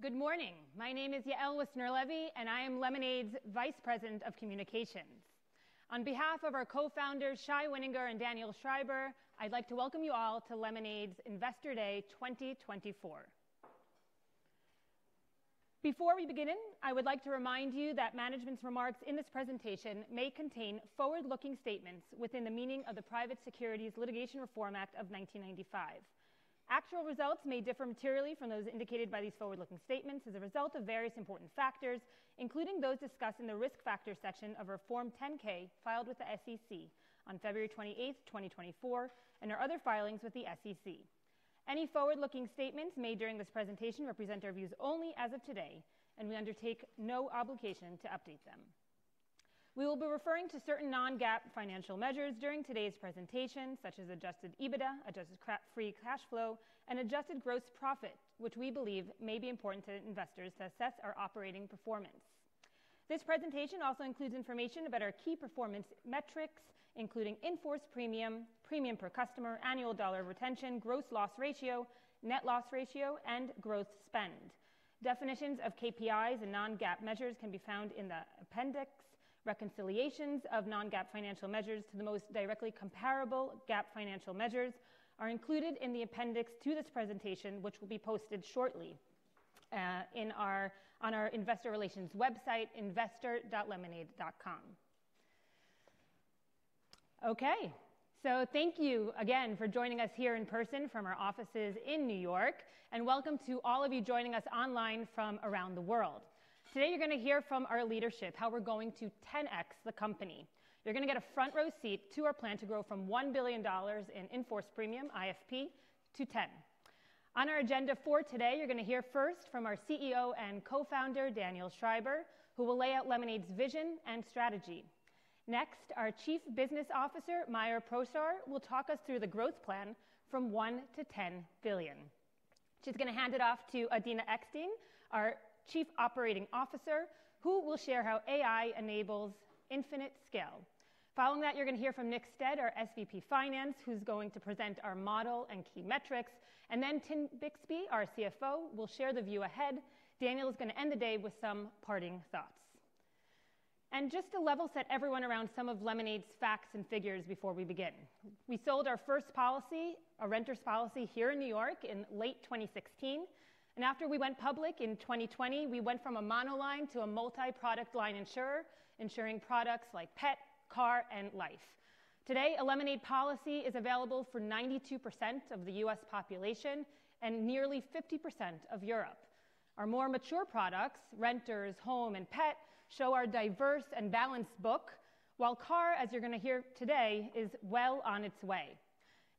Good morning. My name is Yael Wissner-Levy, and I am Lemonade's Vice President of Communications. On behalf of our Co-Founders, Shai Wininger and Daniel Schreiber, I'd like to welcome you all to Lemonade's Investor Day 2024. Before we begin, I would like to remind you that management's remarks in this presentation may contain forward-looking statements within the meaning of the Private Securities Litigation Reform Act of 1995. Actual results may differ materially from those indicated by these forward-looking statements as a result of various important factors, including those discussed in the risk factor section of Form 10-K filed with the SEC on February 28, 2024, and our other filings with the SEC. Any forward-looking statements made during this presentation represent our views only as of today, and we undertake no obligation to update them. We will be referring to certain non-GAAP financial measures during today's presentation, such as Adjusted EBITDA, Adjusted Free Cash Flow, and Adjusted Gross Profit, which we believe may be important to investors to assess our operating performance. This presentation also includes information about our key performance metrics, including In Force Premium, Premium per Customer, Annual Dollar Retention, Gross Loss Ratio, Net Loss Ratio, and Growth Spend. Definitions of KPIs and non-GAAP measures can be found in the appendix. Reconciliations of non-GAAP financial measures to the most directly comparable GAAP financial measures are included in the appendix to this presentation, which will be posted shortly on our Investor Relations website, investor.lemonade.com. Okay, so thank you again for joining us here in person from our offices in New York, and welcome to all of you joining us online from around the world. Today, you're going to hear from our leadership how we're going to 10x the company. You're going to get a front-row seat to our plan to grow from $1 billion in In Force Premium, IFP, to $10 billion. On our agenda for today, you're going to hear first from our CEO and Co-Founder, Daniel Schreiber, who will lay out Lemonade's vision and strategy. Next, our Chief Business Officer, Maya Prosor, will talk us through the growth plan from one to 10 billion. She's going to hand it off to Adina Eckstein, our Chief Operating Officer, who will share how AI enables infinite scale. Following that, you're going to hear from Nick Stead, our SVP Finance, who's going to present our model and key metrics. And then Tim Bixby, our CFO, will share the view ahead. Daniel is going to end the day with some parting thoughts. Just to level set everyone around some of Lemonade's facts and figures before we begin. We sold our first policy, a renters policy here in New York in late 2016. After we went public in 2020, we went from a monoline to a multi-product line insurer, insuring products like Pet, Car, and Life. Today, a Lemonade policy is available for 92% of the U.S. population and nearly 50% of Europe. Our more mature products, Renters, Home, and Pet, show our diverse and balanced book, while Car, as you're going to hear today, is well on its way.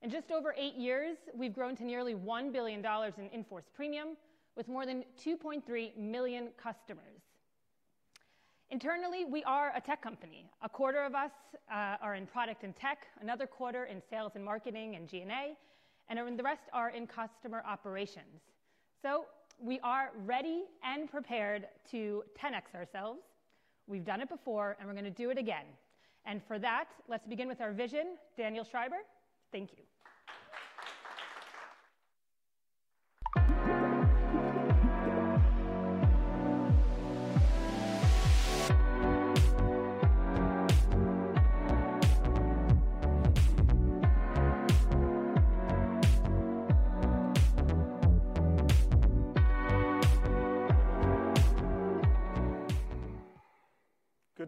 In just over eight years, we've grown to nearly $1 billion in In Force Premium with more than 2.3 million customers. Internally, we are a tech company. A quarter of us are in product and tech, another quarter in sales and marketing and G&A, and the rest are in customer operations. So we are ready and prepared to 10x ourselves. We've done it before, and we're going to do it again. And for that, let's begin with our vision. Daniel Schreiber, thank you.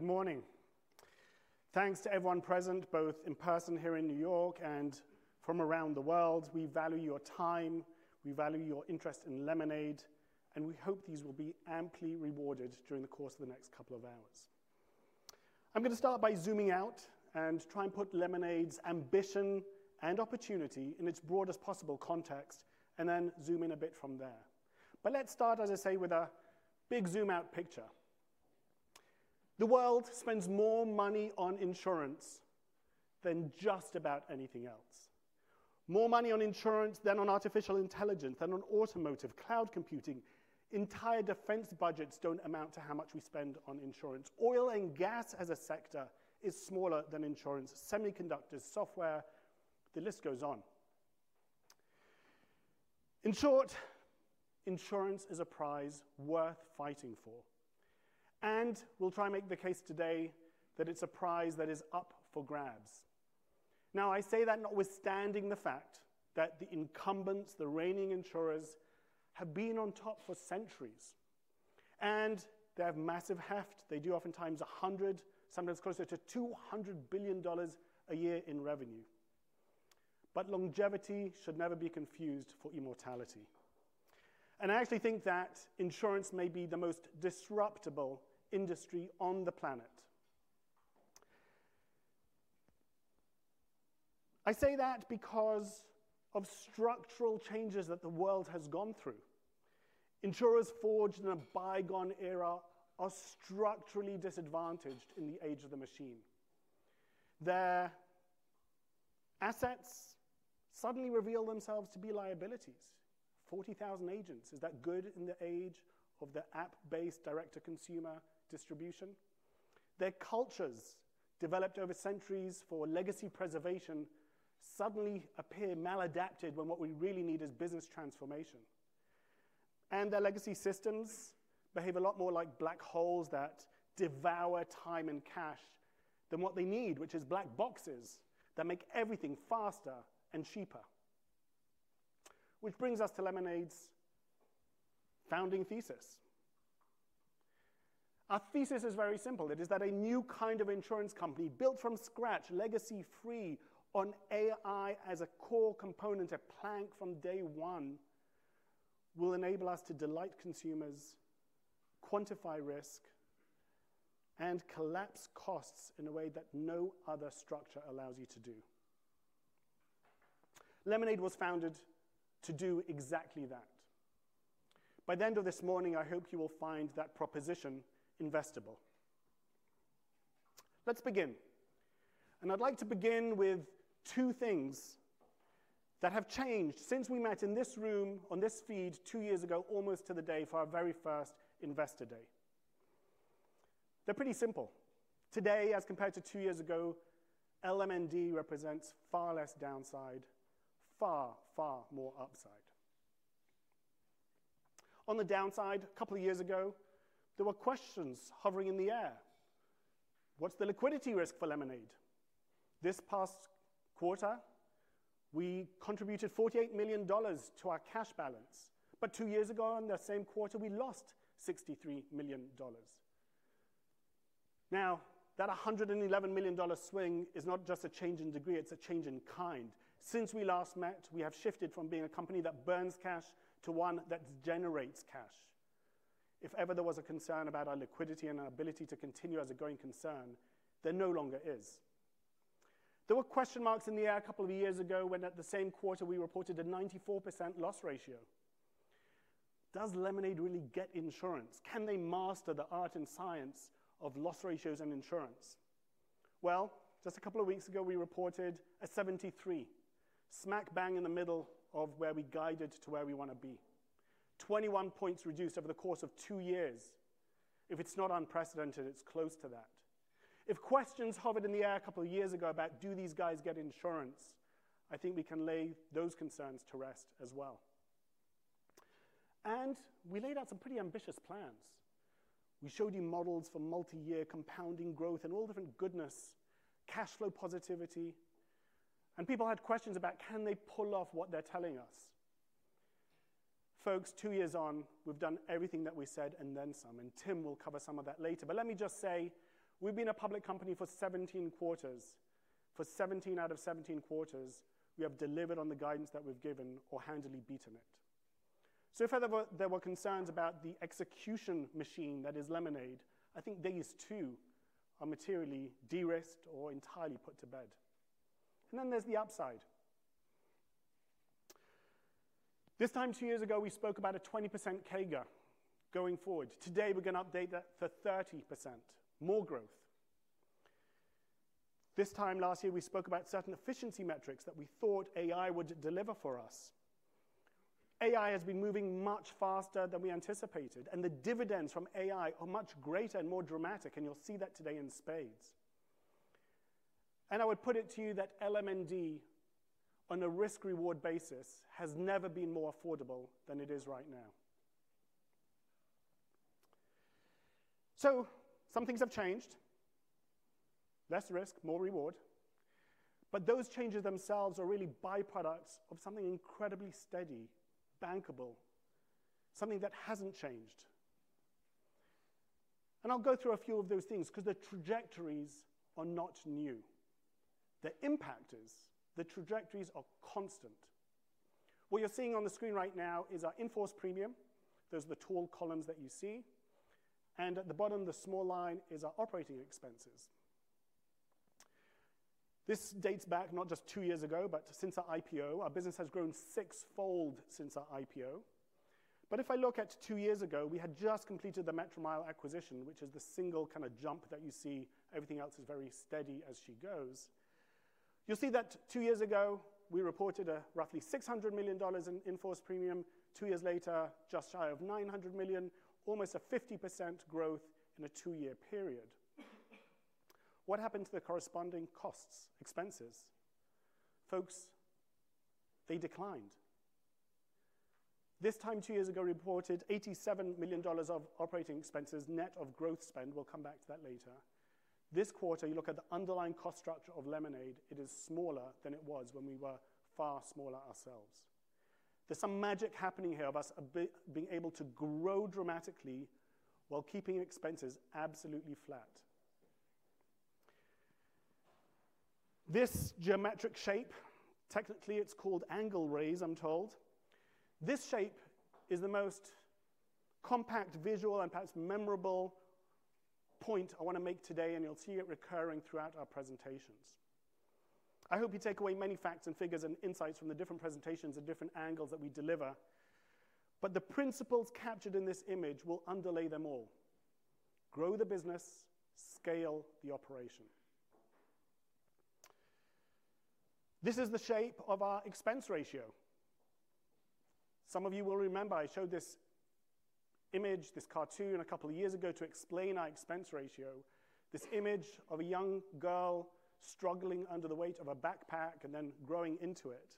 Good morning. Thanks to everyone present, both in person here in New York and from around the world. We value your time. We value your interest in Lemonade, and we hope these will be amply rewarded during the course of the next couple of hours. I'm going to start by zooming out and try and put Lemonade's ambition and opportunity in its broadest possible context and then zoom in a bit from there. But let's start, as I say, with a big zoom-out picture. The world spends more money on insurance than just about anything else. More money on insurance than on artificial intelligence, than on automotive, cloud computing. Entire defense budgets don't amount to how much we spend on insurance. Oil and gas as a sector is smaller than insurance, semiconductors, software, the list goes on. In short, insurance is a prize worth fighting for. We'll try and make the case today that it's a prize that is up for grabs. Now, I say that notwithstanding the fact that the incumbents, the reigning insurers, have been on top for centuries. And they have massive heft. They do oftentimes $100 billion, sometimes closer to $200 billion a year in revenue. But longevity should never be confused for immortality. And I actually think that insurance may be the most disruptible industry on the planet. I say that because of structural changes that the world has gone through. Insurers forged in a bygone era are structurally disadvantaged in the age of the machine. Their assets suddenly reveal themselves to be liabilities. 40,000 agents. Is that good in the age of the app-based direct-to-consumer distribution? Their cultures, developed over centuries for legacy preservation, suddenly appear maladapted when what we really need is business transformation. Their legacy systems behave a lot more like black holes that devour time and cash than what they need, which is black boxes that make everything faster and cheaper. Which brings us to Lemonade's founding thesis. Our thesis is very simple. It is that a new kind of insurance company built from scratch, legacy-free, on AI as a core component, a plank from day one, will enable us to delight consumers, quantify risk, and collapse costs in a way that no other structure allows you to do. Lemonade was founded to do exactly that. By the end of this morning, I hope you will find that proposition investable. Let's begin. I'd like to begin with two things that have changed since we met in this room on this feed two years ago, almost to the day for our very first Investor Day. They're pretty simple. Today, as compared to two years ago, LMND represents far less downside, far, far more upside. On the downside, a couple of years ago, there were questions hovering in the air. What's the liquidity risk for Lemonade? This past quarter, we contributed $48 million to our cash balance. But two years ago, in the same quarter, we lost $63 million. Now, that $111 million swing is not just a change in degree. It's a change in kind. Since we last met, we have shifted from being a company that burns cash to one that generates cash. If ever there was a concern about our liquidity and our ability to continue as a going concern, there no longer is. There were question marks in the air a couple of years ago when, at the same quarter, we reported a 94% loss ratio. Does Lemonade really get insurance? Can they master the art and science of loss ratios and insurance? Well, just a couple of weeks ago, we reported a 73, smack bang in the middle of where we guided to where we want to be. 21 points reduced over the course of two years. If it's not unprecedented, it's close to that. If questions hovered in the air a couple of years ago about, do these guys get insurance, I think we can lay those concerns to rest as well. We laid out some pretty ambitious plans. We showed you models for multi-year compounding growth and all different goodness, cash flow positivity. People had questions about, can they pull off what they're telling us? Folks, two years on, we've done everything that we said and then some. Tim will cover some of that later. But let me just say, we've been a public company for 17 quarters. For 17 out of 17 quarters, we have delivered on the guidance that we've given or handily beaten it. So if there were concerns about the execution machine that is Lemonade, I think these two are materially de-risked or entirely put to bed. And then there's the upside. This time, two years ago, we spoke about a 20% CAGR going forward. Today, we're going to update that to 30%, more growth. This time last year, we spoke about certain efficiency metrics that we thought AI would deliver for us. AI has been moving much faster than we anticipated, and the dividends from AI are much greater and more dramatic, and you'll see that today in spades. I would put it to you that LMND, on a risk-reward basis, has never been more affordable than it is right now. Some things have changed. Less risk, more reward. Those changes themselves are really byproducts of something incredibly steady, bankable, something that hasn't changed. I'll go through a few of those things because the trajectories are not new. The impact is the trajectories are constant. What you're seeing on the screen right now is our In Force Premium. Those are the tall columns that you see. At the bottom, the small line is our operating expenses. This dates back not just two years ago, but since our IPO, our business has grown sixfold since our IPO. If I look at two years ago, we had just completed the Metromile acquisition, which is the single kind of jump that you see. Everything else is very steady as she goes. You'll see that two years ago, we reported a roughly $600 million in In Force Premium. Two years later, just shy of $900 million, almost a 50% growth in a two-year period. What happened to the corresponding costs, expenses? Folks, they declined. This time, two years ago, reported $87 million of operating expenses net of growth spend. We'll come back to that later. This quarter, you look at the underlying cost structure of Lemonade. It is smaller than it was when we were far smaller ourselves. There's some magic happening here of us being able to grow dramatically while keeping expenses absolutely flat. This geometric shape, technically, it's called angle rays, I'm told. This shape is the most compact visual and perhaps memorable point I want to make today, and you'll see it recurring throughout our presentations. I hope you take away many facts and figures and insights from the different presentations and different angles that we deliver, but the principles captured in this image will underlay them all. Grow the business, scale the operation. This is the shape of our expense ratio. Some of you will remember I showed this image, this cartoon a couple of years ago to explain our expense ratio, this image of a young girl struggling under the weight of a backpack and then growing into it,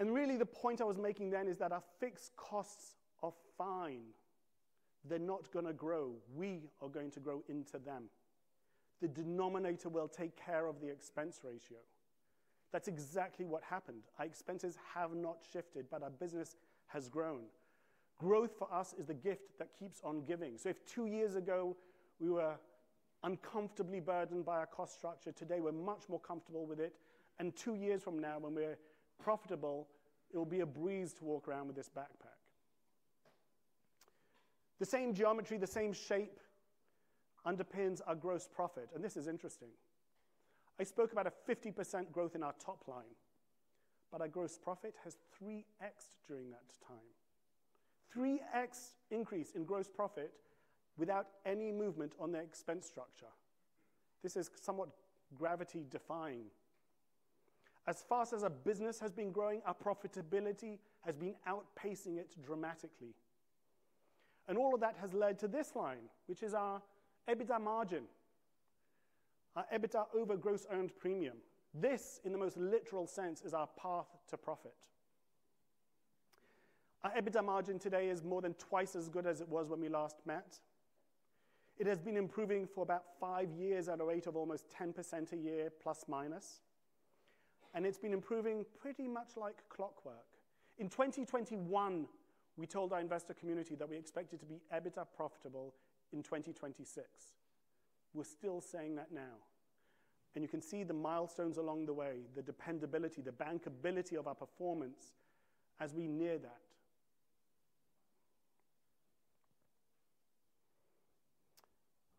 and really, the point I was making then is that our fixed costs are fine. They're not going to grow. We are going to grow into them. The denominator will take care of the expense ratio. That's exactly what happened. Our expenses have not shifted, but our business has grown. Growth for us is the gift that keeps on giving. So if two years ago, we were uncomfortably burdened by our cost structure, today we're much more comfortable with it. And two years from now, when we're profitable, it will be a breeze to walk around with this backpack. The same geometry, the same shape underpins our gross profit. And this is interesting. I spoke about a 50% growth in our top line, but our gross profit has 3x'd during that time. 3x increase in gross profit without any movement on the expense structure. This is somewhat gravity-defying. As fast as our business has been growing, our profitability has been outpacing it dramatically. And all of that has led to this line, which is our EBITDA margin, our EBITDA over Gross Earned Premium. This, in the most literal sense, is our path to profit. Our EBITDA margin today is more than twice as good as it was when we last met. It has been improving for about five years at a rate of almost 10% a year, plus minus, and it's been improving pretty much like clockwork. In 2021, we told our investor community that we expected to be EBITDA profitable in 2026. We're still saying that now, and you can see the milestones along the way, the dependability, the bankability of our performance as we near that.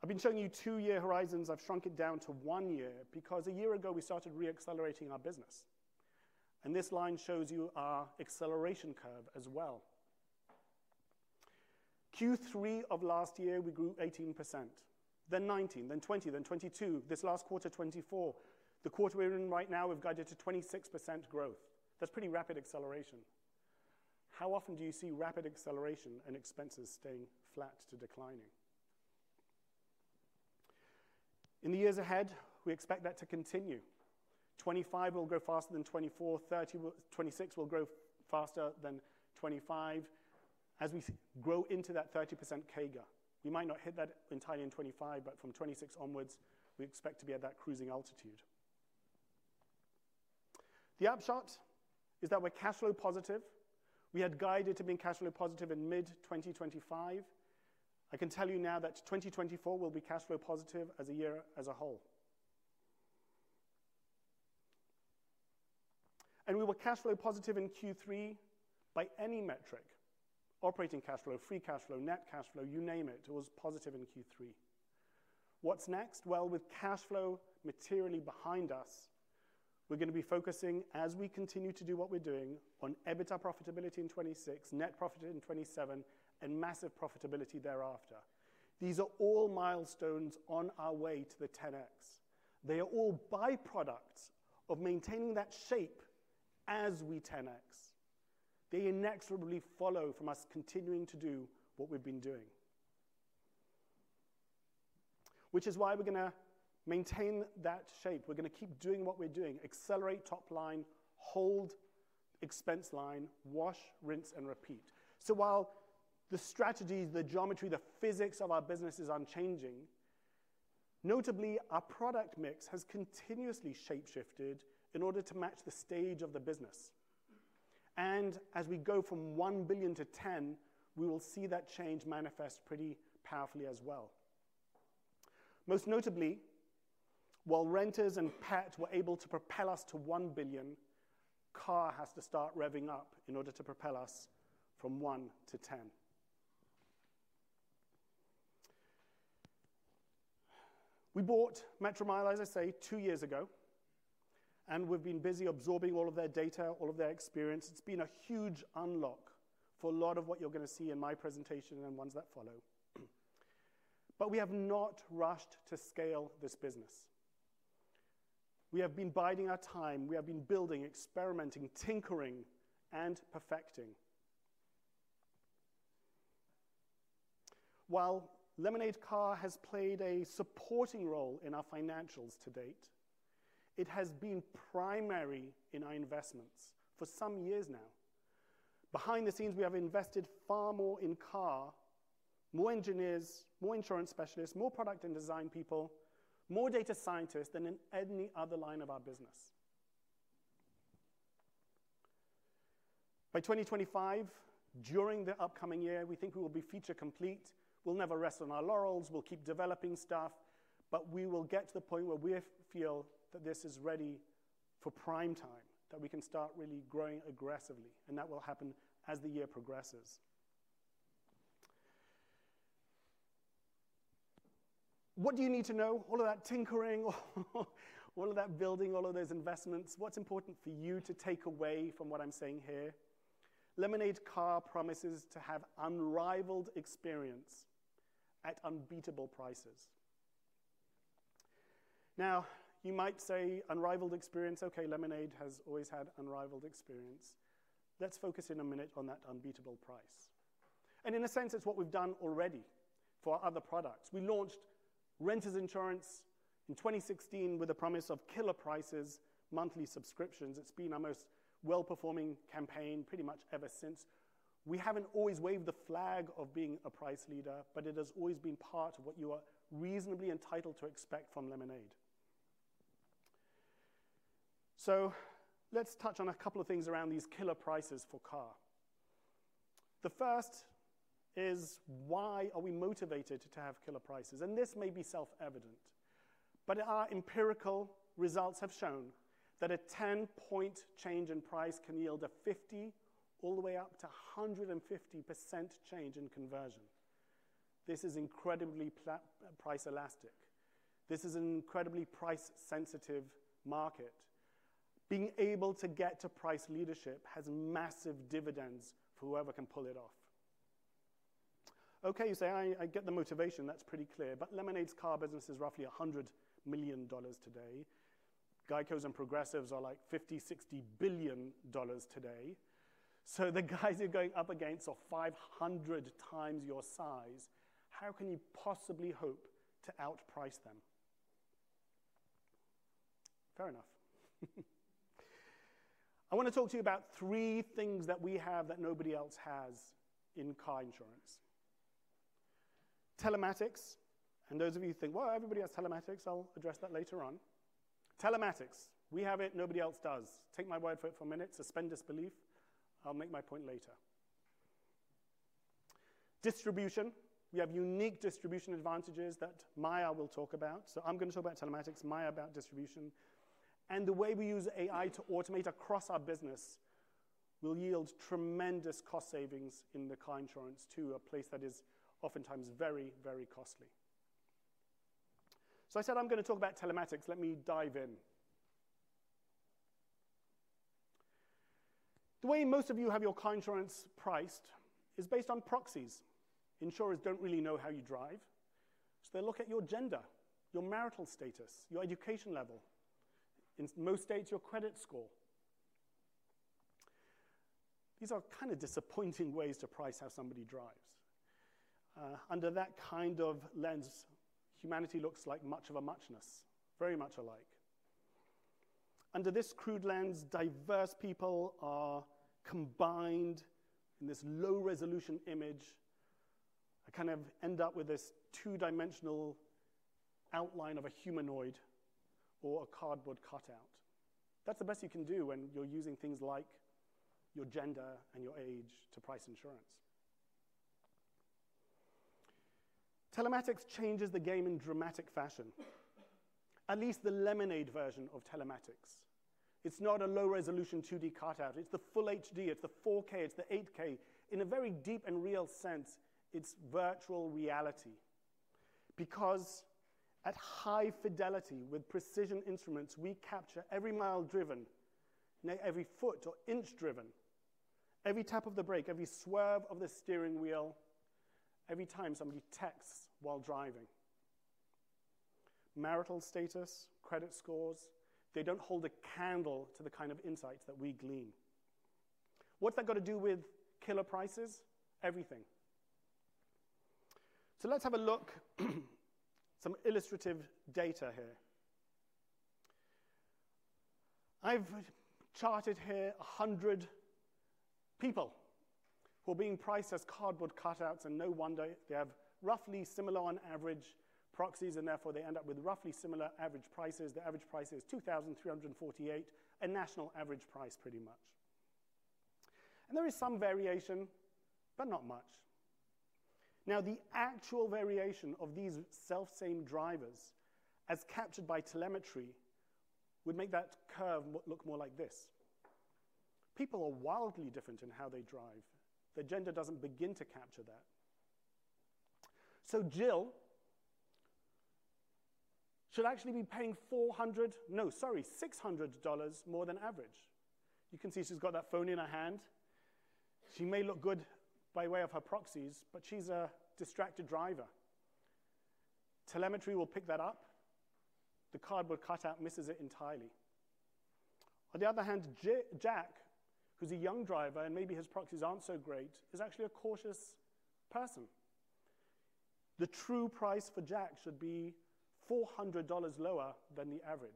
I've been showing you two-year horizons. I've shrunk it down to one year because a year ago, we started re-accelerating our business, and this line shows you our acceleration curve as well. Q3 of last year, we grew 18%, then 19%, then 20%, then 22%. This last quarter, 24%. The quarter we're in right now, we've guided to 26% growth. That's pretty rapid acceleration. How often do you see rapid acceleration and expenses staying flat to declining? In the years ahead, we expect that to continue. 2025 will grow faster than 2024. 2026 will grow faster than 2025 as we grow into that 30% CAGR. We might not hit that entirely in 2025, but from 2026 onwards, we expect to be at that cruising altitude. The upshot is that we're cash flow positive. We had guided to being cash flow positive in mid-2025. I can tell you now that 2024 will be cash flow positive as a year as a whole. And we were cash flow positive in Q3 by any metric: operating cash flow, free cash flow, net cash flow, you name it. It was positive in Q3. What's next? With cash flow materially behind us, we're going to be focusing, as we continue to do what we're doing, on EBITDA profitability in 2026, net profit in 2027, and massive profitability thereafter. These are all milestones on our way to the 10x. They are all byproducts of maintaining that shape as we 10x. They inexorably follow from us continuing to do what we've been doing, which is why we're going to maintain that shape. We're going to keep doing what we're doing: accelerate top line, hold expense line, wash, rinse, and repeat. So while the strategies, the geometry, the physics of our business is unchanging, notably, our product mix has continuously shape-shifted in order to match the stage of the business as we go from $1 billion to $10 billion, we will see that change manifest pretty powerfully as well. Most notably, while renters and pets were able to propel us to $1 billion, Car has to start revving up in order to propel us from $1 billion to $10 billion. We bought Metromile, as I say, two years ago, and we've been busy absorbing all of their data, all of their experience. It's been a huge unlock for a lot of what you're going to see in my presentation and ones that follow. But we have not rushed to scale this business. We have been biding our time. We have been building, experimenting, tinkering, and perfecting. While Lemonade Car has played a supporting role in our financials to date, it has been primary in our investments for some years now. Behind the scenes, we have invested far more in Car, more engineers, more insurance specialists, more product and design people, more data scientists than in any other line of our business. By 2025, during the upcoming year, we think we will be feature complete. We'll never rest on our laurels. We'll keep developing stuff. But we will get to the point where we feel that this is ready for prime time, that we can start really growing aggressively. And that will happen as the year progresses. What do you need to know? All of that tinkering, all of that building, all of those investments, what's important for you to take away from what I'm saying here? Lemonade Car promises to have unrivaled experience at unbeatable prices. Now, you might say, unrivaled experience. Okay, Lemonade has always had unrivaled experience. Let's focus in a minute on that unbeatable price. And in a sense, it's what we've done already for our other products. We launched renters insurance in 2016 with a promise of killer prices, monthly subscriptions. It's been our most well-performing campaign pretty much ever since. We haven't always waved the flag of being a price leader, but it has always been part of what you are reasonably entitled to expect from Lemonade. So let's touch on a couple of things around these killer prices for Car. The first is, why are we motivated to have killer prices? And this may be self-evident, but our empirical results have shown that a 10-point change in price can yield a 50% all the way up to 150% change in conversion. This is incredibly price elastic. This is an incredibly price-sensitive market. Being able to get to price leadership has massive dividends for whoever can pull it off. Okay, you say, I get the motivation. That's pretty clear. But Lemonade's Car business is roughly $100 million today. GEICO's and Progressive's are like $50 billion-$60 billion today. So the guys you're going up against are 500x your size. How can you possibly hope to outprice them? Fair enough. I want to talk to you about three things that we have that nobody else has in car insurance: telematics, and those of you who think, well, everybody has telematics, I'll address that later on. Telematics. We have it. Nobody else does. Take my word for it for a minute. Suspend disbelief. I'll make my point later. Distribution. We have unique distribution advantages that Maya will talk about, so I'm going to talk about telematics, Maya about distribution, and the way we use AI to automate across our business will yield tremendous cost savings in the car insurance to a place that is oftentimes very, very costly, so I said I'm going to talk about telematics. Let me dive in. The way most of you have your car insurance priced is based on proxies. Insurers don't really know how you drive. So they look at your gender, your marital status, your education level. In most states, your credit score. These are kind of disappointing ways to price how somebody drives. Under that kind of lens, humanity looks like much of a muchness, very much alike. Under this crude lens, diverse people are combined in this low-resolution image. I kind of end up with this two-dimensional outline of a humanoid or a cardboard cutout. That's the best you can do when you're using things like your gender and your age to price insurance. Telematics changes the game in dramatic fashion, at least the Lemonade version of telematics. It's not a low-resolution 2D cutout. It's the full HD. It's the 4K. It's the 8K. In a very deep and real sense, it's virtual reality. Because at high fidelity with precision instruments, we capture every mile driven, every foot or inch driven, every tap of the brake, every swerve of the steering wheel, every time somebody texts while driving. Marital status, credit scores, they don't hold a candle to the kind of insights that we glean. What's that got to do with killer prices? Everything, so let's have a look at some illustrative data here. I've charted here 100 people who are being priced as cardboard cutouts, and no wonder they have roughly similar on average proxies, and therefore they end up with roughly similar average prices. The average price is $2,348, a national average price pretty much, and there is some variation, but not much. Now, the actual variation of these self-same drivers as captured by telematics would make that curve look more like this. People are wildly different in how they drive. The gender doesn't begin to capture that. So Jill should actually be paying $400, no, sorry, $600 more than average. You can see she's got that phone in her hand. She may look good by way of her proxies, but she's a distracted driver. Telematics will pick that up. The cardboard cutout misses it entirely. On the other hand, Jack, who's a young driver and maybe his proxies aren't so great, is actually a cautious person. The true price for Jack should be $400 lower than the average.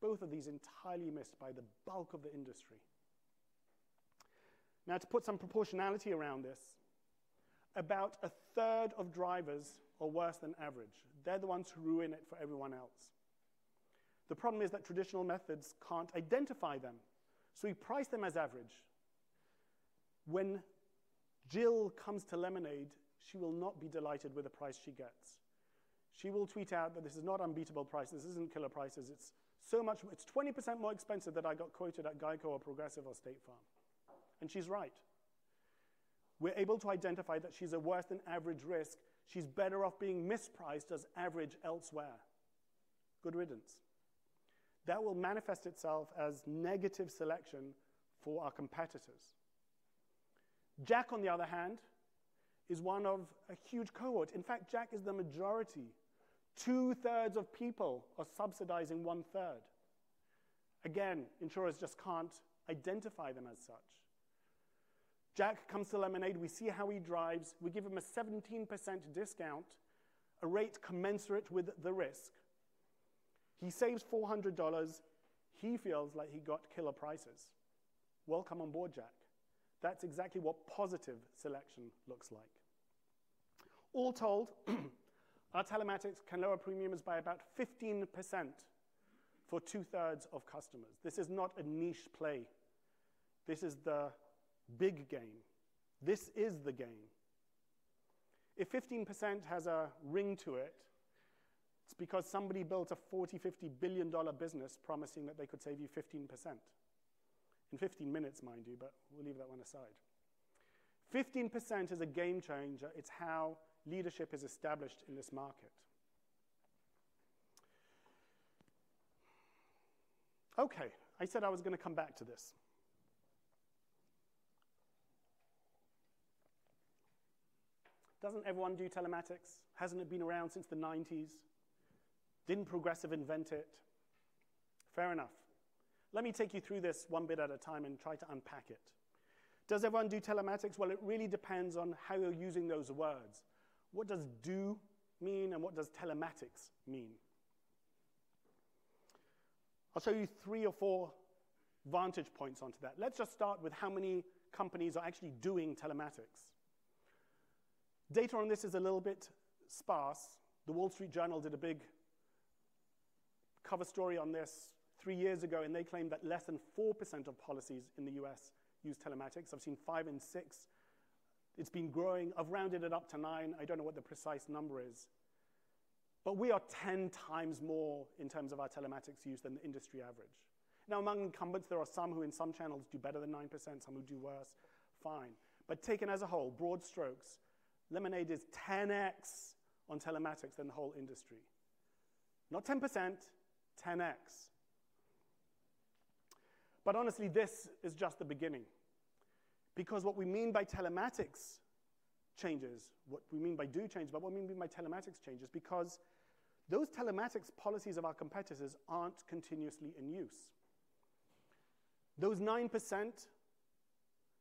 Both of these entirely missed by the bulk of the industry. Now, to put some proportionality around this, about a third of drivers are worse than average. They're the ones who ruin it for everyone else. The problem is that traditional methods can't identify them. So we price them as average. When Jill comes to Lemonade, she will not be delighted with the price she gets. She will tweet out that this is not unbeatable prices. This isn't killer prices. It's 20% more expensive than I got quoted at GEICO or Progressive or State Farm. And she's right. We're able to identify that she's a worse than average risk. She's better off being mispriced as average elsewhere. Good riddance. That will manifest itself as negative selection for our competitors. Jack, on the other hand, is one of a huge cohort. In fact, Jack is the majority. 2/3 of people are subsidizing 1/3. Again, insurers just can't identify them as such. Jack comes to Lemonade. We see how he drives. We give him a 17% discount, a rate commensurate with the risk. He saves $400. He feels like he got killer prices. Welcome on board, Jack. That's exactly what positive selection looks like. All told, our telematics can lower premiums by about 15% for 2/3 of customers. This is not a niche play. This is the big game. This is the game. If 15% has a ring to it, it's because somebody built a $40 billion-$50 billion business promising that they could save you 15%. In 15 minutes, mind you, but we'll leave that one aside. 15% is a game changer. It's how leadership is established in this market. Okay, I said I was going to come back to this. Doesn't everyone do telematics? Hasn't it been around since the 1990s? Didn't Progressive invent it? Fair enough. Let me take you through this one bit at a time and try to unpack it. Does everyone do telematics? Well, it really depends on how you're using those words. What does do mean and what does telematics mean? I'll show you three or four vantage points onto that. Let's just start with how many companies are actually doing telematics. Data on this is a little bit sparse. The Wall Street Journal did a big cover story on this three years ago, and they claimed that less than 4% of policies in the U.S. use telematics. I've seen 5% and 6%. It's been growing. I've rounded it up to 9%. I don't know what the precise number is. But we are 10x more in terms of our telematics use than the industry average. Now, among incumbents, there are some who in some channels do better than 9%, some who do worse. Fine. But taken as a whole, broad strokes, Lemonade is 10x on telematics than the whole industry. Not 10%, 10x. But honestly, this is just the beginning. Because what we mean by telematics changes, what we mean by do changes, but what we mean by telematics changes because those telematics policies of our competitors aren't continuously in use. Those 9%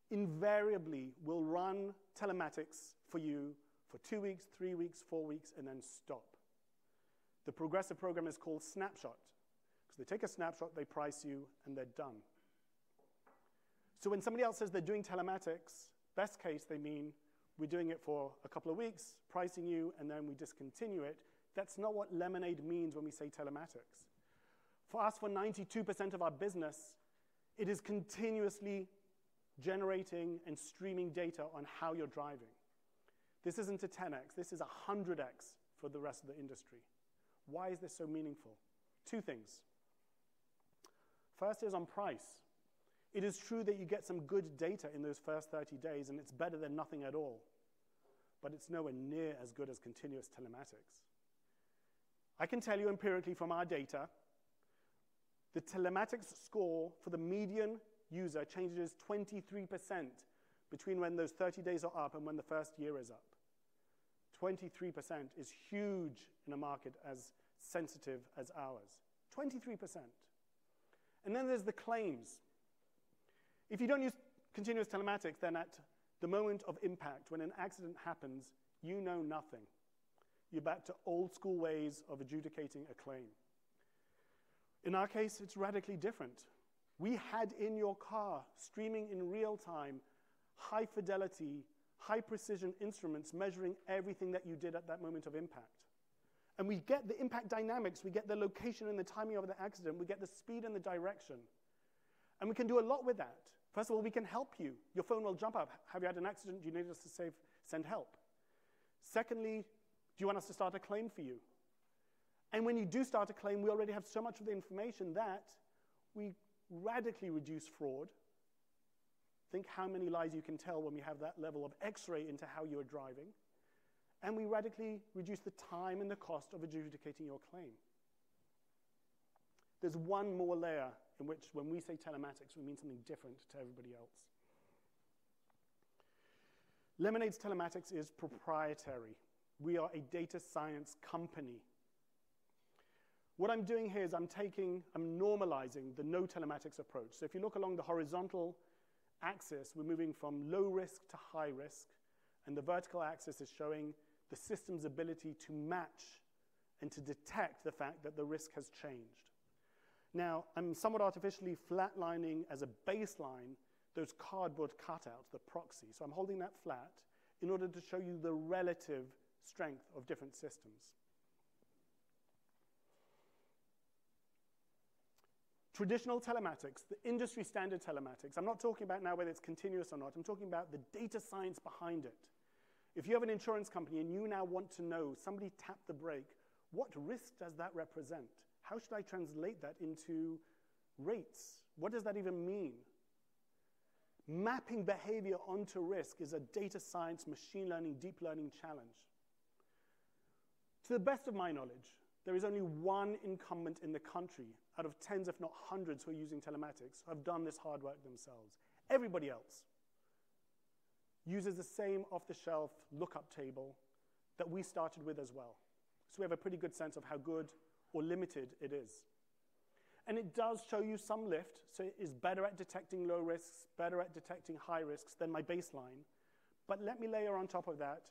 invariably will run telematics for you for two weeks, three weeks, four weeks, and then stop. The Progressive program is called Snapshot because they take a snapshot, they price you, and they're done. So when somebody else says they're doing telematics, best case they mean we're doing it for a couple of weeks, pricing you, and then we discontinue it. That's not what Lemonade means when we say telematics. For us, for 92% of our business, it is continuously generating and streaming data on how you're driving. This isn't a 10x. This is a 100x for the rest of the industry. Why is this so meaningful? Two things. First is on price. It is true that you get some good data in those first 30 days, and it's better than nothing at all. But it's nowhere near as good as continuous telematics. I can tell you empirically from our data, the telematics score for the median user changes 23% between when those 30 days are up and when the first year is up. 23% is huge in a market as sensitive as ours. 23%. And then there's the claims. If you don't use continuous telematics, then at the moment of impact, when an accident happens, you know nothing. You're back to old-school ways of adjudicating a claim. In our case, it's radically different. We had in your car streaming in real-time high-fidelity, high-precision instruments measuring everything that you did at that moment of impact. And we get the impact dynamics. We get the location and the timing of the accident. We get the speed and the direction. And we can do a lot with that. First of all, we can help you. Your phone will jump up. Have you had an accident? Do you need us to send help? Secondly, do you want us to start a claim for you? And when you do start a claim, we already have so much of the information that we radically reduce fraud. Think how many lies you can tell when we have that level of X-ray into how you are driving. And we radically reduce the time and the cost of adjudicating your claim. There's one more layer in which when we say telematics, we mean something different to everybody else. Lemonade's telematics is proprietary. We are a data science company. What I'm doing here is I'm normalizing the no telematics approach, so if you look along the horizontal axis, we're moving from low risk to high risk, and the vertical axis is showing the system's ability to match and to detect the fact that the risk has changed. Now, I'm somewhat artificially flatlining as a baseline those cardboard cutouts, the proxy, so I'm holding that flat in order to show you the relative strength of different systems. Traditional telematics, the industry-standard telematics, I'm not talking about now whether it's continuous or not. I'm talking about the data science behind it. If you have an insurance company and you now want to know, somebody tapped the brake, what risk does that represent? How should I translate that into rates? What does that even mean? Mapping behavior onto risk is a data science, machine learning, deep learning challenge. To the best of my knowledge, there is only one incumbent in the country out of tens, if not hundreds, who are using telematics, who have done this hard work themselves. Everybody else uses the same off-the-shelf lookup table that we started with as well. So we have a pretty good sense of how good or limited it is. And it does show you some lift. So it is better at detecting low risks, better at detecting high risks than my baseline. But let me layer on top of that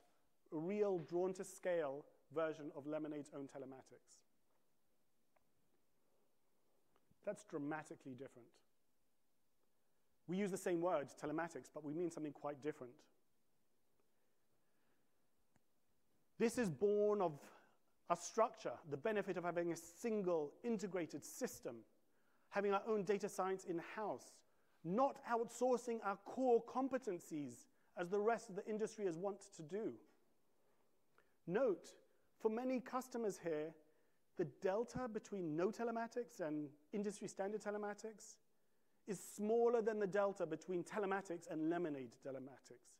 a real drawn-to-scale version of Lemonade's own telematics. That's dramatically different. We use the same word, telematics, but we mean something quite different. This is born of a structure, the benefit of having a single integrated system, having our own data science in-house, not outsourcing our core competencies as the rest of the industry has wanted to do. Note, for many customers here, the delta between no telematics and industry-standard telematics is smaller than the delta between telematics and Lemonade telematics.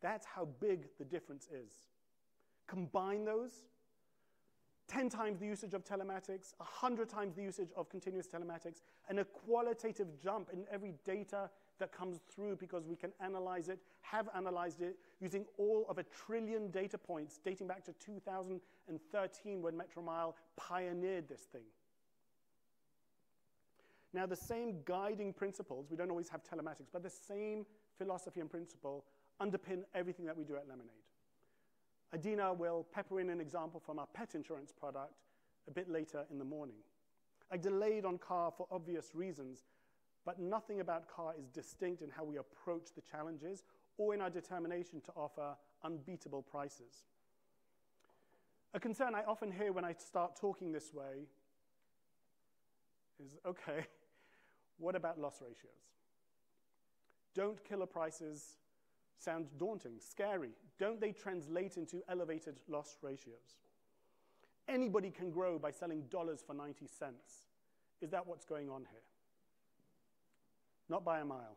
That's how big the difference is. Combine those, 10x the usage of telematics, 100x the usage of continuous telematics, and a qualitative jump in every data that comes through because we can analyze it, have analyzed it using all of a trillion data points dating back to 2013 when Metromile pioneered this thing. Now, the same guiding principles, we don't always have telematics, but the same philosophy and principle underpin everything that we do at Lemonade. Adina will pepper in an example from our Pet insurance product a bit later in the morning. I delayed on Car for obvious reasons, but nothing about Car is distinct in how we approach the challenges or in our determination to offer unbeatable prices. A concern I often hear when I start talking this way is, "Okay, what about loss ratios? Don't killer prices sound daunting, scary? Don't they translate into elevated loss ratios? Anybody can grow by selling dollars for $0.90. Is that what's going on here?" Not by a mile.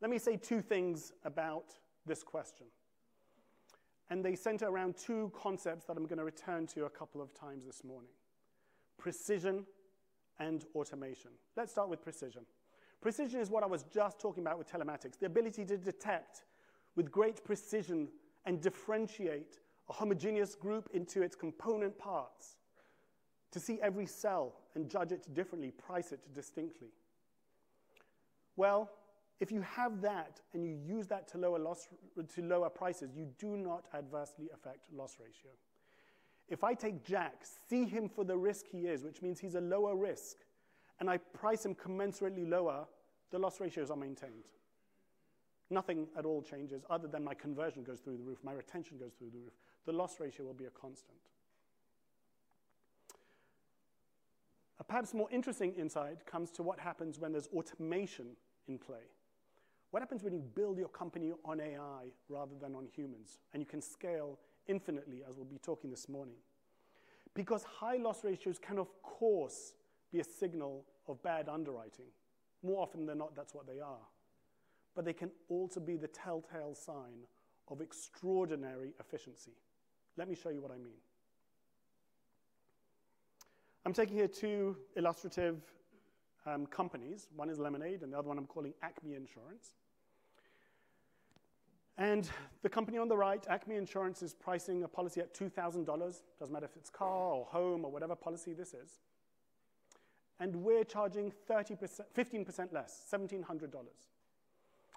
Let me say two things about this question, and they center around two concepts that I'm going to return to a couple of times this morning: precision and automation. Let's start with precision. Precision is what I was just talking about with telematics, the ability to detect with great precision and differentiate a homogeneous group into its component parts, to see every cell and judge it differently, price it distinctly. Well, if you have that and you use that to lower prices, you do not adversely affect loss ratio. If I take Jack, see him for the risk he is, which means he's a lower risk, and I price him commensurately lower, the loss ratios are maintained. Nothing at all changes other than my conversion goes through the roof, my retention goes through the roof. The loss ratio will be a constant. A perhaps more interesting insight comes to what happens when there's automation in play. What happens when you build your company on AI rather than on humans, and you can scale infinitely, as we'll be talking this morning? Because high loss ratios can, of course, be a signal of bad underwriting. More often than not, that's what they are, but they can also be the telltale sign of extraordinary efficiency. Let me show you what I mean. I'm taking here two illustrative companies. One is Lemonade, and the other one I'm calling Acme Insurance, and the company on the right, Acme Insurance, is pricing a policy at $2,000. Doesn't matter if it's Car or Home or whatever policy this is, and we're charging 15% less, $1,700.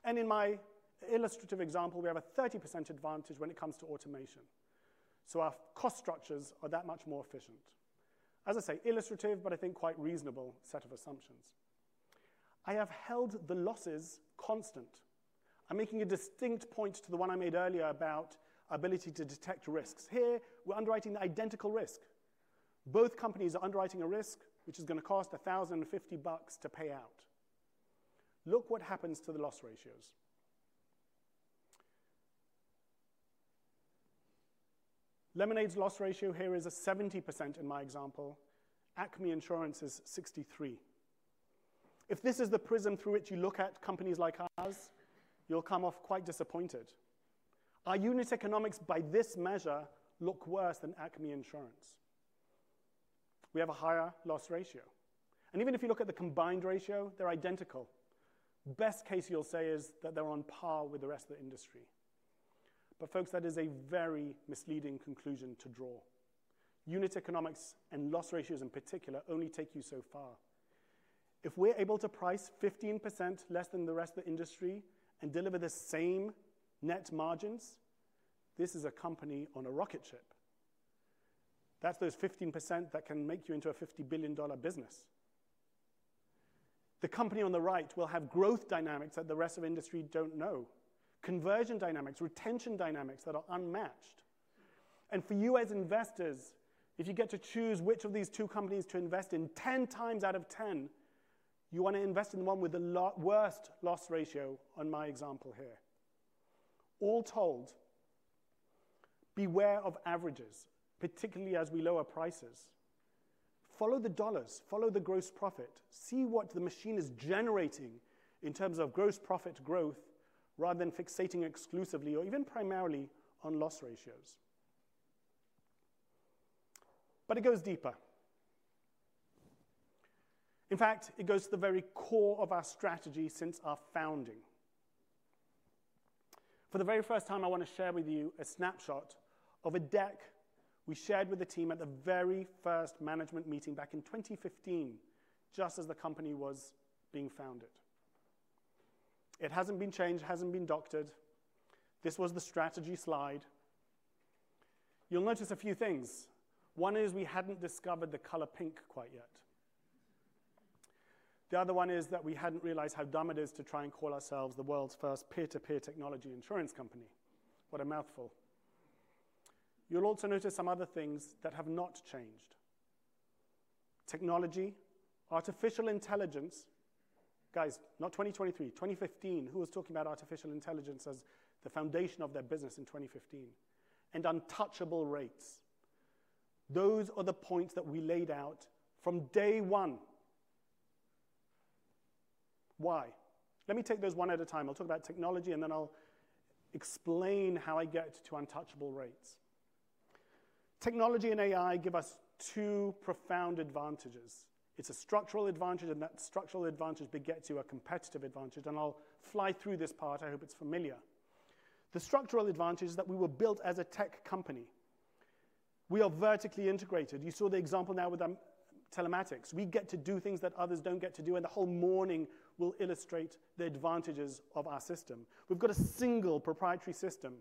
And in my illustrative example, we have a 30% advantage when it comes to automation. So our cost structures are that much more efficient. As I say, illustrative, but I think quite reasonable set of assumptions. I have held the losses constant. I'm making a distinct point to the one I made earlier about ability to detect risks. Here, we're underwriting the identical risk. Both companies are underwriting a risk which is going to cost $1,050 to pay out. Look what happens to the loss ratios. Lemonade's loss ratio here is a 70% in my example. Acme Insurance is 63%. If this is the prism through which you look at companies like ours, you'll come off quite disappointed. Our unit economics by this measure look worse than Acme Insurance. We have a higher loss ratio, and even if you look at the combined ratio, they're identical. Best case you'll say is that they're on par with the rest of the industry, but folks, that is a very misleading conclusion to draw. Unit economics and loss ratios in particular only take you so far. If we're able to price 15% less than the rest of the industry and deliver the same net margins, this is a company on a rocket ship. That's those 15% that can make you into a $50 billion business. The company on the right will have growth dynamics that the rest of the industry don't know, conversion dynamics, retention dynamics that are unmatched. And for you as investors, if you get to choose which of these two companies to invest in, 10x out of 10, you want to invest in the one with the worst loss ratio on my example here. All told, beware of averages, particularly as we lower prices. Follow the dollars, follow the gross profit. See what the machine is generating in terms of gross profit growth rather than fixating exclusively or even primarily on loss ratios. But it goes deeper. In fact, it goes to the very core of our strategy since our founding. For the very first time, I want to share with you a snapshot of a deck we shared with the team at the very first management meeting back in 2015, just as the company was being founded. It hasn't been changed, hasn't been doctored. This was the strategy slide. You'll notice a few things. One is we hadn't discovered the color pink quite yet. The other one is that we hadn't realized how dumb it is to try and call ourselves the world's first peer-to-peer technology insurance company. What a mouthful. You'll also notice some other things that have not changed. Technology, artificial intelligence, guys, not 2023, 2015, who was talking about artificial intelligence as the foundation of their business in 2015? And untouchable rates. Those are the points that we laid out from day one. Why? Let me take those one at a time. I'll talk about technology, and then I'll explain how I get to untouchable rates. Technology and AI give us two profound advantages. It's a structural advantage, and that structural advantage begets you a competitive advantage. And I'll fly through this part. I hope it's familiar. The structural advantage is that we were built as a tech company. We are vertically integrated. You saw the example now with telematics. We get to do things that others don't get to do, and the whole morning will illustrate the advantages of our system. We've got a single proprietary system.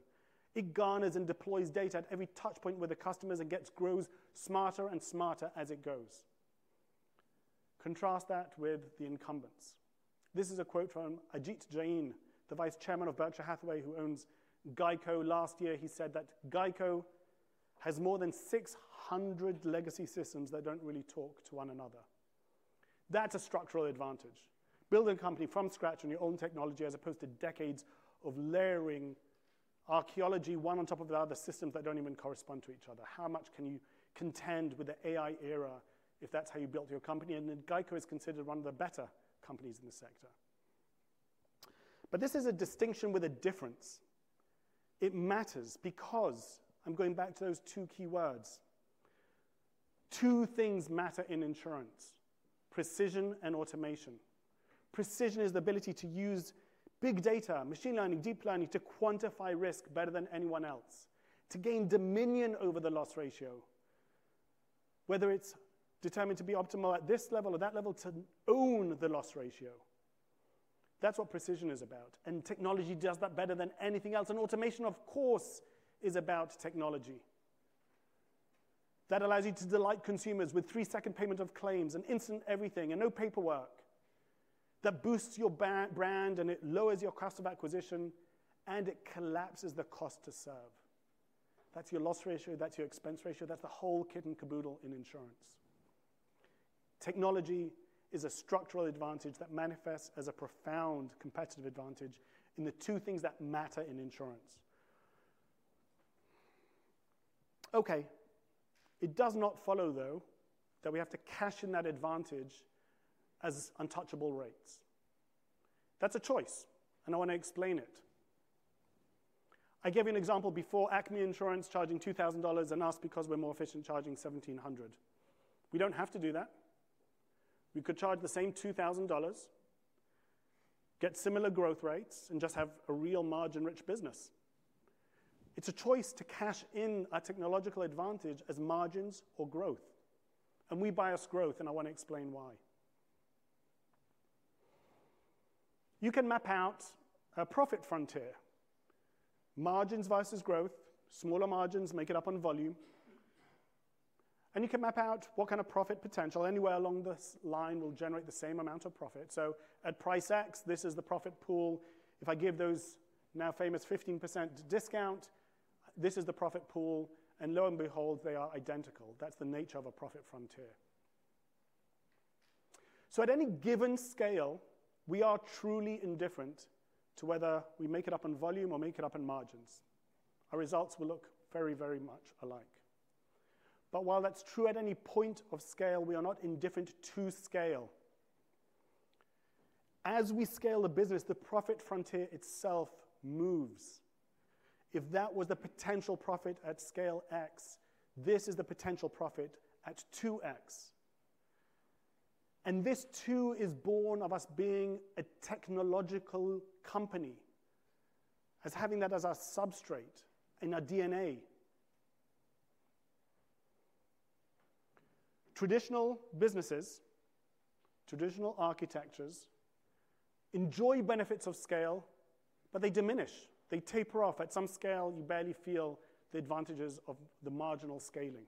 It garners and deploys data at every touchpoint with the customers and grows smarter and smarter as it goes. Contrast that with the incumbents. This is a quote from Ajit Jain, the Vice Chairman of Berkshire Hathaway, who owns GEICO. Last year, he said that GEICO has more than 600 legacy systems that don't really talk to one another. That's a structural advantage. Build a company from scratch on your own technology as opposed to decades of layering archaeology, one on top of the other systems that don't even correspond to each other. How much can you contend with the AI era if that's how you built your company? And then GEICO is considered one of the better companies in the sector. But this is a distinction with a difference. It matters because I'm going back to those two key words. Two things matter in insurance: precision and automation. Precision is the ability to use big data, machine learning, deep learning to quantify risk better than anyone else, to gain dominion over the loss ratio, whether it's determined to be optimal at this level or that level to own the loss ratio. That's what precision is about, and technology does that better than anything else, and automation, of course, is about technology. That allows you to delight consumers with three-second payment of claims, an instant everything, and no paperwork. That boosts your brand, and it lowers your cost of acquisition, and it collapses the cost to serve. That's your loss ratio. That's your expense ratio. That's the whole kit and caboodle in insurance. Technology is a structural advantage that manifests as a profound competitive advantage in the two things that matter in insurance. Okay. It does not follow, though, that we have to cash in that advantage as untouchable rates. That's a choice, and I want to explain it. I gave you an example before: Acme Insurance charging $2,000 and us because we're more efficient charging $1,700. We don't have to do that. We could charge the same $2,000, get similar growth rates, and just have a real margin-rich business. It's a choice to cash in our technological advantage as margins or growth, and we bias growth, and I want to explain why. You can map out a profit frontier: margins versus growth, smaller margins make it up on volume, and you can map out what kind of profit potential anywhere along this line will generate the same amount of profit. So at price X, this is the profit pool. If I give those now famous 15% discount, this is the profit pool, so at price X, this is the profit pool. And lo and behold, they are identical. That's the nature of a profit frontier. So at any given scale, we are truly indifferent to whether we make it up on volume or make it up on margins. Our results will look very, very much alike. But while that's true at any point of scale, we are not indifferent to scale. As we scale the business, the profit frontier itself moves. If that was the potential profit at scale X, this is the potential profit at 2x. And this 2x is born of us being a technological company, as having that as our substrate in our DNA. Traditional businesses, traditional architectures enjoy benefits of scale, but they diminish. They taper off. At some scale, you barely feel the advantages of the marginal scaling.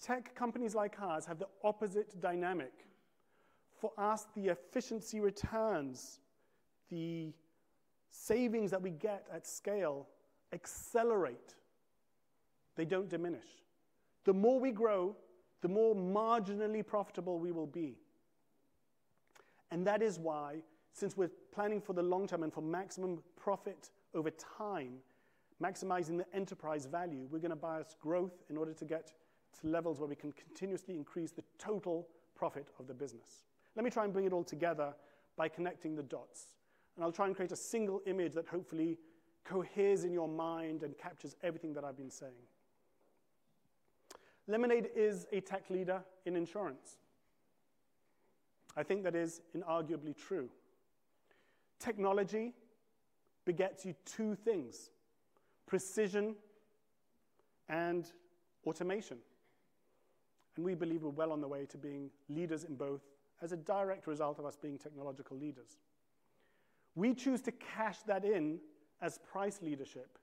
Tech companies like ours have the opposite dynamic. For us, the efficiency returns, the savings that we get at scale accelerate. They don't diminish. The more we grow, the more marginally profitable we will be. And that is why, since we're planning for the long term and for maximum profit over time, maximizing the enterprise value, we're going to bias growth in order to get to levels where we can continuously increase the total profit of the business. Let me try and bring it all together by connecting the dots. And I'll try and create a single image that hopefully coheres in your mind and captures everything that I've been saying. Lemonade is a tech leader in insurance. I think that is inarguably true. Technology begets you two things: precision and automation. And we believe we're well on the way to being leaders in both as a direct result of us being technological leaders. We choose to cash that in as price leadership,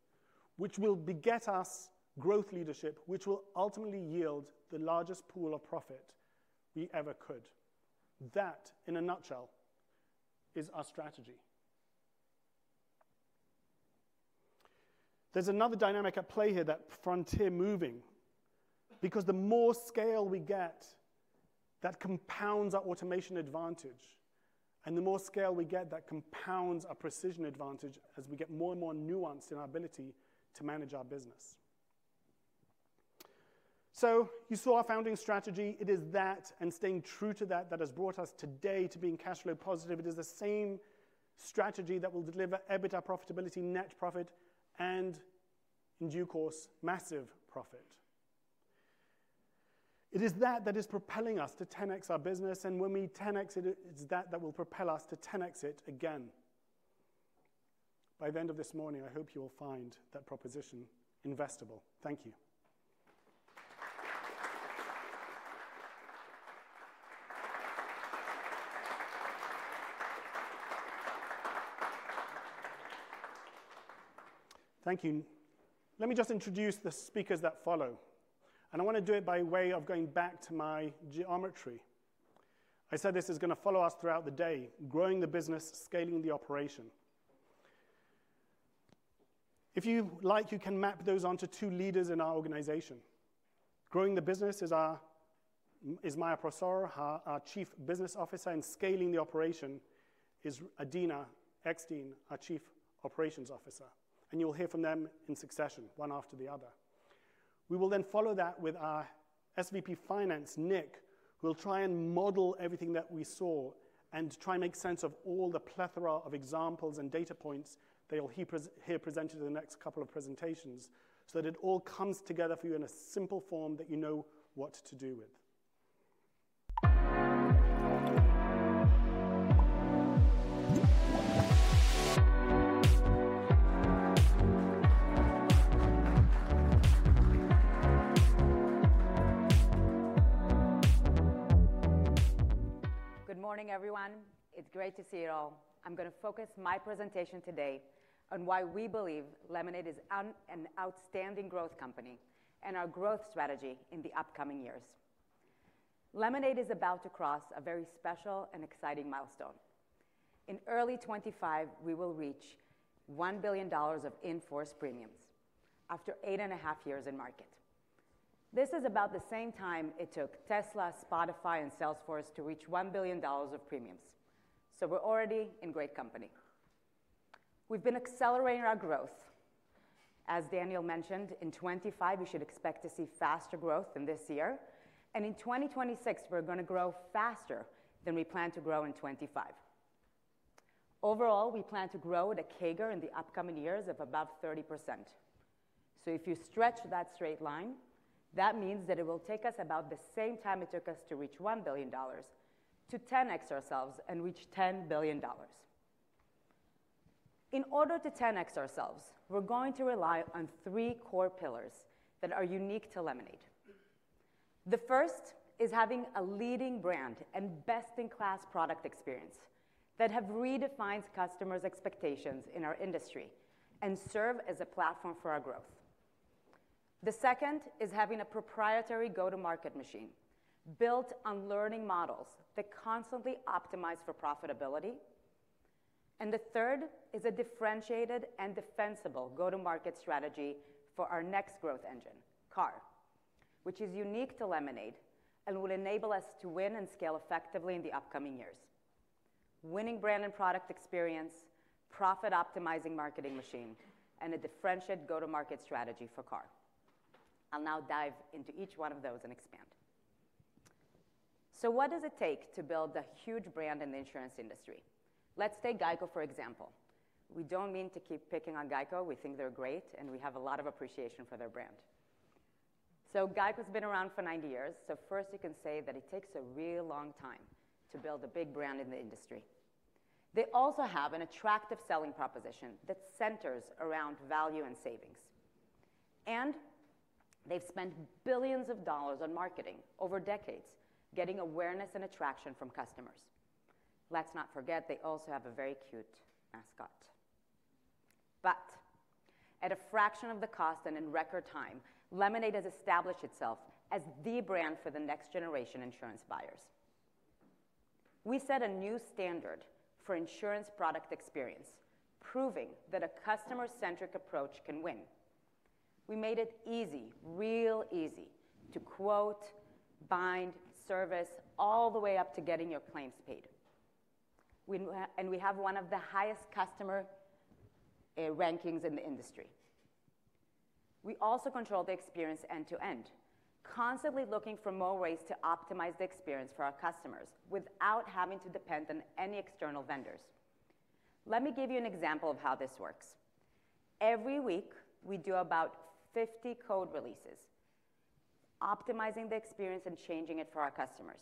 which will beget us growth leadership, which will ultimately yield the largest pool of profit we ever could. That, in a nutshell, is our strategy. There's another dynamic at play here, that frontier moving. Because the more scale we get, that compounds our automation advantage. And the more scale we get, that compounds our precision advantage as we get more and more nuanced in our ability to manage our business. So you saw our founding strategy. It is that, and staying true to that, that has brought us today to being cash flow positive. It is the same strategy that will deliver EBITDA profitability, net profit, and in due course, massive profit. It is that that is propelling us to 10x our business. And when we 10x it, it's that that will propel us to 10x it again. By the end of this morning, I hope you will find that proposition investable. Thank you. Thank you. Let me just introduce the speakers that follow. I want to do it by way of going back to my geometry. I said this is going to follow us throughout the day: growing the business, scaling the operation. If you like, you can map those onto two leaders in our organization. Growing the business is Maya Prosor, our Chief Business Officer, and scaling the operation is Adina Eckstein, our Chief Operations Officer. You'll hear from them in succession, one after the other. We will then follow that with our SVP Finance, Nick, who will try and model everything that we saw and try and make sense of all the plethora of examples and data points that he'll here present in the next couple of presentations so that it all comes together for you in a simple form that you know what to do with. Good morning, everyone. It's great to see you all. I'm going to focus my presentation today on why we believe Lemonade is an outstanding growth company and our growth strategy in the upcoming years. Lemonade is about to cross a very special and exciting milestone. In early 2025, we will reach $1 billion of In Force Premiums after eight and a half years in market. This is about the same time it took Tesla, Spotify, and Salesforce to reach $1 billion of premiums. So we're already in great company. We've been accelerating our growth. As Daniel mentioned, in 2025, we should expect to see faster growth than this year, and in 2026, we're going to grow faster than we plan to grow in 2025. Overall, we plan to grow at a CAGR in the upcoming years of above 30%, so if you stretch that straight line, that means that it will take us about the same time it took us to reach $1 billion to 10x ourselves and reach $10 billion. In order to 10x ourselves, we're going to rely on three core pillars that are unique to Lemonade. The first is having a leading brand and best-in-class product experience that have redefined customers' expectations in our industry and serve as a platform for our growth. The second is having a proprietary go-to-market machine built on learning models that constantly optimize for profitability. The third is a differentiated and defensible go-to-market strategy for our next growth engine, Car, which is unique to Lemonade and will enable us to win and scale effectively in the upcoming years: winning brand and product experience, profit-optimizing marketing machine, and a differentiated go-to-market strategy for Car. I'll now dive into each one of those and expand. So what does it take to build a huge brand in the insurance industry? Let's take GEICO, for example. We don't mean to keep picking on GEICO. We think they're great, and we have a lot of appreciation for their brand. So GEICO has been around for 90 years. So first, you can say that it takes a real long time to build a big brand in the industry. They also have an attractive selling proposition that centers around value and savings. And they've spent billions of dollars on marketing over decades, getting awareness and attraction from customers. Let's not forget they also have a very cute mascot. But at a fraction of the cost and in record time, Lemonade has established itself as the brand for the next generation insurance buyers. We set a new standard for insurance product experience, proving that a customer-centric approach can win. We made it easy, real easy, to quote, bind, service all the way up to getting your claims paid. And we have one of the highest customer rankings in the industry. We also control the experience end-to-end, constantly looking for more ways to optimize the experience for our customers without having to depend on any external vendors. Let me give you an example of how this works. Every week, we do about 50 code releases, optimizing the experience and changing it for our customers.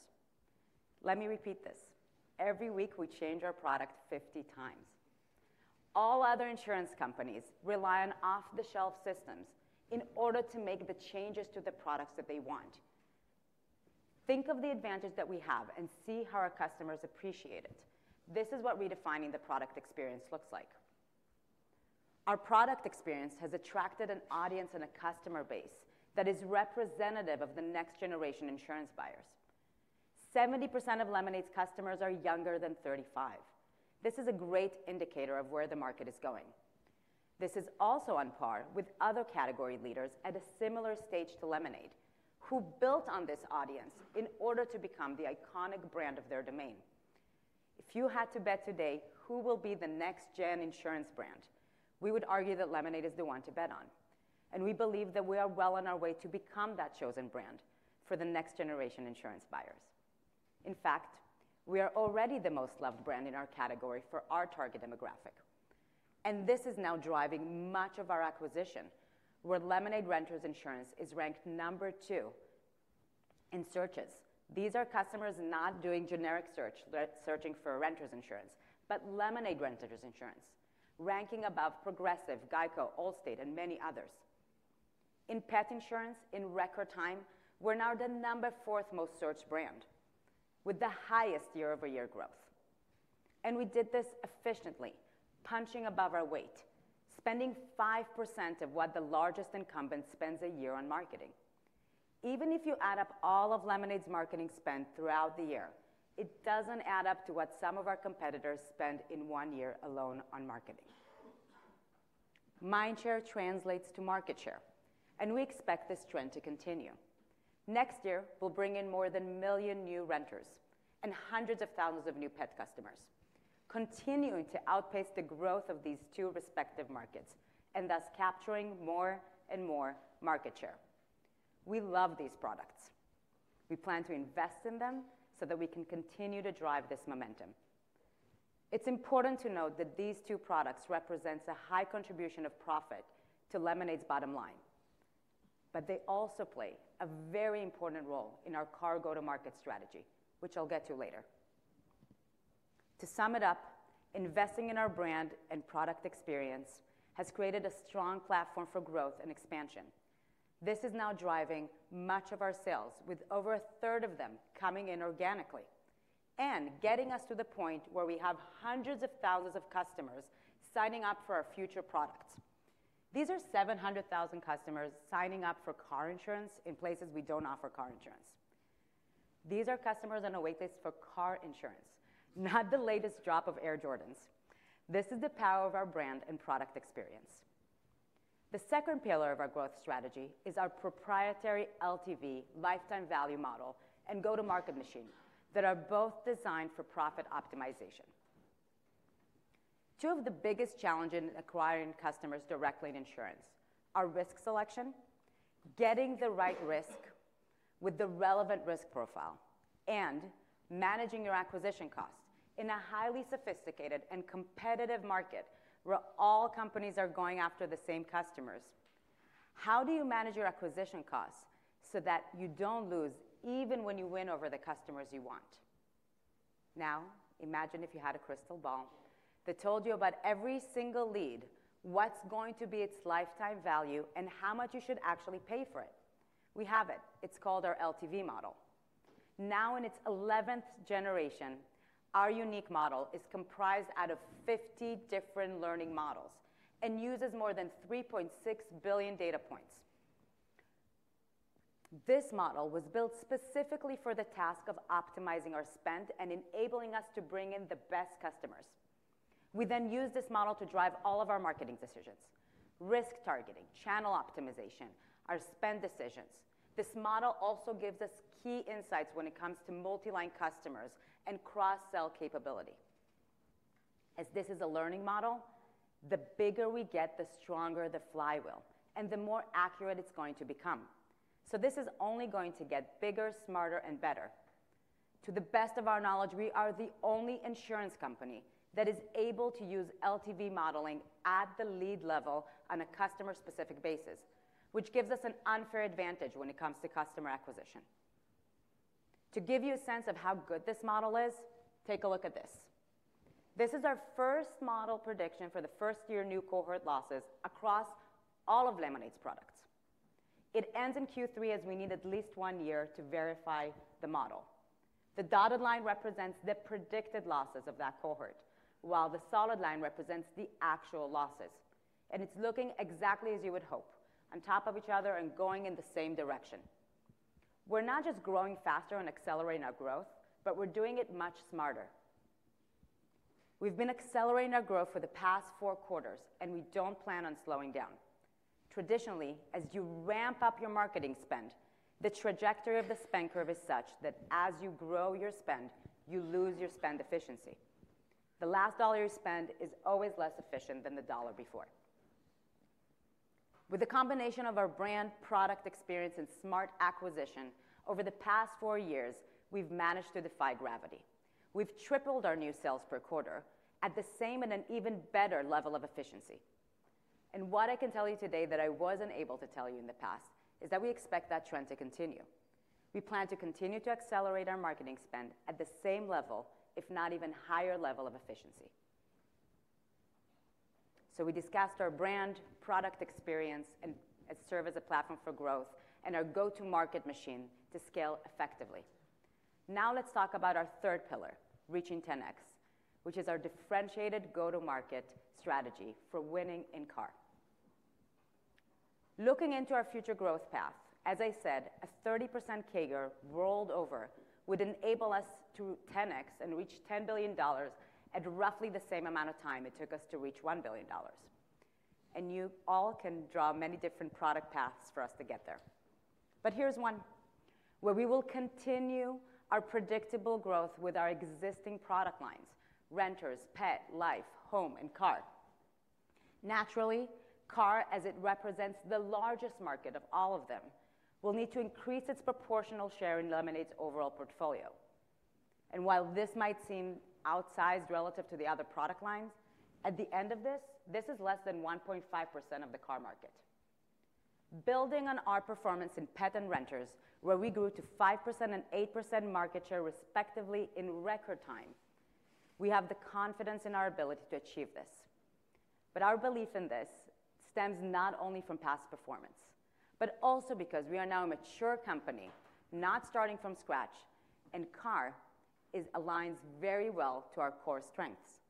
Let me repeat this: every week, we change our product 50x. All other insurance companies rely on off-the-shelf systems in order to make the changes to the products that they want. Think of the advantage that we have and see how our customers appreciate it. This is what redefining the product experience looks like. Our product experience has attracted an audience and a customer base that is representative of the next generation insurance buyers. 70% of Lemonade's customers are younger than 35. This is a great indicator of where the market is going. This is also on par with other category leaders at a similar stage to Lemonade, who built on this audience in order to become the iconic brand of their domain. If you had to bet today who will be the next-gen insurance brand, we would argue that Lemonade is the one to bet on. We believe that we are well on our way to become that chosen brand for the next generation insurance buyers. In fact, we are already the most loved brand in our category for our target demographic. This is now driving much of our acquisition, where Lemonade Renters Insurance is ranked number two in searches. These are customers not doing generic search, searching for renters insurance, but Lemonade Renters Insurance, ranking above Progressive, GEICO, Allstate, and many others. In Pet insurance, in record time, we're now the fourth most searched brand, with the highest year-over-year growth. We did this efficiently, punching above our weight, spending 5% of what the largest incumbent spends a year on marketing. Even if you add up all of Lemonade's marketing spend throughout the year, it doesn't add up to what some of our competitors spend in one year alone on marketing. Mindshare translates to market share, and we expect this trend to continue. Next year, we'll bring in more than a million new renters and hundreds of thousands of new pet customers, continuing to outpace the growth of these two respective markets and thus capturing more and more market share. We love these products. We plan to invest in them so that we can continue to drive this momentum. It's important to note that these two products represent a high contribution of profit to Lemonade's bottom line. But they also play a very important role in our Car go-to-market strategy, which I'll get to later. To sum it up, investing in our brand and product experience has created a strong platform for growth and expansion. This is now driving much of our sales, with over a third of them coming in organically and getting us to the point where we have hundreds of thousands of customers signing up for our future products. These are 700,000 customers signing up for car insurance in places we don't offer car insurance. These are customers on a waitlist for car insurance, not the latest drop of Air Jordans. This is the power of our brand and product experience. The second pillar of our growth strategy is our proprietary LTV, lifetime value model, and go-to-market machine that are both designed for profit optimization. Two of the biggest challenges in acquiring customers directly in insurance are risk selection, getting the right risk with the relevant risk profile, and managing your acquisition costs in a highly sophisticated and competitive market where all companies are going after the same customers. How do you manage your acquisition costs so that you don't lose even when you win over the customers you want? Now, imagine if you had a crystal ball that told you about every single lead, what's going to be its lifetime value, and how much you should actually pay for it. We have it. It's called our LTV model. Now, in its 11th generation, our unique model is comprised out of 50 different learning models and uses more than 3.6 billion data points. This model was built specifically for the task of optimizing our spend and enabling us to bring in the best customers. We then use this model to drive all of our marketing decisions: risk targeting, channel optimization, our spend decisions. This model also gives us key insights when it comes to multi-line customers and cross-sell capability. As this is a learning model, the bigger we get, the stronger the flywheel and the more accurate it's going to become. So this is only going to get bigger, smarter, and better. To the best of our knowledge, we are the only insurance company that is able to use LTV modeling at the lead level on a customer-specific basis, which gives us an unfair advantage when it comes to customer acquisition. To give you a sense of how good this model is, take a look at this. This is our first model prediction for the first-year new cohort losses across all of Lemonade's products. It ends in Q3 as we need at least one year to verify the model. The dotted line represents the predicted losses of that cohort, while the solid line represents the actual losses. It's looking exactly as you would hope, on top of each other and going in the same direction. We're not just growing faster and accelerating our growth, but we're doing it much smarter. We've been accelerating our growth for the past four quarters, and we don't plan on slowing down. Traditionally, as you ramp up your marketing spend, the trajectory of the spend curve is such that as you grow your spend, you lose your spend efficiency. The last dollar you spend is always less efficient than the dollar before. With a combination of our brand, product experience, and smart acquisition, over the past four years, we've managed to defy gravity. We've tripled our new sales per quarter at the same and an even better level of efficiency. What I can tell you today that I wasn't able to tell you in the past is that we expect that trend to continue. We plan to continue to accelerate our marketing spend at the same level, if not even higher level of efficiency. We discussed our brand, product experience, and serve as a platform for growth and our go-to-market machine to scale effectively. Now let's talk about our third pillar, reaching 10x, which is our differentiated go-to-market strategy for winning in Car. Looking into our future growth path, as I said, a 30% CAGR world over would enable us to 10x and reach $10 billion at roughly the same amount of time it took us to reach $1 billion. You all can draw many different product paths for us to get there. Here's one where we will continue our predictable growth with our existing product lines: Renters, Pet, Life, Home, and Car. Naturally, Car, as it represents the largest market of all of them, will need to increase its proportional share in Lemonade's overall portfolio. While this might seem outsized relative to the other product lines, at the end of this, this is less than 1.5% of the Car market. Building on our performance in Pet and Renters, where we grew to 5% and 8% market share respectively in record time, we have the confidence in our ability to achieve this. Our belief in this stems not only from past performance, but also because we are now a mature company, not starting from scratch, and Car aligns very well to our core strengths.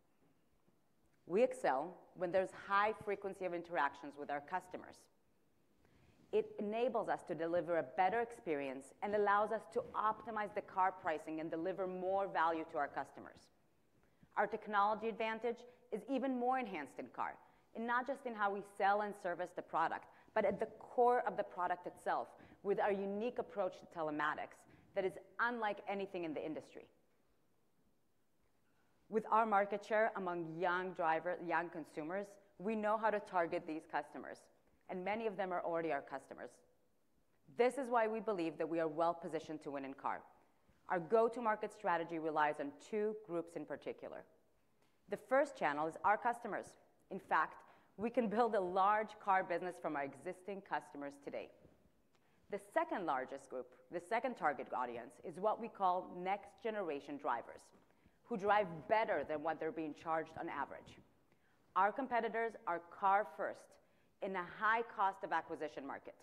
We excel when there's high frequency of interactions with our customers. It enables us to deliver a better experience and allows us to optimize the Car pricing and deliver more value to our customers. Our technology advantage is even more enhanced in Car, and not just in how we sell and service the product, but at the core of the product itself, with our unique approach to telematics that is unlike anything in the industry. With our market share among young consumers, we know how to target these customers, and many of them are already our customers. This is why we believe that we are well positioned to win in Car. Our go-to-market strategy relies on two groups in particular. The first channel is our customers. In fact, we can build a large Car business from our existing customers today. The second largest group, the second target audience, is what we call next-generation drivers, who drive better than what they're being charged on average. Our competitors are Car first in a high cost of acquisition market.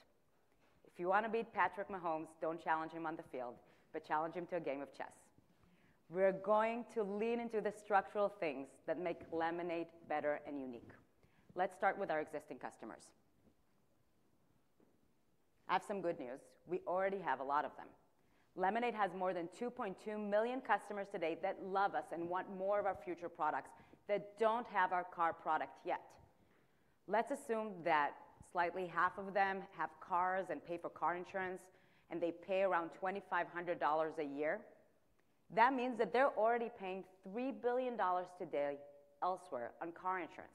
If you want to beat Patrick Mahomes, don't challenge him on the field, but challenge him to a game of chess. We're going to lean into the structural things that make Lemonade better and unique. Let's start with our existing customers. I have some good news. We already have a lot of them. Lemonade has more than 2.2 million customers today that love us and want more of our future products that don't have our Car product yet. Let's assume that slightly half of them have cars and pay for car insurance, and they pay around $2,500 a year. That means that they're already paying $3 billion today elsewhere on car insurance.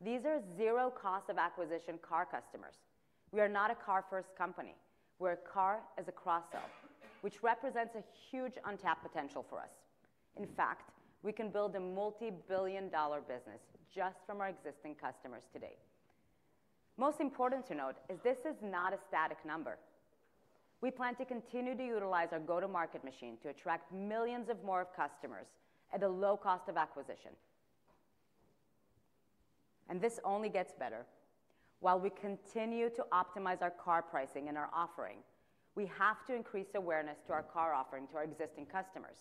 These are zero cost of acquisition Car customers. We are not a Car first company. We're a Car as a cross-sell, which represents a huge untapped potential for us. In fact, we can build a multi-billion-dollar business just from our existing customers today. Most important to note is this is not a static number. We plan to continue to utilize our go-to-market machine to attract millions more of customers at a low cost of acquisition. And this only gets better. While we continue to optimize our Car pricing and our offering, we have to increase awareness to our Car offering to our existing customers.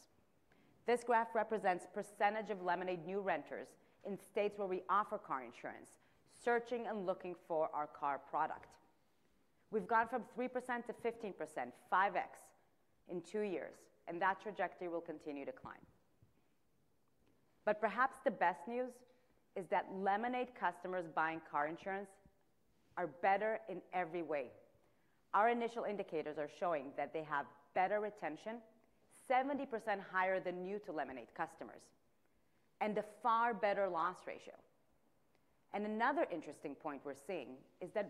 This graph represents the percentage of Lemonade new renters in states where we offer car insurance, searching and looking for our Car product. We've gone from 3% to 15%, 5x in two years, and that trajectory will continue to climb. But perhaps the best news is that Lemonade customers buying car insurance are better in every way. Our initial indicators are showing that they have better retention, 70% higher than new-to-Lemonade customers, and a far better loss ratio. And another interesting point we're seeing is that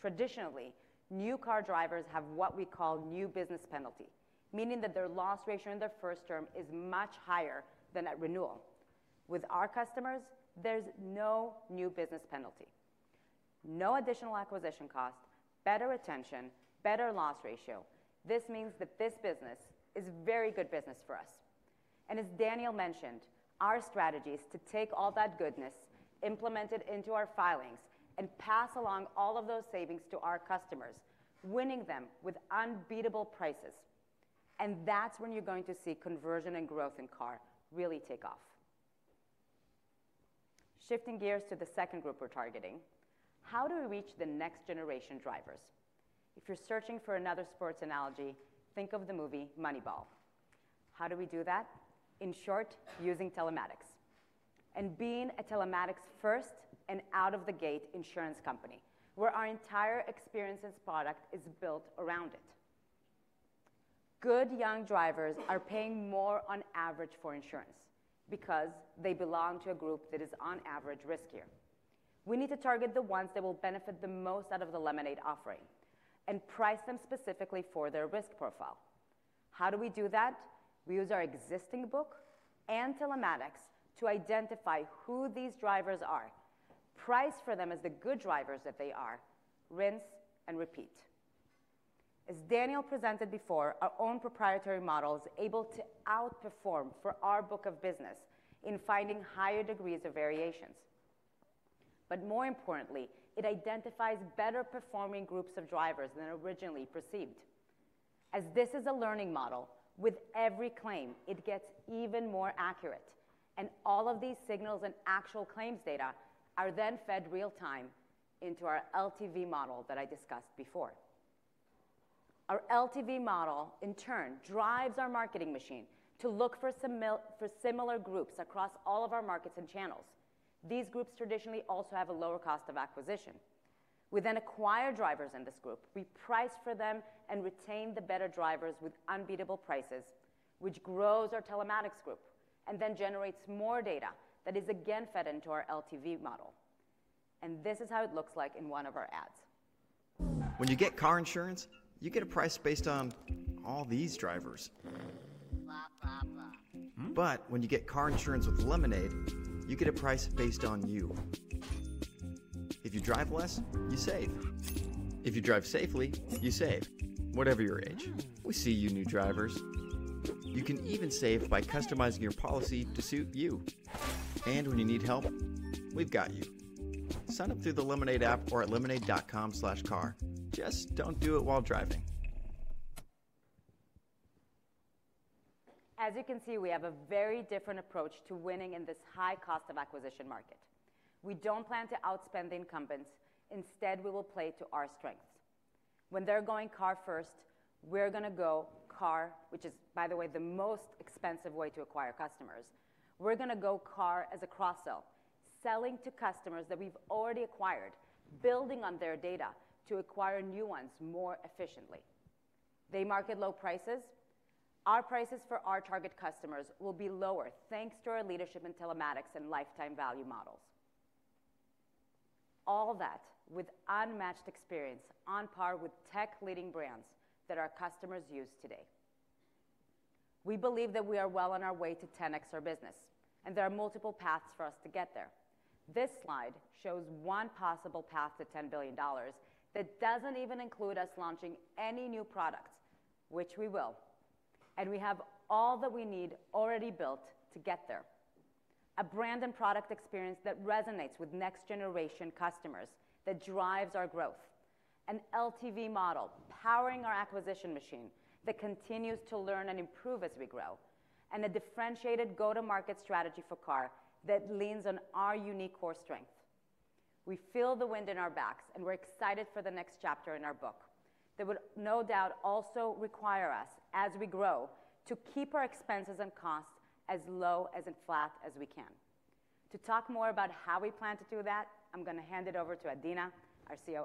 traditionally, new car drivers have what we call new business penalty, meaning that their loss ratio in their first term is much higher than at renewal. With our customers, there's no new business penalty, no additional acquisition cost, better retention, better loss ratio. This means that this business is very good business for us. And as Daniel mentioned, our strategy is to take all that goodness, implement it into our filings, and pass along all of those savings to our customers, winning them with unbeatable prices. And that's when you're going to see conversion and growth in car really take off. Shifting gears to the second group we're targeting, how do we reach the next-generation drivers? If you're searching for another sports analogy, think of the movie Moneyball. How do we do that? In short, using telematics and being a telematics-first and out-of-the-gate insurance company where our entire experience and product is built around it. Good young drivers are paying more on average for insurance because they belong to a group that is on average riskier. We need to target the ones that will benefit the most out of the Lemonade offering and price them specifically for their risk profile. How do we do that? We use our existing book and telematics to identify who these drivers are, price for them as the good drivers that they are, rinse, and repeat. As Daniel presented before, our own proprietary model is able to outperform for our book of business in finding higher degrees of variations. But more importantly, it identifies better-performing groups of drivers than originally perceived. As this is a learning model, with every claim, it gets even more accurate. And all of these signals and actual claims data are then fed real-time into our LTV model that I discussed before. Our LTV model, in turn, drives our marketing machine to look for similar groups across all of our markets and channels. These groups traditionally also have a lower cost of acquisition. We then acquire drivers in this group. We price for them and retain the better drivers with unbeatable prices, which grows our telematics group and then generates more data that is again fed into our LTV model. And this is how it looks like in one of our ads. When you get car insurance, you get a price based on all these drivers. But when you get car insurance with Lemonade, you get a price based on you. If you drive less, you save. If you drive safely, you save, whatever your age. We see you, new drivers. You can even save by customizing your policy to suit you. And when you need help, we've got you. Sign up through the Lemonade app or at lemonade.com/car. Just don't do it while driving. As you can see, we have a very different approach to winning in this high cost of acquisition market. We don't plan to outspend the incumbents. Instead, we will play to our strengths. When they're going Car first, we're going to go Car, which is, by the way, the most expensive way to acquire customers. We're going to go Car as a cross-sell, selling to customers that we've already acquired, building on their data to acquire new ones more efficiently. They market low prices. Our prices for our target customers will be lower thanks to our leadership in telematics and lifetime value models. All that with unmatched experience on par with tech-leading brands that our customers use today. We believe that we are well on our way to 10x our business, and there are multiple paths for us to get there. This slide shows one possible path to $10 billion that doesn't even include us launching any new products, which we will. And we have all that we need already built to get there: a brand and product experience that resonates with next-generation customers, that drives our growth, an LTV model powering our acquisition machine that continues to learn and improve as we grow, and a differentiated go-to-market strategy for Car that leans on our unique core strength. We feel the wind in our backs, and we're excited for the next chapter in our book that would no doubt also require us, as we grow, to keep our expenses and costs as low and flat as we can. To talk more about how we plan to do that, I'm going to hand it over to Adina, our COO.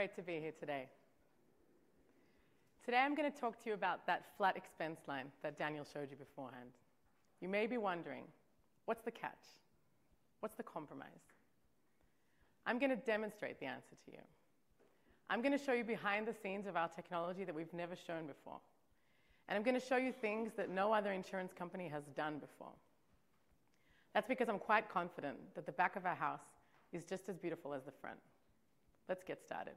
Hi. It's so great to be here today. Today, I'm going to talk to you about that flat expense line that Daniel showed you beforehand. You may be wondering, what's the catch? What's the compromise? I'm going to demonstrate the answer to you. I'm going to show you behind the scenes of our technology that we've never shown before. And I'm going to show you things that no other insurance company has done before. That's because I'm quite confident that the back of our house is just as beautiful as the front. Let's get started.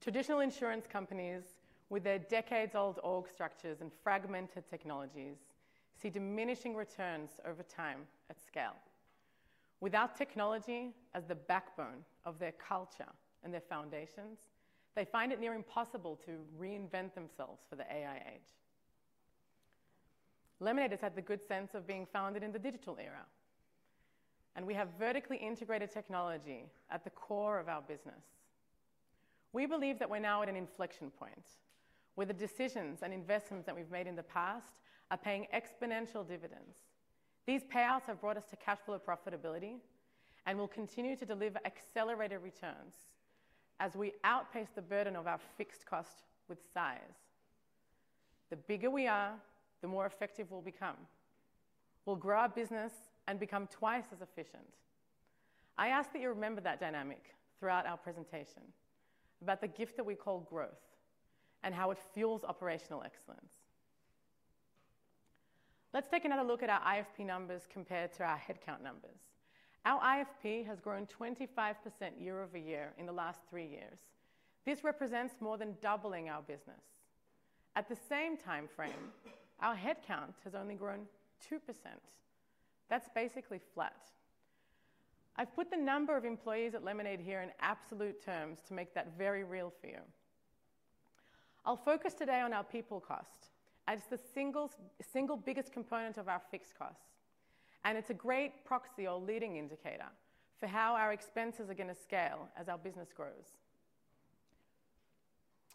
Traditional insurance companies, with their decades-old org structures and fragmented technologies, see diminishing returns over time at scale. Without technology as the backbone of their culture and their foundations, they find it near impossible to reinvent themselves for the AI age. Lemonade has had the good sense of being founded in the digital era. And we have vertically integrated technology at the core of our business. We believe that we're now at an inflection point, where the decisions and investments that we've made in the past are paying exponential dividends. These payouts have brought us to cash flow profitability and will continue to deliver accelerated returns as we outpace the burden of our fixed cost with size. The bigger we are, the more effective we'll become. We'll grow our business and become twice as efficient. I ask that you remember that dynamic throughout our presentation about the gift that we call growth and how it fuels operational excellence. Let's take another look at our IFP numbers compared to our headcount numbers. Our IFP has grown 25% year over year in the last three years. This represents more than doubling our business. At the same time frame, our headcount has only grown 2%. That's basically flat. I've put the number of employees at Lemonade here in absolute terms to make that very real for you. I'll focus today on our people cost as the single biggest component of our fixed costs, and it's a great proxy or leading indicator for how our expenses are going to scale as our business grows.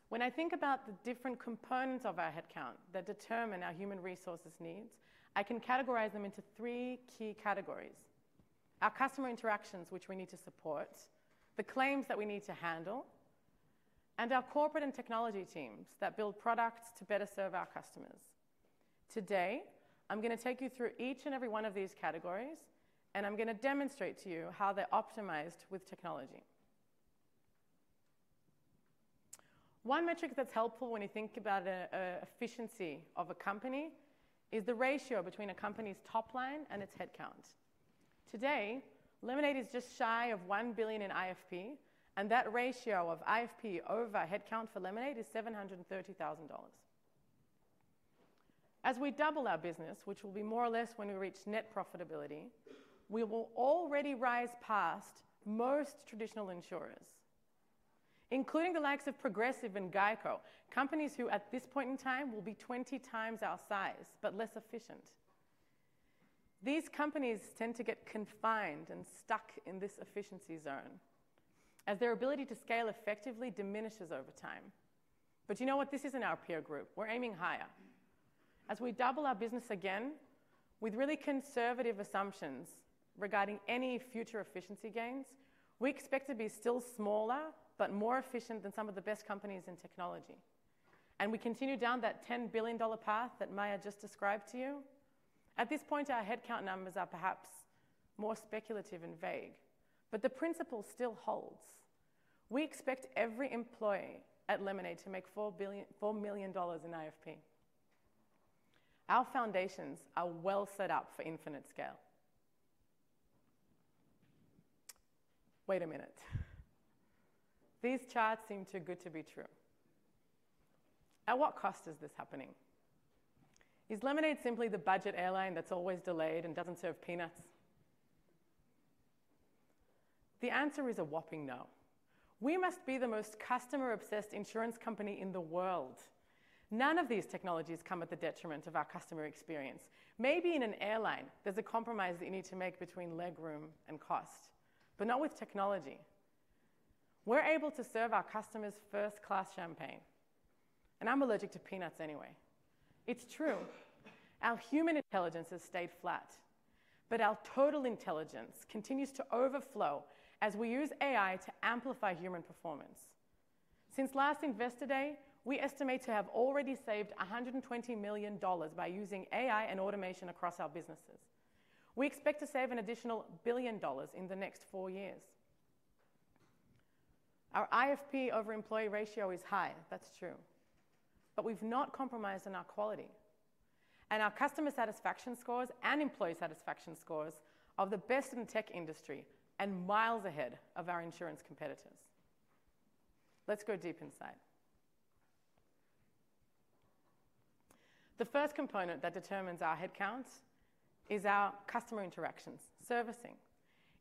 When I think about the different components of our headcount that determine our human resources needs, I can categorize them into three key categories: our customer interactions, which we need to support, the claims that we need to handle, and our corporate and technology teams that build products to better serve our customers. Today, I'm going to take you through each and every one of these categories, and I'm going to demonstrate to you how they're optimized with technology. One metric that's helpful when you think about the efficiency of a company is the ratio between a company's top line and its headcount. Today, Lemonade is just shy of $1 billion in IFP, and that ratio of IFP over headcount for Lemonade is $730,000. As we double our business, which will be more or less when we reach net profitability, we will already rise past most traditional insurers, including the likes of Progressive and GEICO, companies who at this point in time will be 20x our size but less efficient. These companies tend to get confined and stuck in this efficiency zone as their ability to scale effectively diminishes over time. But you know what? This isn't our peer group. We're aiming higher. As we double our business again with really conservative assumptions regarding any future efficiency gains, we expect to be still smaller but more efficient than some of the best companies in technology. And we continue down that $10 billion path that Maya just described to you. At this point, our headcount numbers are perhaps more speculative and vague, but the principle still holds. We expect every employee at Lemonade to make $4 million in IFP. Our foundations are well set up for infinite scale. Wait a minute. These charts seem too good to be true. At what cost is this happening? Is Lemonade simply the budget airline that's always delayed and doesn't serve peanuts? The answer is a whopping no. We must be the most customer-obsessed insurance company in the world. None of these technologies come at the detriment of our customer experience. Maybe in an airline, there's a compromise that you need to make between legroom and cost, but not with technology. We're able to serve our customers first-class champagne. And I'm allergic to peanuts anyway. It's true. Our human intelligence has stayed flat, but our total intelligence continues to overflow as we use AI to amplify human performance. Since last Investor Day, we estimate to have already saved $120 million by using AI and automation across our businesses. We expect to save an additional $1 billion in the next four years. Our IFP over employee ratio is high. That's true. But we've not compromised on our quality. And our customer satisfaction scores and employee satisfaction scores are the best in the tech industry and miles ahead of our insurance competitors. Let's go deep inside. The first component that determines our headcount is our customer interactions, servicing.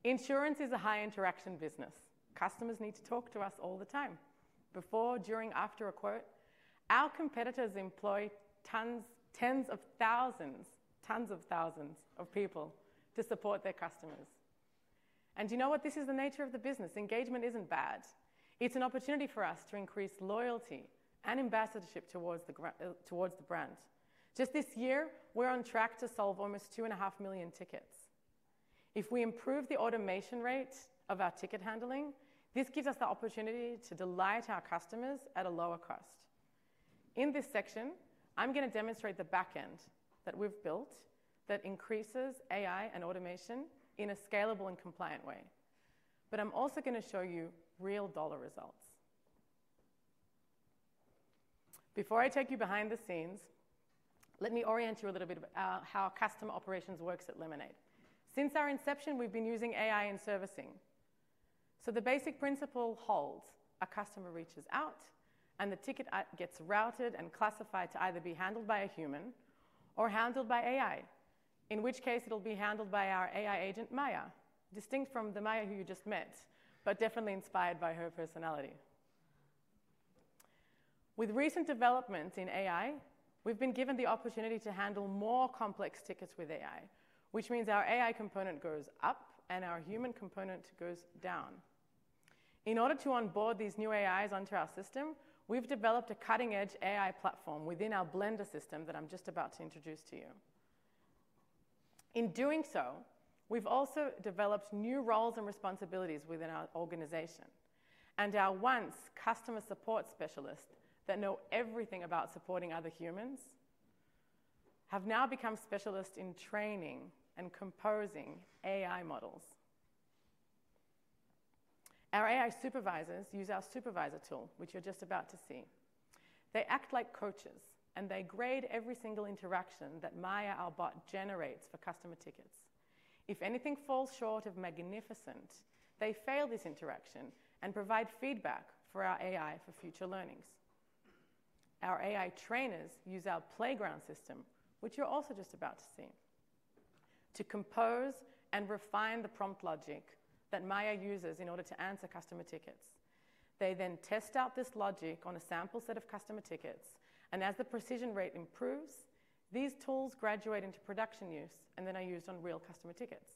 Insurance is a high-interaction business. Customers need to talk to us all the time: before, during, after a quote. Our competitors employ tens of thousands, tens of thousands of people to support their customers, and you know what? This is the nature of the business. Engagement isn't bad. It's an opportunity for us to increase loyalty and ambassadorship towards the brand. Just this year, we're on track to solve almost 2.5 million tickets. If we improve the automation rate of our ticket handling, this gives us the opportunity to delight our customers at a lower cost. In this section, I'm going to demonstrate the backend that we've built that increases AI and automation in a scalable and compliant way, but I'm also going to show you real dollar results. Before I take you behind the scenes, let me orient you a little bit about how customer operations works at Lemonade. Since our inception, we've been using AI in servicing. So the basic principle holds: a customer reaches out, and the ticket gets routed and classified to either be handled by a human or handled by AI, in which case it'll be handled by our AI agent, Maya, distinct from the Maya who you just met but definitely inspired by her personality. With recent developments in AI, we've been given the opportunity to handle more complex tickets with AI, which means our AI component goes up and our human component goes down. In order to onboard these new AIs onto our system, we've developed a cutting-edge AI platform within our Blender system that I'm just about to introduce to you. In doing so, we've also developed new roles and responsibilities within our organization. Our once customer support specialists that know everything about supporting other humans have now become specialists in training and composing AI models. Our AI supervisors use our Supervisor tool, which you're just about to see. They act like coaches, and they grade every single interaction that Maya, our bot, generates for customer tickets. If anything falls short of magnificent, they fail this interaction and provide feedback for our AI for future learnings. Our AI trainers use our Playground system, which you're also just about to see, to compose and refine the prompt logic that Maya uses in order to answer customer tickets. They then test out this logic on a sample set of customer tickets. As the precision rate improves, these tools graduate into production use and then are used on real customer tickets.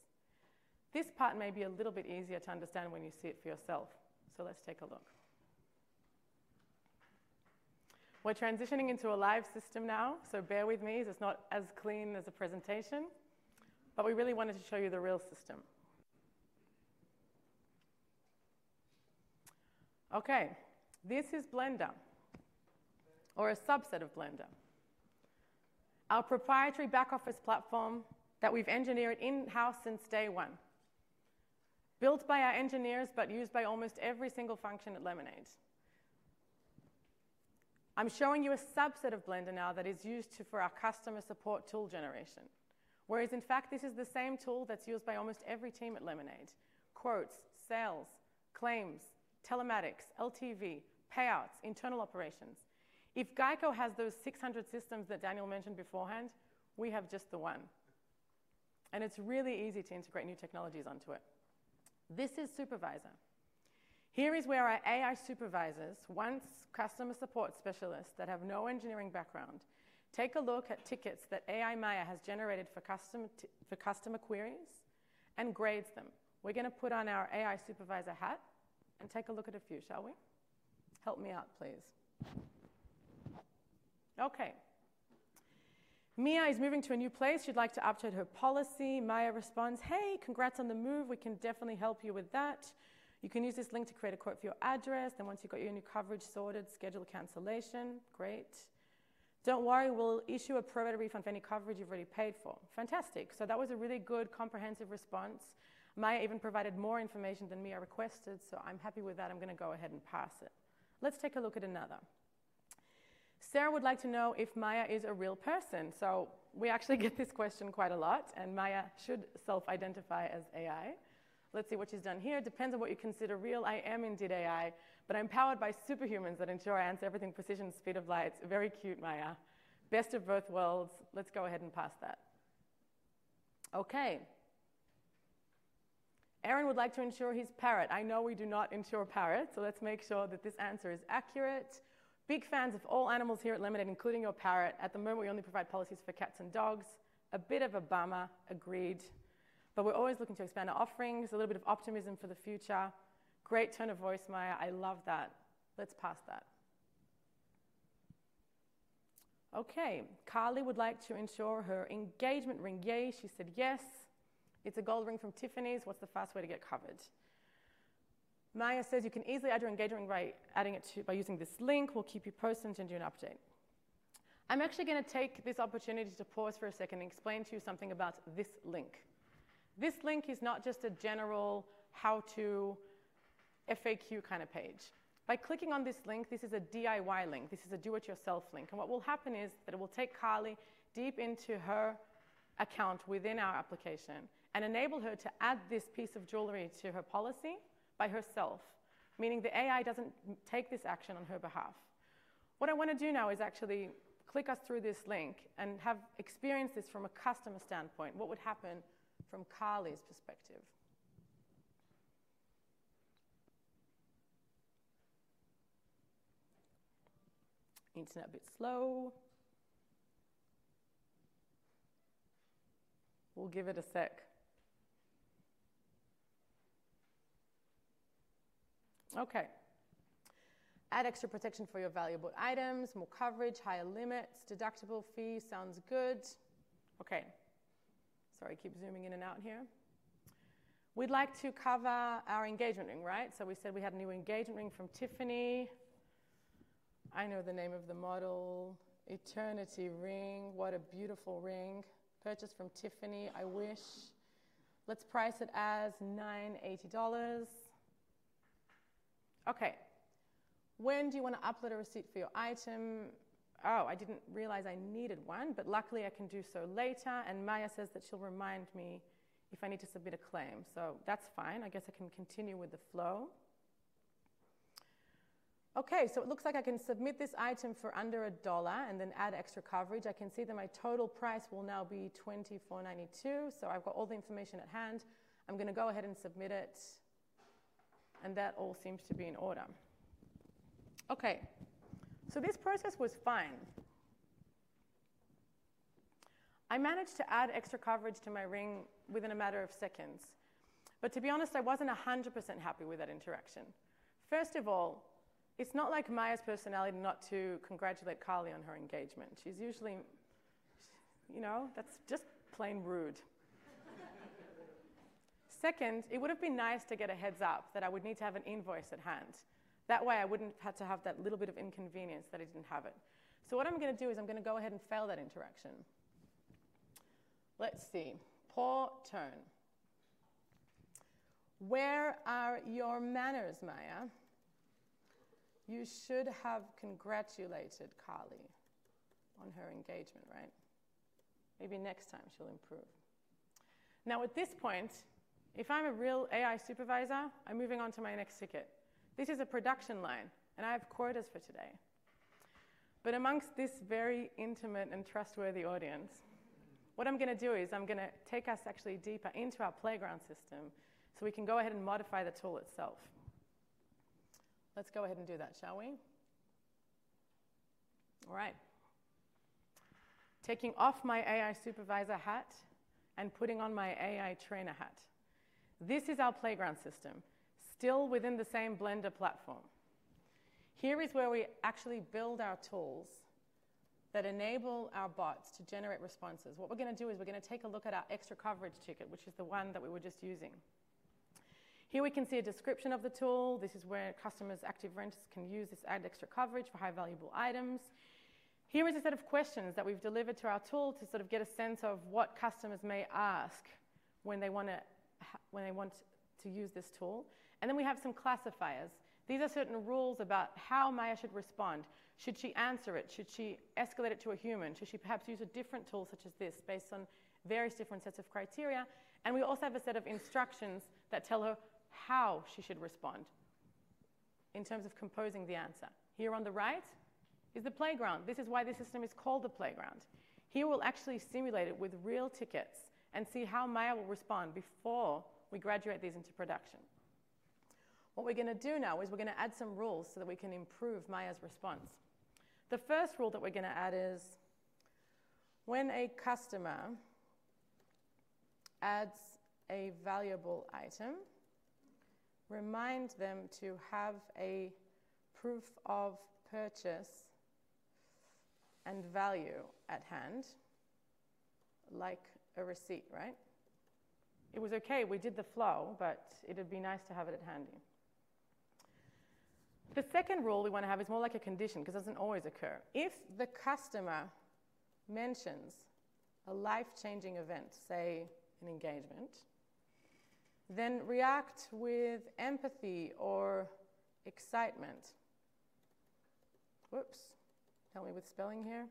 This part may be a little bit easier to understand when you see it for yourself, so let's take a look. We're transitioning into a live system now, so bear with me as it's not as clean as a presentation, but we really wanted to show you the real system. OK, this is Blender, or a subset of Blender, our proprietary back-office platform that we've engineered in-house since day one, built by our engineers but used by almost every single function at Lemonade. I'm showing you a subset of Blender now that is used for our customer support tool generation, whereas, in fact, this is the same tool that's used by almost every team at Lemonade: quotes, sales, claims, telematics, LTV, payouts, internal operations. If GEICO has those 600 systems that Daniel mentioned beforehand, we have just the one, and it's really easy to integrate new technologies onto it. This is Supervisor. Here is where our AI supervisors, once customer support specialists that have no engineering background, take a look at tickets that AI Maya has generated for customer queries and grades them. We're going to put on our AI supervisor hat and take a look at a few, shall we? Help me out, please. OK, Mia is moving to a new place. She'd like to update her policy. Maya responds, "Hey, congrats on the move. We can definitely help you with that. You can use this link to create a quote for your address. Then once you've got your new coverage sorted, schedule a cancellation." Great. "Don't worry. We'll issue a pro-rated refund for any coverage you've already paid for." Fantastic. So that was a really good comprehensive response. Maya even provided more information than Mia requested, so I'm happy with that. I'm going to go ahead and pass it. Let's take a look at another. Sarah would like to know if Maya is a real person. So we actually get this question quite a lot, and Maya should self-identify as AI. Let's see what she's done here. "Depends on what you consider real. I am indeed AI, but I'm powered by superhumans that ensure I answer everything precision, speed of light." Very cute, Maya. "Best of both worlds." Let's go ahead and pass that. OK, Aaron would like to insure his parrot. I know we do not insure parrot, so let's make sure that this answer is accurate. "Big fans of all animals here at Lemonade, including your parrot. At the moment, we only provide policies for cats and dogs." A bit of a bummer, agreed. But we're always looking to expand our offerings." A little bit of optimism for the future. "Great tone of voice, Maya." I love that. Let's pass that. OK, Carly would like to insure her engagement ring. Yay, she said yes. "It's a gold ring from Tiffany's. What's the fast way to get coverage?" Maya says, "You can easily add your engagement ring by using this link. We'll keep you posted and do an update." I'm actually going to take this opportunity to pause for a second and explain to you something about this link. This link is not just a general how-to FAQ kind of page. By clicking on this link, this is a DIY link. This is a do-it-yourself link. What will happen is that it will take Carly deep into her account within our application and enable her to add this piece of jewelry to her policy by herself, meaning the AI doesn't take this action on her behalf. What I want to do now is actually click us through this link and have experience this from a customer standpoint. What would happen from Carly's perspective? Internet a bit slow. We'll give it a sec. OK, "Add extra protection for your valuable items, more coverage, higher limits, deductible fee." Sounds good. OK, sorry, keep zooming in and out here. We'd like to cover our engagement ring, right? So we said we had a new engagement ring from Tiffany. I know the name of the model: Eternity Ring. What a beautiful ring. Purchased from Tiffany, I wish. Let's price it as $980. OK, "When do you want to upload a receipt for your item?" Oh, I didn't realize I needed one, but luckily I can do so later, and Maya says that she'll remind me if I need to submit a claim, so that's fine. I guess I can continue with the flow. OK, so it looks like I can submit this item for under a dollar and then add extra coverage. I can see that my total price will now be $24.92, so I've got all the information at hand. I'm going to go ahead and submit it, and that all seems to be in order. OK, so this process was fine. I managed to add extra coverage to my ring within a matter of seconds, but to be honest, I wasn't 100% happy with that interaction. First of all, it's not like Maya's personality not to congratulate Carly on her engagement. She's usually, you know, that's just plain rude. Second, it would have been nice to get a heads-up that I would need to have an invoice at hand. That way, I wouldn't have to have that little bit of inconvenience that I didn't have it. So what I'm going to do is I'm going to go ahead and fail that interaction. Let's see. "Poor turn." "Where are your manners, Maya?" You should have congratulated Carly on her engagement, right? Maybe next time she'll improve. Now, at this point, if I'm a real AI supervisor, I'm moving on to my next ticket. This is a production line, and I have quotas for today. But amongst this very intimate and trustworthy audience, what I'm going to do is I'm going to take us actually deeper into our Playground system so we can go ahead and modify the tool itself. Let's go ahead and do that, shall we? All right, taking off my AI supervisor hat and putting on my AI trainer hat. This is our Playground system, still within the same Blender platform. Here is where we actually build our tools that enable our bots to generate responses. What we're going to do is we're going to take a look at our extra coverage ticket, which is the one that we were just using. Here we can see a description of the tool. This is where customers, active renters, can use this to add extra coverage for high-value items. Here is a set of questions that we've delivered to our tool to sort of get a sense of what customers may ask when they want to use this tool. And then we have some classifiers. These are certain rules about how Maya should respond. Should she answer it? Should she escalate it to a human? Should she perhaps use a different tool such as this based on various different sets of criteria? And we also have a set of instructions that tell her how she should respond in terms of composing the answer. Here on the right is the playground. This is why this system is called the Playground. Here we'll actually simulate it with real tickets and see how Maya will respond before we graduate these into production. What we're going to do now is we're going to add some rules so that we can improve Maya's response. The first rule that we're going to add is when a customer adds a valuable item, remind them to have a proof of purchase and value at hand, like a receipt, right? It was OK. We did the flow, but it would be nice to have it at hand. The second rule we want to have is more like a condition because it doesn't always occur. If the customer mentions a life-changing event, say an engagement, then react with empathy or excitement. Whoops, help me with spelling here.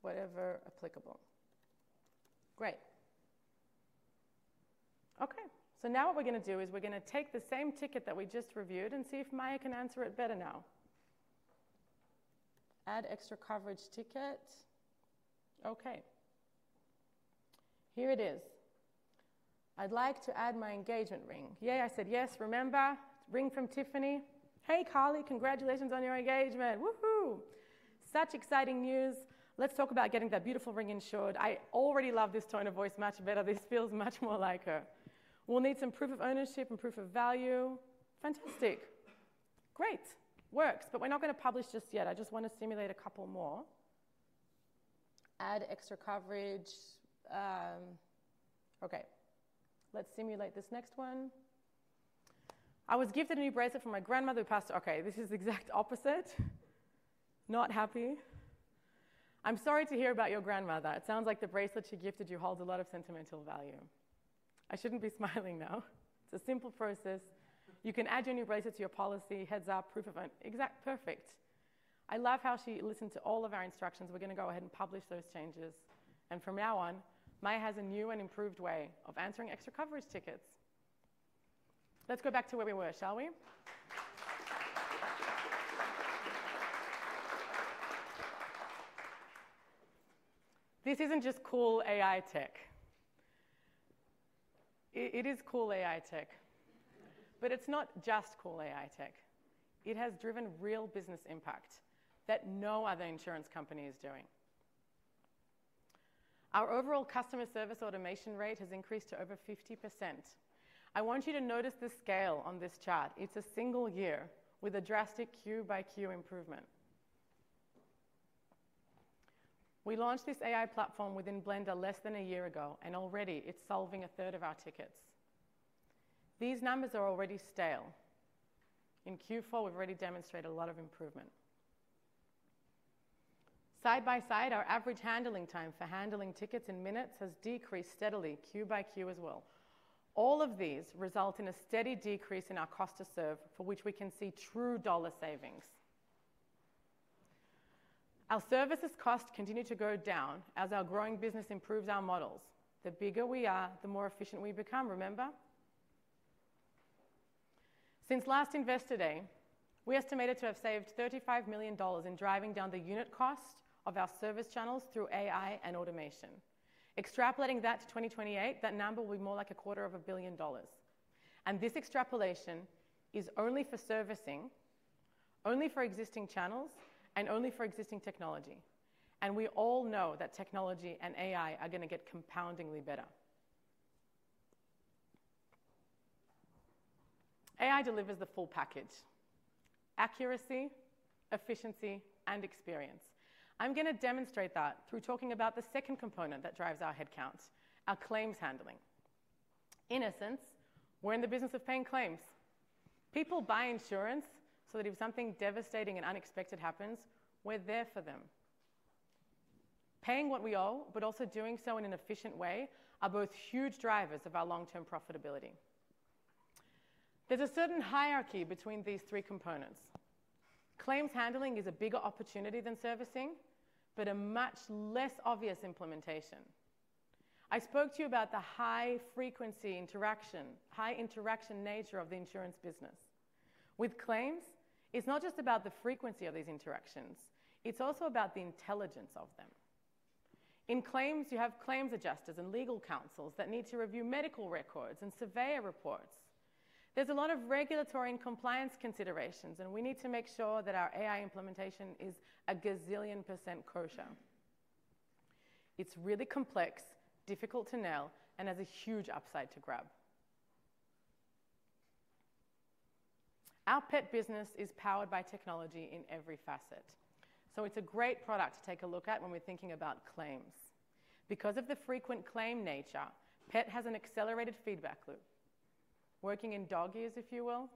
Whatever applicable. Great. OK, so now what we're going to do is we're going to take the same ticket that we just reviewed and see if Maya can answer it better now. Add extra coverage ticket. OK, here it is. I'd like to add my engagement ring. Yay, I said yes. Remember, ring from Tiffany. Hey, Carly, congratulations on your engagement. Woohoo! Such exciting news. Let's talk about getting that beautiful ring insured. I already love this tone of voice much better. This feels much more like her. We'll need some proof of ownership and proof of value. Fantastic. Great, works. But we're not going to publish just yet. I just want to simulate a couple more. Add extra coverage. OK, let's simulate this next one. I was gifted a new bracelet from my grandmother who passed away. OK, this is the exact opposite. Not happy. I'm sorry to hear about your grandmother. It sounds like the bracelet she gifted you holds a lot of sentimental value. I shouldn't be smiling now. It's a simple process. You can add your new bracelet to your policy, heads-up, proof of ownership. Exactly perfect. I love how she listened to all of our instructions. We're going to go ahead and publish those changes. And from now on, Maya has a new and improved way of answering extra coverage tickets. Let's go back to where we were, shall we? This isn't just cool AI tech. It is cool AI tech. But it's not just cool AI tech. It has driven real business impact that no other insurance company is doing. Our overall customer service automation rate has increased to over 50%. I want you to notice the scale on this chart. It's a single year with a drastic queue-by-queue improvement. We launched this AI platform within Blender less than a year ago, and already it's solving a third of our tickets. These numbers are already stale. In Q4, we've already demonstrated a lot of improvement. Side by side, our average handling time for handling tickets in minutes has decreased steadily, queue-by-queue as well. All of these result in a steady decrease in our cost to serve, for which we can see true dollar savings. Our services costs continue to go down as our growing business improves our models. The bigger we are, the more efficient we become, remember? Since last Investor Day, we estimated to have saved $35 million in driving down the unit cost of our service channels through AI and automation. Extrapolating that to 2028, that number will be more like $250 million. And this extrapolation is only for servicing, only for existing channels, and only for existing technology. And we all know that technology and AI are going to get compoundingly better. AI delivers the full package: accuracy, efficiency, and experience. I'm going to demonstrate that through talking about the second component that drives our headcount, our claims handling. In essence, we're in the business of paying claims. People buy insurance so that if something devastating and unexpected happens, we're there for them. Paying what we owe, but also doing so in an efficient way, are both huge drivers of our long-term profitability. There's a certain hierarchy between these three components. Claims handling is a bigger opportunity than servicing, but a much less obvious implementation. I spoke to you about the high-frequency interaction, high-interaction nature of the insurance business. With claims, it's not just about the frequency of these interactions. It's also about the intelligence of them. In claims, you have claims adjusters and legal counsels that need to review medical records and surveyor reports. There's a lot of regulatory and compliance considerations, and we need to make sure that our AI implementation is a gazillion%. It's really complex, difficult to nail, and has a huge upside to grab. Our Pet business is powered by technology in every facet. So it's a great product to take a look at when we're thinking about claims. Because of the frequent claim nature, pet has an accelerated feedback loop, working in dog years, if you will,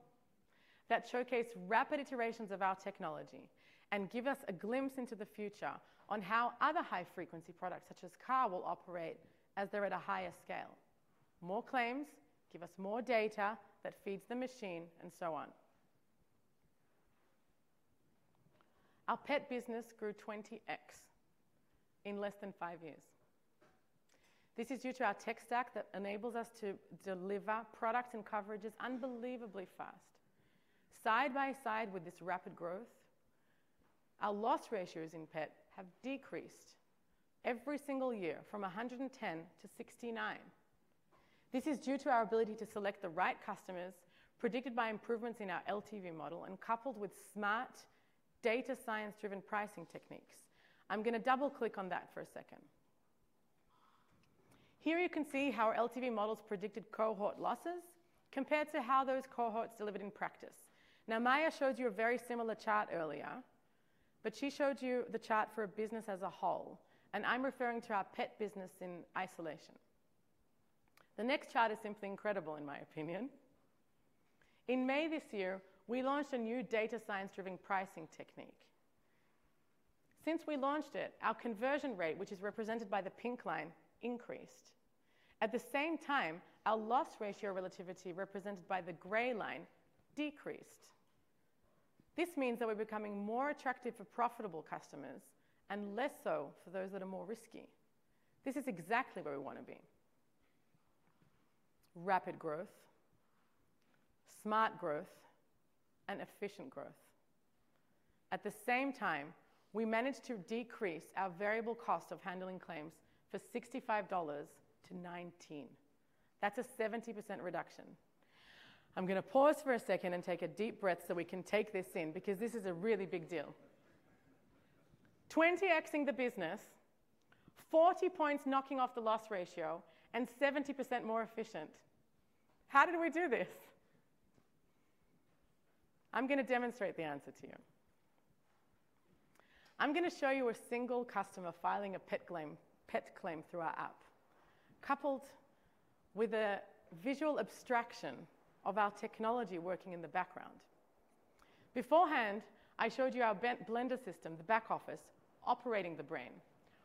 that showcase rapid iterations of our technology and give us a glimpse into the future on how other high-frequency products such as Car will operate as they're at a higher scale. More claims give us more data that feeds the machine, and so on. Our Pet business grew 20x in less than five years. This is due to our tech stack that enables us to deliver products and coverages unbelievably fast. Side by side with this rapid growth, our loss ratios in pet have decreased every single year from 110 to 69. This is due to our ability to select the right customers predicted by improvements in our LTV model and coupled with smart data science-driven pricing techniques. I'm going to double-click on that for a second. Here you can see how our LTV models predicted cohort losses compared to how those cohorts delivered in practice. Now, Maya showed you a very similar chart earlier, but she showed you the chart for a business as a whole. I'm referring to our Pet business in isolation. The next chart is simply incredible, in my opinion. In May this year, we launched a new data science-driven pricing technique. Since we launched it, our conversion rate, which is represented by the pink line, increased. At the same time, our loss ratio relativity, represented by the gray line, decreased. This means that we're becoming more attractive for profitable customers and less so for those that are more risky. This is exactly where we want to be: rapid growth, smart growth, and efficient growth. At the same time, we managed to decrease our variable cost of handling claims from $65 to $19. That's a 70% reduction. I'm going to pause for a second and take a deep breath so we can take this in, because this is a really big deal. 20xing the business, 40 points knocking off the loss ratio, and 70% more efficient. How did we do this? I'm going to demonstrate the answer to you. I'm going to show you a single customer filing a pet claim through our app, coupled with a visual abstraction of our technology working in the background. Beforehand, I showed you our Blender system, the back office, operating the brain.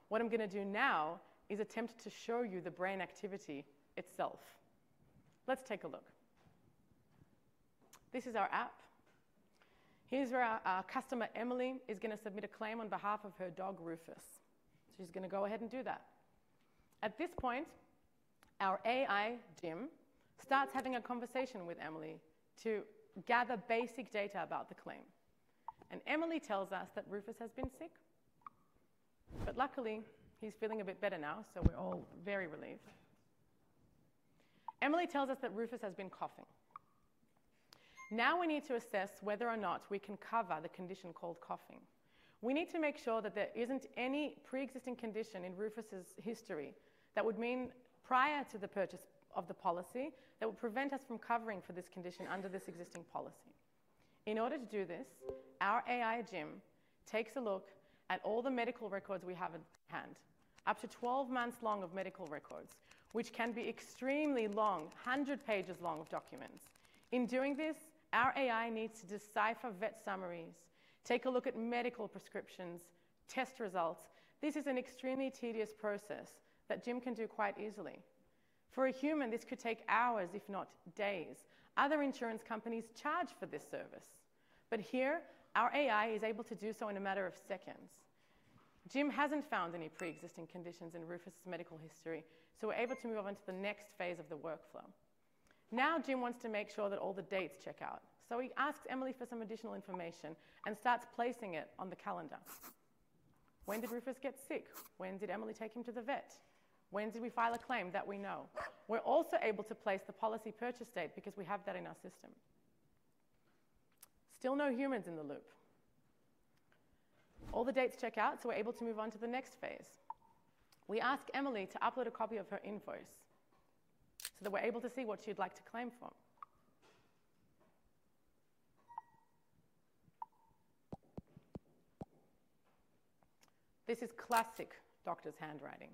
What I'm going to do now is attempt to show you the brain activity itself. Let's take a look. This is our app. Here's where our customer, Emily, is going to submit a claim on behalf of her dog, Rufus. So she's going to go ahead and do that. At this point, our AI, Jim, starts having a conversation with Emily to gather basic data about the claim. And Emily tells us that Rufus has been sick. But luckily, he's feeling a bit better now, so we're all very relieved. Emily tells us that Rufus has been coughing. Now we need to assess whether or not we can cover the condition called coughing. We need to make sure that there isn't any pre-existing condition in Rufus's history that would mean prior to the purchase of the policy that would prevent us from covering for this condition under this existing policy. In order to do this, our AI, Jim, takes a look at all the medical records we have at hand, up to 12 months long of medical records, which can be extremely long, 100 pages long of documents. In doing this, our AI needs to decipher vet summaries, take a look at medical prescriptions, test results. This is an extremely tedious process that Jim can do quite easily. For a human, this could take hours, if not days. Other insurance companies charge for this service. But here, our AI is able to do so in a matter of seconds. Jim hasn't found any pre-existing conditions in Rufus's medical history, so we're able to move on to the next phase of the workflow. Now Jim wants to make sure that all the dates check out. So he asks Emily for some additional information and starts placing it on the calendar. When did Rufus get sick? When did Emily take him to the vet? When did we file a claim that we know? We're also able to place the policy purchase date because we have that in our system. Still no humans in the loop. All the dates check out, so we're able to move on to the next phase. We ask Emily to upload a copy of her invoice so that we're able to see what she'd like to claim for. This is classic doctor's handwriting.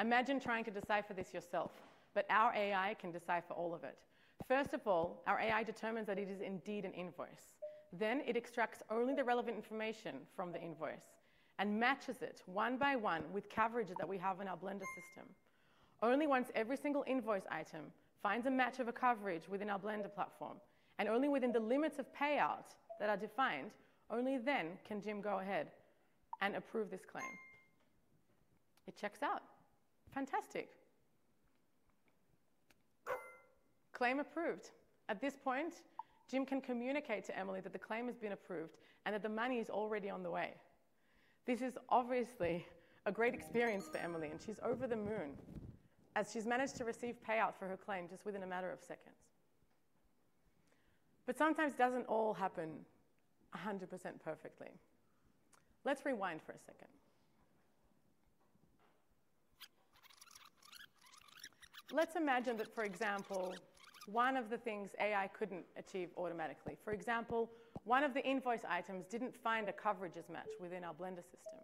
Imagine trying to decipher this yourself, but our AI can decipher all of it. First of all, our AI determines that it is indeed an invoice. Then it extracts only the relevant information from the invoice and matches it one by one with coverage that we have in our Blender system. Only once every single invoice item finds a match of a coverage within our Blender platform, and only within the limits of payout that are defined, only then can Jim go ahead and approve this claim. It checks out. Fantastic. Claim approved. At this point, Jim can communicate to Emily that the claim has been approved and that the money is already on the way. This is obviously a great experience for Emily, and she's over the moon as she's managed to receive payout for her claim just within a matter of seconds. But sometimes it doesn't all happen 100% perfectly. Let's rewind for a second. Let's imagine that, for example, one of the things AI couldn't achieve automatically. For example, one of the invoice items didn't find a coverage as matched within our Blender system.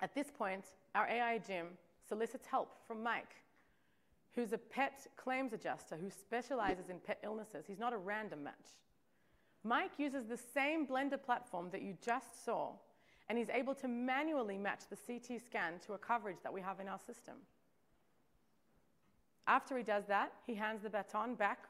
At this point, our AI, Jim, solicits help from Mike, who's a pet claims adjuster who specializes in pet illnesses. He's not a random match. Mike uses the same Blender platform that you just saw, and he's able to manually match the CT scan to a coverage that we have in our system. After he does that, he hands the baton back.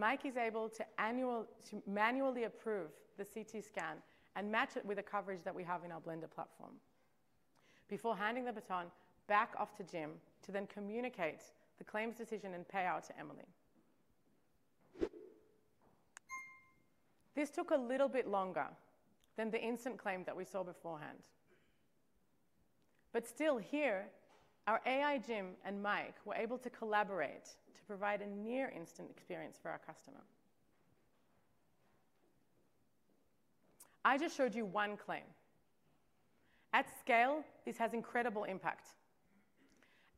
Mike is able to manually approve the CT scan and match it with a coverage that we have in our Blender platform before handing the baton back off to Jim to then communicate the claims decision and payout to Emily. This took a little bit longer than the instant claim that we saw beforehand. But still here, our AI, Jim, and Maya were able to collaborate to provide a near-instant experience for our customer. I just showed you one claim. At scale, this has incredible impact.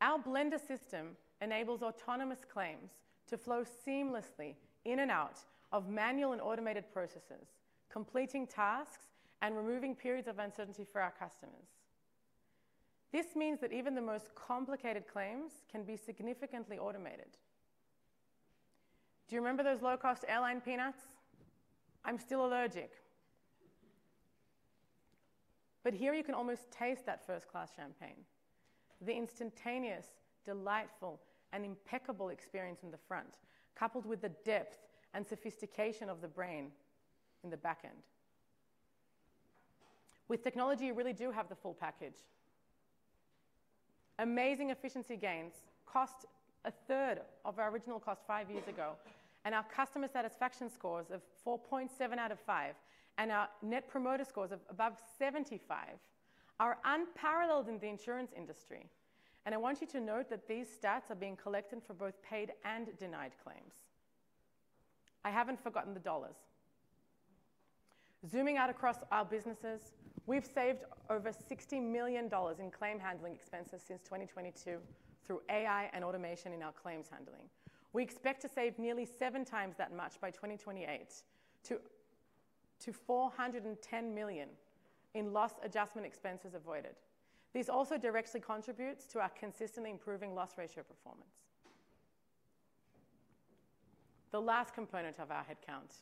Our Blender system enables autonomous claims to flow seamlessly in and out of manual and automated processes, completing tasks and removing periods of uncertainty for our customers. This means that even the most complicated claims can be significantly automated. Do you remember those low-cost airline peanuts? I'm still allergic. But here you can almost taste that first-class champagne, the instantaneous, delightful, and impeccable experience in the front, coupled with the depth and sophistication of the brain in the back end. With technology, you really do have the full package. Amazing efficiency gains cost a third of our original cost five years ago, and our customer satisfaction scores of 4.7 out of 5 and our Net Promoter Scores of above 75 are unparalleled in the insurance industry, and I want you to note that these stats are being collected for both paid and denied claims. I haven't forgotten the dollars. Zooming out across our businesses, we've saved over $60 million in claim handling expenses since 2022 through AI and automation in our claims handling. We expect to save nearly 7x that much by 2028 to $410 million in loss adjustment expenses avoided. This also directly contributes to our consistently improving loss ratio performance. The last component of our headcount.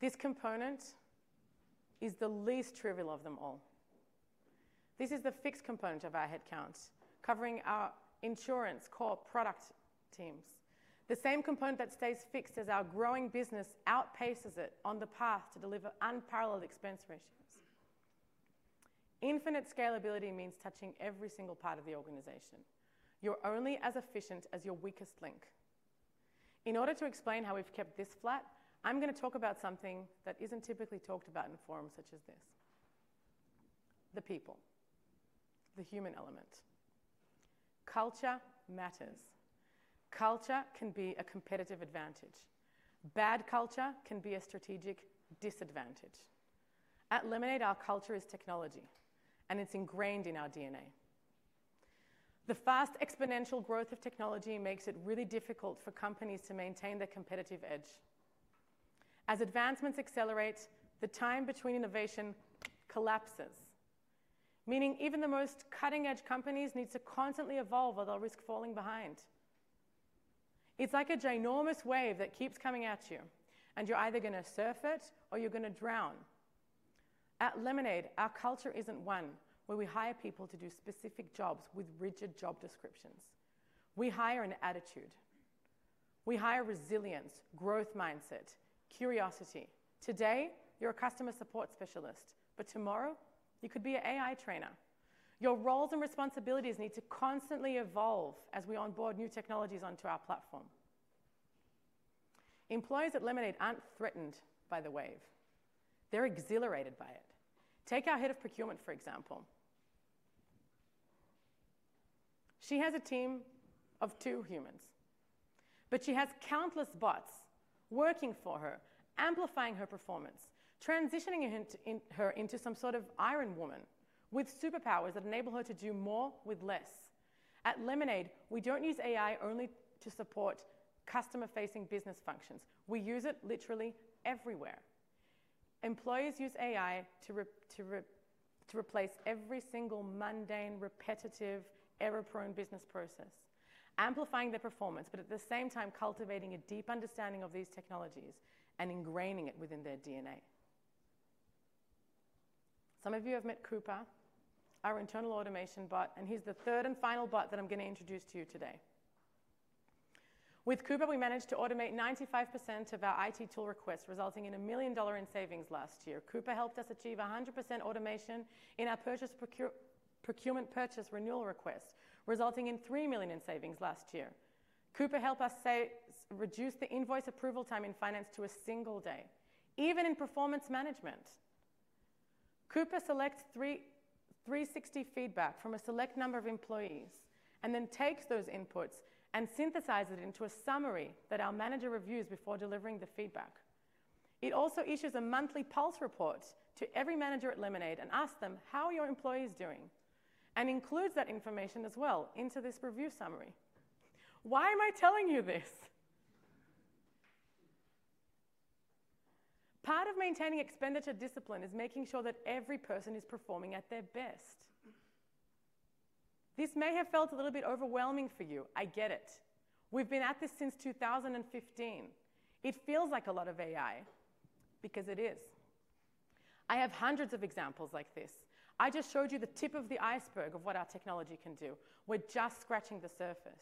This component is the least trivial of them all. This is the fixed component of our headcount covering our insurance core product teams. The same component that stays fixed as our growing business outpaces it on the path to deliver unparalleled expense ratios. Infinite scalability means touching every single part of the organization. You're only as efficient as your weakest link. In order to explain how we've kept this flat, I'm going to talk about something that isn't typically talked about in forums such as this: the people, the human element. Culture matters. Culture can be a competitive advantage. Bad culture can be a strategic disadvantage. At Lemonade, our culture is technology, and it's ingrained in our DNA. The fast exponential growth of technology makes it really difficult for companies to maintain their competitive edge. As advancements accelerate, the time between innovation collapses, meaning even the most cutting-edge companies need to constantly evolve or they'll risk falling behind. It's like a ginormous wave that keeps coming at you, and you're either going to surf it or you're going to drown. At Lemonade, our culture isn't one where we hire people to do specific jobs with rigid job descriptions. We hire an attitude. We hire resilience, growth mindset, curiosity. Today, you're a customer support specialist, but tomorrow, you could be an AI trainer. Your roles and responsibilities need to constantly evolve as we onboard new technologies onto our platform. Employees at Lemonade aren't threatened by the wave. They're exhilarated by it. Take our head of procurement, for example. She has a team of two humans, but she has countless bots working for her, amplifying her performance, transitioning her into some sort of iron woman with superpowers that enable her to do more with less. At Lemonade, we don't use AI only to support customer-facing business functions. We use it literally everywhere. Employees use AI to replace every single mundane, repetitive, error-prone business process, amplifying their performance, but at the same time, cultivating a deep understanding of these technologies and ingraining it within their DNA. Some of you have met Cooper, our internal automation bot, and he's the third and final bot that I'm going to introduce to you today. With Cooper, we managed to automate 95% of our IT tool requests, resulting in $1 million in savings last year. Cooper helped us achieve 100% automation in our procurement purchase renewal request, resulting in $3 million in savings last year. Cooper helped us reduce the invoice approval time in finance to a single day, even in performance management. Cooper selects 360 feedback from a select number of employees and then takes those inputs and synthesizes it into a summary that our manager reviews before delivering the feedback. It also issues a monthly pulse report to every manager at Lemonade and asks them, "How are your employees doing?" and includes that information as well into this review summary. Why am I telling you this? Part of maintaining expenditure discipline is making sure that every person is performing at their best. This may have felt a little bit overwhelming for you. I get it. We've been at this since 2015. It feels like a lot of AI because it is. I have hundreds of examples like this. I just showed you the tip of the iceberg of what our technology can do. We're just scratching the surface.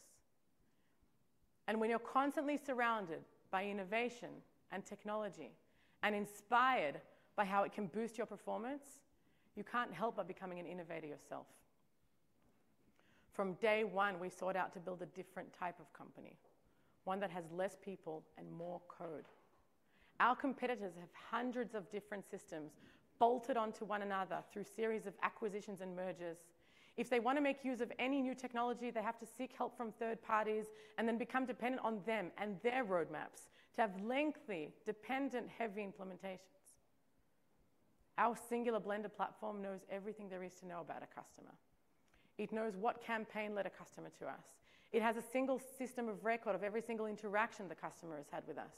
And when you're constantly surrounded by innovation and technology and inspired by how it can boost your performance, you can't help but becoming an innovator yourself. From day one, we sought out to build a different type of company, one that has less people and more code. Our competitors have hundreds of different systems bolted onto one another through series of acquisitions and mergers. If they want to make use of any new technology, they have to seek help from third parties and then become dependent on them and their roadmaps to have lengthy, dependent-heavy implementations. Our singular Blender platform knows everything there is to know about a customer. It knows what campaign led a customer to us. It has a single system of record of every single interaction the customer has had with us.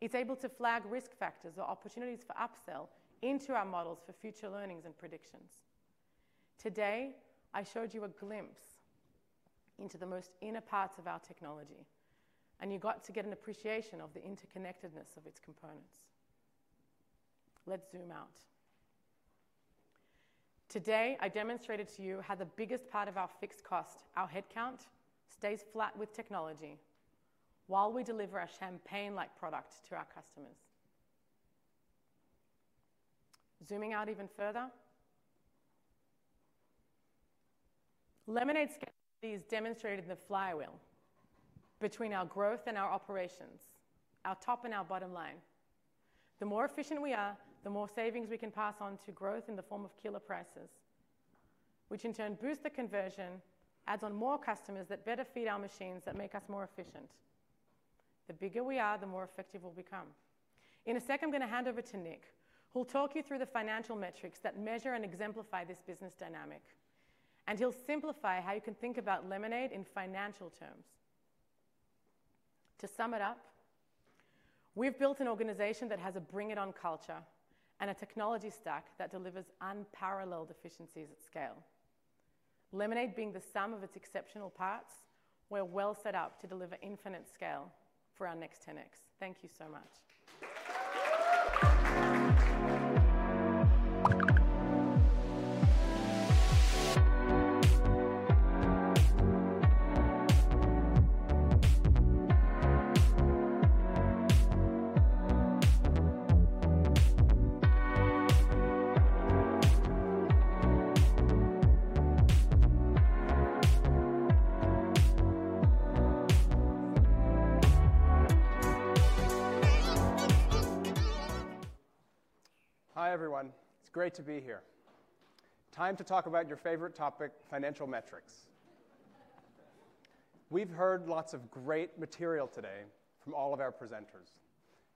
It's able to flag risk factors or opportunities for upsell into our models for future learnings and predictions. Today, I showed you a glimpse into the most inner parts of our technology, and you got to get an appreciation of the interconnectedness of its components. Let's zoom out. Today, I demonstrated to you how the biggest part of our fixed cost, our headcount, stays flat with technology while we deliver a champagne-like product to our customers. Zooming out even further. Lemonade's skill is demonstrated in the flywheel between our growth and our operations, our top and our bottom line. The more efficient we are, the more savings we can pass on to growth in the form of killer prices, which in turn boost the conversion, adds on more customers that better feed our machines that make us more efficient. The bigger we are, the more effective we'll become. In a second, I'm going to hand over to Nick, who'll talk you through the financial metrics that measure and exemplify this business dynamic, and he'll simplify how you can think about Lemonade in financial terms. To sum it up, we've built an organization that has a bring-it-on culture and a technology stack that delivers unparalleled efficiencies at scale. Lemonade being the sum of its exceptional parts, we're well set up to deliver infinite scale for our next 10x. Thank you so much. Hi, everyone. It's great to be here. Time to talk about your favorite topic, financial metrics. We've heard lots of great material today from all of our presenters.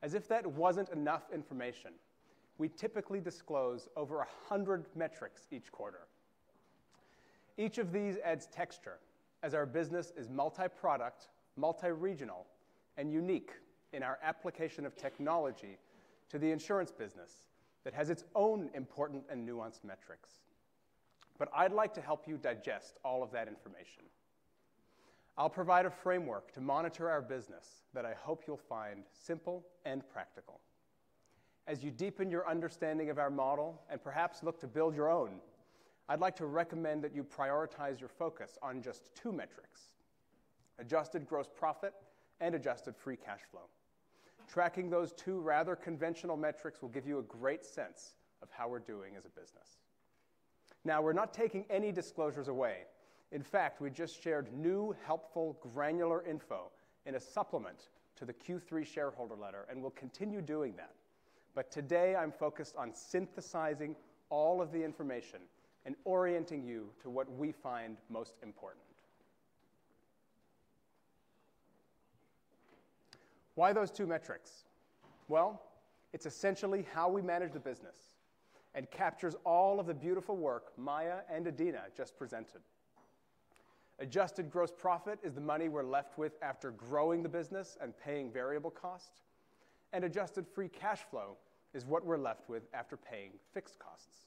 As if that wasn't enough information, we typically disclose over 100 metrics each quarter. Each of these adds texture as our business is multi-product, multi-regional, and unique in our application of technology to the insurance business that has its own important and nuanced metrics. But I'd like to help you digest all of that information. I'll provide a framework to monitor our business that I hope you'll find simple and practical. As you deepen your understanding of our model and perhaps look to build your own, I'd like to recommend that you prioritize your focus on just two metrics: Adjusted Gross Profit and Adjusted Free Cash Flow. Tracking those two rather conventional metrics will give you a great sense of how we're doing as a business. Now, we're not taking any disclosures away. In fact, we just shared new, helpful, granular info in a supplement to the Q3 shareholder letter and will continue doing that. But today, I'm focused on synthesizing all of the information and orienting you to what we find most important. Why those two metrics? Well, it's essentially how we manage the business and captures all of the beautiful work Maya and Adina just presented. Adjusted Gross Profit is the money we're left with after growing the business and paying variable cost, and Adjusted Free Cash Flow is what we're left with after paying fixed costs.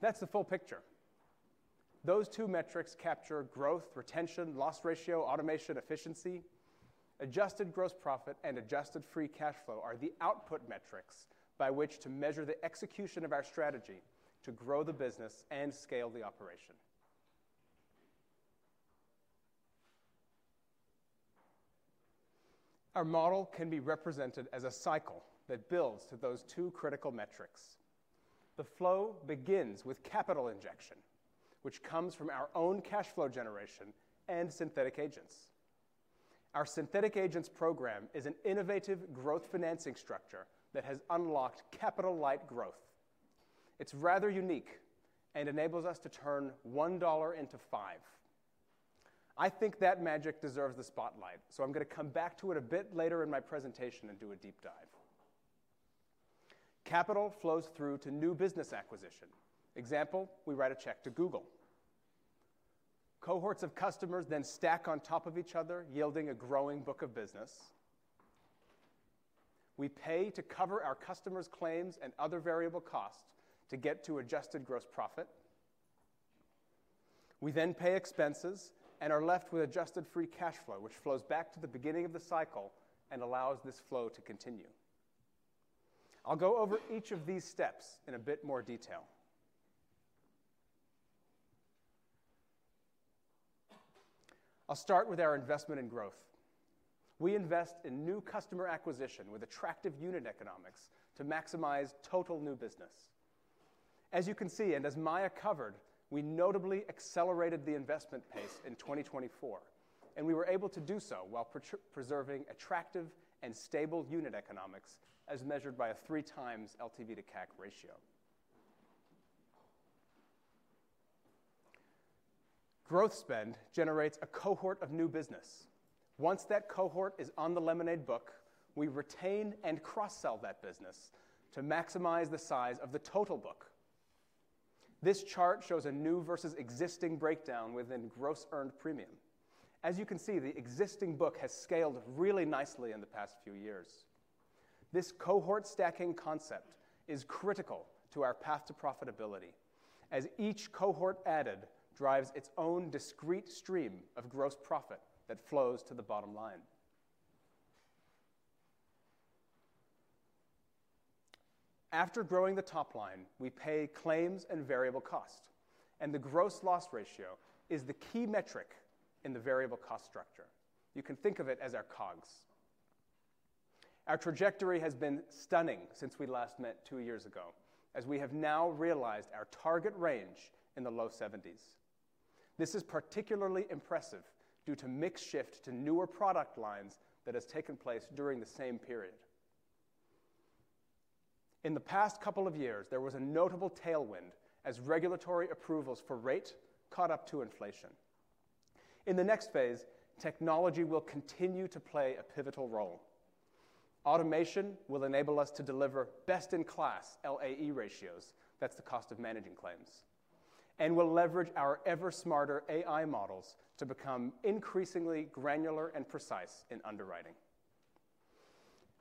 That's the full picture. Those two metrics capture growth, retention, loss ratio, automation, efficiency. Adjusted Gross Profit and Adjusted Free Cash Flow are the output metrics by which to measure the execution of our strategy to grow the business and scale the operation. Our model can be represented as a cycle that builds to those two critical metrics. The flow begins with capital injection, which comes from our own cash flow generation Synthetic Agents. Synthetic Agents program is an innovative growth financing structure that has unlocked capital-light growth. It's rather unique and enables us to turn $1 into $5. I think that magic deserves the spotlight, so I'm going to come back to it a bit later in my presentation and do a deep dive. Capital flows through to new business acquisition. Example: we write a check to Google. Cohorts of customers then stack on top of each other, yielding a growing book of business. We pay to cover our customers' claims and other variable costs to get to Adjusted Gross Profit. We then pay expenses and are left with Adjusted Free Cash Flow, which flows back to the beginning of the cycle and allows this flow to continue. I'll go over each of these steps in a bit more detail. I'll start with our investment in growth. We invest in new customer acquisition with attractive unit economics to maximize total new business. As you can see, and as Maya covered, we notably accelerated the investment pace in 2024, and we were able to do so while preserving attractive and stable unit economics as measured by a 3x LTV to CAC ratio. Growth spend generates a cohort of new business. Once that cohort is on the Lemonade book, we retain and cross-sell that business to maximize the size of the total book. This chart shows a new versus existing breakdown within Gross Earned Premium. As you can see, the existing book has scaled really nicely in the past few years. This cohort stacking concept is critical to our path to profitability, as each cohort added drives its own discrete stream of gross profit that flows to the bottom line. After growing the top line, we pay claims and variable cost, and the gross loss ratio is the key metric in the variable cost structure. You can think of it as our COGS. Our trajectory has been stunning since we last met two years ago, as we have now realized our target range in the low 70s. This is particularly impressive due to the mix shift to newer product lines that has taken place during the same period. In the past couple of years, there was a notable tailwind as regulatory approvals for rate caught up to inflation. In the next phase, technology will continue to play a pivotal role. Automation will enable us to deliver best-in-class LAE ratios (that's the cost of managing claims) and we'll leverage our ever-smarter AI models to become increasingly granular and precise in underwriting.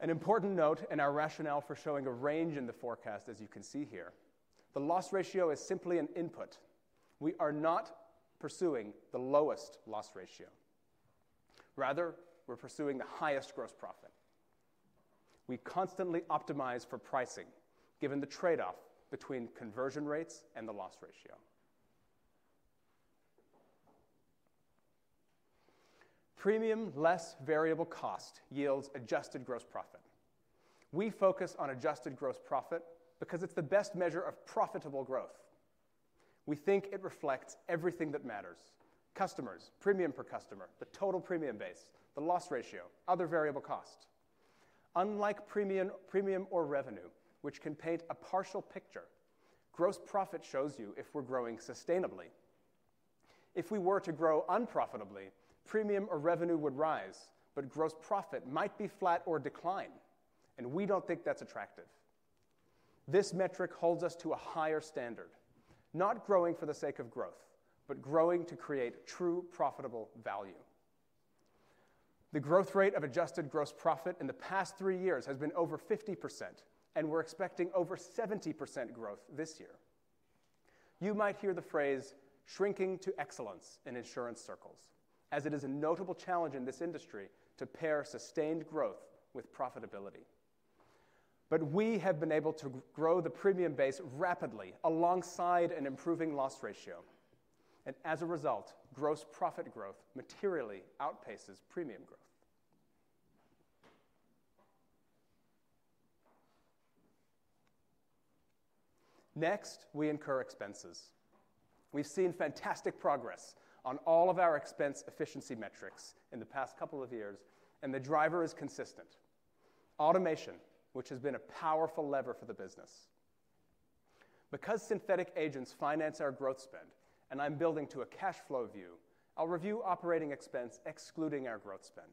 An important note in our rationale for showing a range in the forecast, as you can see here, the loss ratio is simply an input. We are not pursuing the lowest loss ratio. Rather, we're pursuing the highest gross profit. We constantly optimize for pricing, given the trade-off between conversion rates and the loss ratio. Premium less variable cost yields Adjusted Gross Profit. We focus on Adjusted Gross Profit because it's the best measure of profitable growth. We think it reflects everything that matters: customers, premium per customer, the total premium base, the loss ratio, other variable cost. Unlike premium or revenue, which can paint a partial picture, gross profit shows you if we're growing sustainably. If we were to grow unprofitably, premium or revenue would rise, but gross profit might be flat or decline, and we don't think that's attractive. This metric holds us to a higher standard: not growing for the sake of growth, but growing to create true profitable value. The growth rate of Adjusted Gross Profit in the past three years has been over 50%, and we're expecting over 70% growth this year. You might hear the phrase "shrinking to excellence" in insurance circles, as it is a notable challenge in this industry to pair sustained growth with profitability. But we have been able to grow the premium base rapidly alongside an improving loss ratio, and as a result, gross profit growth materially outpaces premium growth. Next, we incur expenses. We've seen fantastic progress on all of our expense efficiency metrics in the past couple of years, and the driver is consistent: automation, which has been a powerful lever for the business. Because Synthetic Agents finance our growth spend, and I'm building to a cash flow view, I'll review operating expense excluding our growth spend.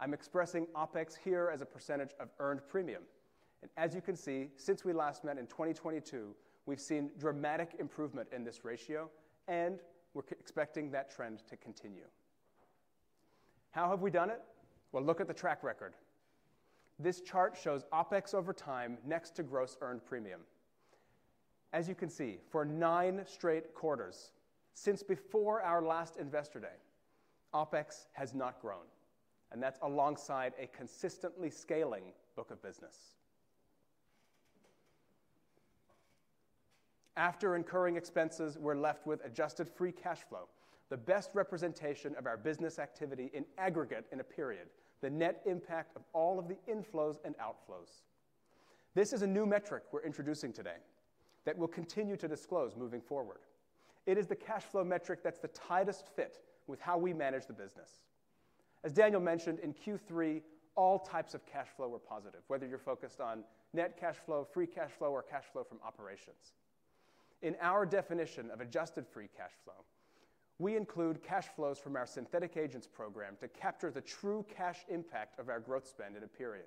I'm expressing OpEx here as a percentage of earned premium, and as you can see, since we last met in 2022, we've seen dramatic improvement in this ratio, and we're expecting that trend to continue. How have we done it? Well, look at the track record. This chart shows OpEx over time next to Gross Earned Premium. As you can see, for nine straight quarters since before our last investor day, OpEx has not grown, and that's alongside a consistently scaling book of business. After incurring expenses, we're left with Adjusted Free Cash Flow, the best representation of our business activity in aggregate in a period, the net impact of all of the inflows and outflows. This is a new metric we're introducing today that we'll continue to disclose moving forward. It is the cash flow metric that's the tightest fit with how we manage the business. As Daniel mentioned, in Q3, all types of cash flow were positive, whether you're focused on net cash flow, free cash flow, or cash flow from operations. In our definition of Adjusted Free Cash Flow, we include cash flows from our Synthetic Agents program to capture the true cash impact of our growth spend in a period.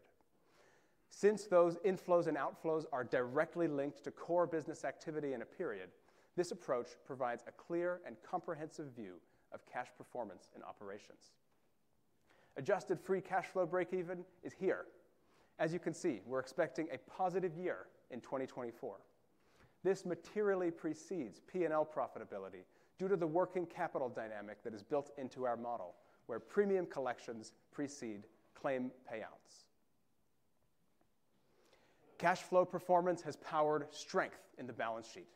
Since those inflows and outflows are directly linked to core business activity in a period, this approach provides a clear and comprehensive view of cash performance and operations. Adjusted Free Cash Flow breakeven is here. As you can see, we're expecting a positive year in 2024. This materially precedes P&L profitability due to the working capital dynamic that is built into our model, where premium collections precede claim payouts. Cash flow performance has powered strength in the balance sheet.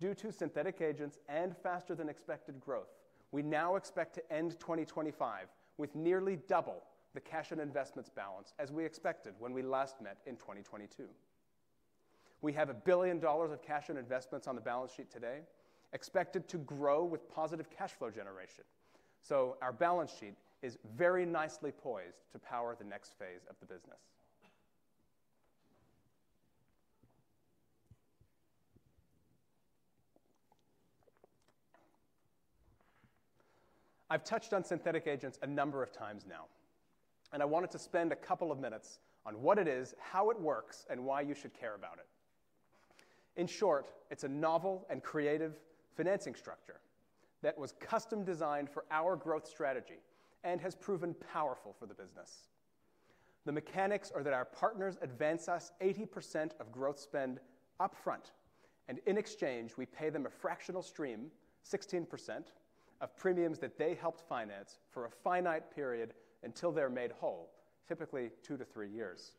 Due to Synthetic Agents and faster-than-expected growth, we now expect to end 2025 with nearly double the cash and investments balance as we expected when we last met in 2022. We have $1 billion of cash and investments on the balance sheet today, expected to grow with positive cash flow generation. So our balance sheet is very nicely poised to power the next phase of the business. I've touched on Synthetic Agents a number of times now, and I wanted to spend a couple of minutes on what it is, how it works, and why you should care about it. In short, it's a novel and creative financing structure that was custom-designed for our growth strategy and has proven powerful for the business. The mechanics are that our partners advance us 80% of growth spend upfront, and in exchange, we pay them a fractional stream, 16%, of premiums that they helped finance for a finite period until they're made whole, typically two to three years.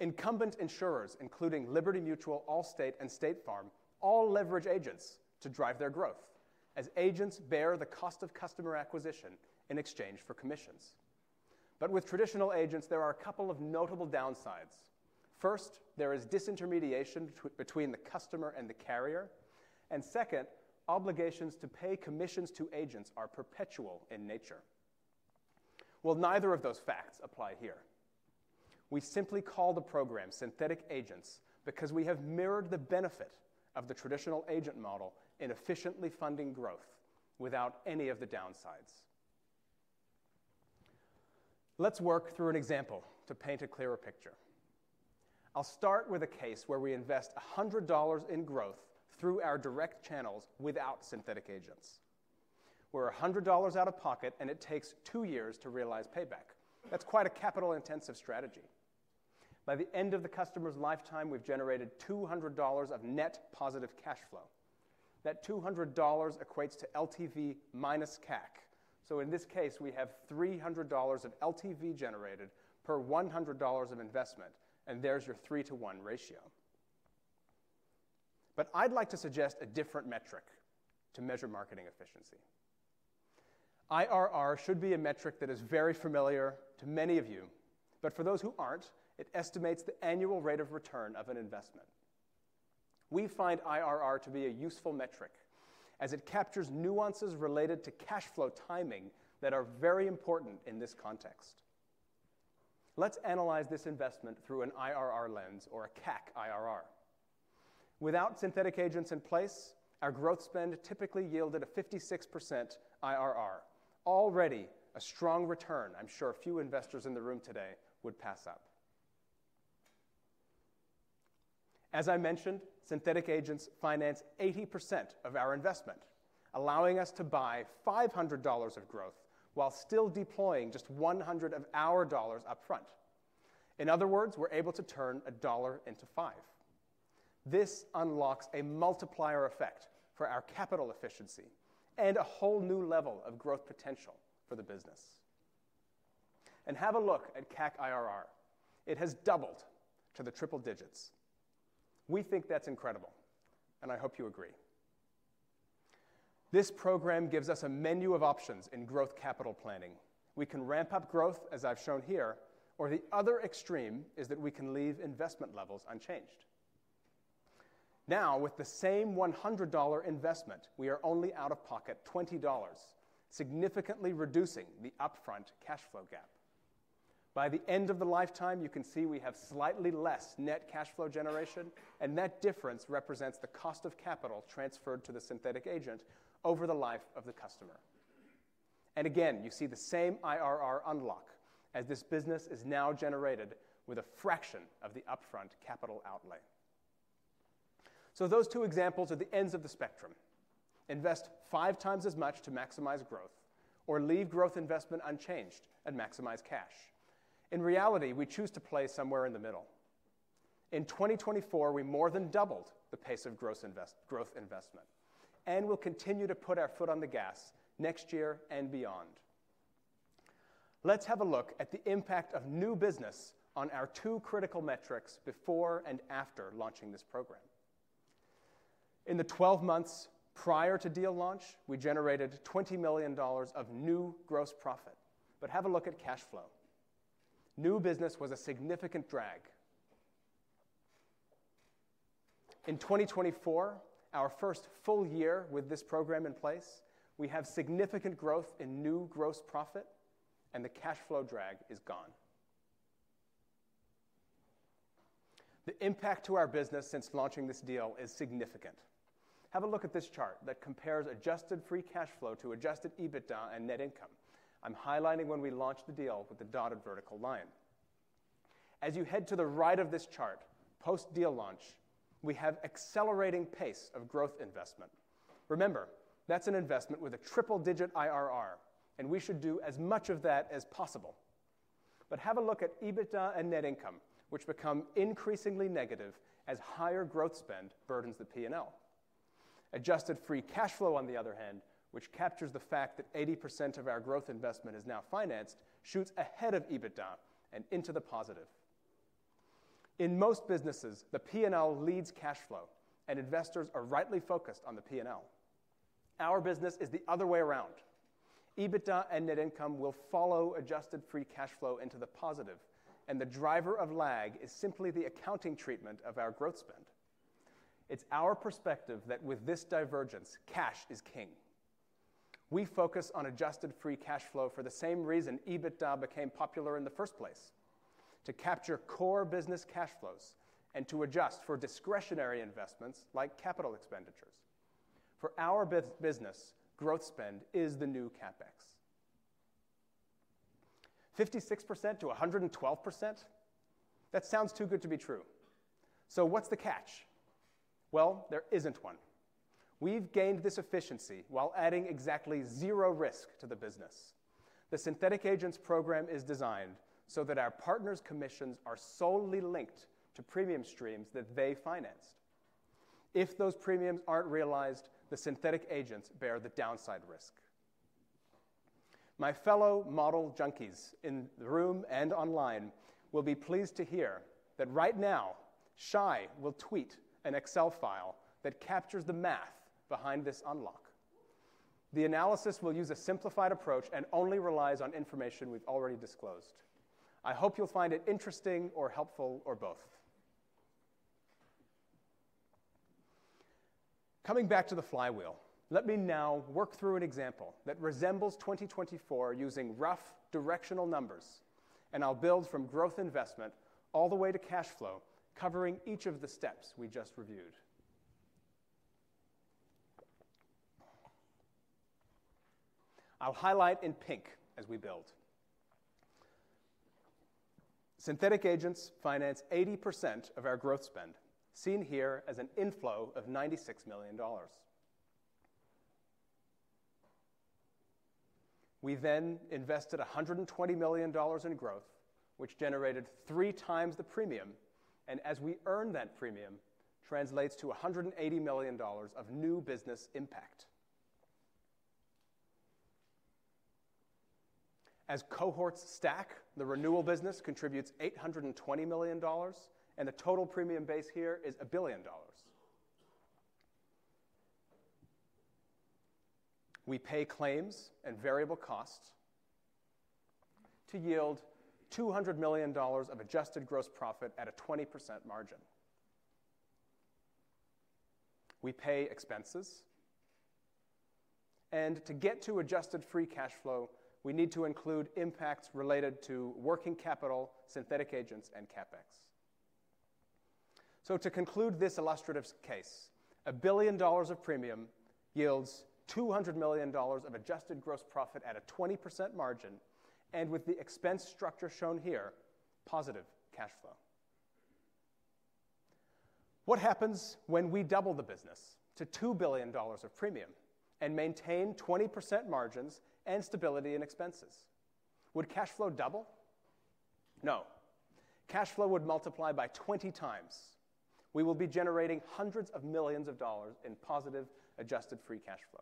Incumbent insurers, including Liberty Mutual, Allstate, and State Farm, all leverage agents to drive their growth, as agents bear the cost of customer acquisition in exchange for commissions. But with traditional agents, there are a couple of notable downsides. First, there is disintermediation between the customer and the carrier, and second, obligations to pay commissions to agents are perpetual in nature. Well, neither of those facts apply here. We simply call the program Synthetic Agents because we have mirrored the benefit of the traditional agent model in efficiently funding growth without any of the downsides. Let's work through an example to paint a clearer picture. I'll start with a case where we invest $100 in growth through our direct channels without Synthetic Agents. We're $100 out of pocket, and it takes two years to realize payback. That's quite a capital-intensive strategy. By the end of the customer's lifetime, we've generated $200 of net positive cash flow. That $200 equates to LTV minus CAC. So in this case, we have $300 of LTV generated per $100 of investment, and there's your three-to-one ratio. But I'd like to suggest a different metric to measure marketing efficiency. IRR should be a metric that is very familiar to many of you, but for those who aren't, it estimates the annual rate of return of an investment. We find IRR to be a useful metric, as it captures nuances related to cash flow timing that are very important in this context. Let's analyze this investment through an IRR lens or a CAC IRR. Without Synthetic Agents in place, our growth spend typically yielded a 56% IRR, already a strong return, I'm sure a few investors in the room today would pass up. As I mentioned, Synthetic Agents finance 80% of our investment, allowing us to buy $500 of growth while still deploying just $100 of our dollars upfront. In other words, we're able to turn a dollar into five. This unlocks a multiplier effect for our capital efficiency and a whole new level of growth potential for the business. Have a look at CAC IRR. It has doubled to the triple digits. We think that's incredible, and I hope you agree. This program gives us a menu of options in growth capital planning. We can ramp up growth, as I've shown here, or the other extreme is that we can leave investment levels unchanged. Now, with the same $100 investment, we are only out of pocket $20, significantly reducing the upfront cash flow gap. By the end of the lifetime, you can see we have slightly less net cash flow generation, and that difference represents the cost of capital transferred to the synthetic agent over the life of the customer. Again, you see the same IRR unlock, as this business is now generated with a fraction of the upfront capital outlay. Those two examples are the ends of the spectrum. Invest 5x as much to maximize growth or leave growth investment unchanged and maximize cash. In reality, we choose to play somewhere in the middle. In 2024, we more than doubled the pace of growth investment and will continue to put our foot on the gas next year and beyond. Let's have a look at the impact of new business on our two critical metrics before and after launching this program. In the 12 months prior to deal launch, we generated $20 million of new gross profit, but have a look at cash flow. New business was a significant drag. In 2024, our first full year with this program in place, we have significant growth in new gross profit, and the cash flow drag is gone. The impact to our business since launching this deal is significant. Have a look at this chart that compares Adjusted Free Cash Flow to Adjusted EBITDA and net income. I'm highlighting when we launched the deal with the dotted vertical line. As you head to the right of this chart, post-deal launch, we have an accelerating pace of growth investment. Remember, that's an investment with a triple-digit IRR, and we should do as much of that as possible. But have a look at EBITDA and net income, which become increasingly negative as higher growth spend burdens the P&L. Adjusted Free Cash Flow, on the other hand, which captures the fact that 80% of our growth investment is now financed, shoots ahead of EBITDA and into the positive. In most businesses, the P&L leads cash flow, and investors are rightly focused on the P&L. Our business is the other way around. EBITDA and net income will follow Adjusted Free Cash Flow into the positive, and the driver of lag is simply the accounting treatment of our growth spend. It's our perspective that with this divergence, cash is king. We focus on Adjusted Free Cash Flow for the same reason EBITDA became popular in the first place: to capture core business cash flows and to adjust for discretionary investments like capital expenditures. For our business, growth spend is the new CapEx. 56%-112%? That sounds too good to be true. So what's the catch? Well, there isn't one. We've gained this efficiency while adding exactly zero risk to the business. The Synthetic Agents program is designed so that our partners' commissions are solely linked to premium streams that they financed. If those premiums aren't realized, the Synthetic Agents bear the downside risk. My fellow model junkies in the room and online will be pleased to hear that right now, Shai will tweet an Excel file that captures the math behind this unlock. The analysis will use a simplified approach and only relies on information we've already disclosed. I hope you'll find it interesting or helpful or both. Coming back to the flywheel, let me now work through an example that resembles 2024 using rough directional numbers, and I'll build from growth investment all the way to cash flow, covering each of the steps we just reviewed. I'll highlight in pink as we build. Synthetic Agents finance 80% of our growth spend, seen here as an inflow of $96 million. We then invested $120 million in growth, which generated 3x the premium, and as we earn that premium, it translates to $180 million of new business impact. As cohorts stack, the renewal business contributes $820 million, and the total premium base here is $1 billion. We pay claims and variable costs to yield $200 million of Adjusted Gross Profit at a 20% margin. We pay expenses, and to get to Adjusted Free Cash Flow, we need to include impacts related to working capital, Synthetic Agents, and CapEx. So to conclude this illustrative case, $1 billion of premium yields $200 million of Adjusted Gross Profit at a 20% margin, and with the expense structure shown here, positive cash flow. What happens when we double the business to $2 billion of premium and maintain 20% margins and stability in expenses? Would cash flow double? No. Cash flow would multiply by 20x. We will be generating hundreds of millions of dollars in positive Adjusted Free Cash Flow.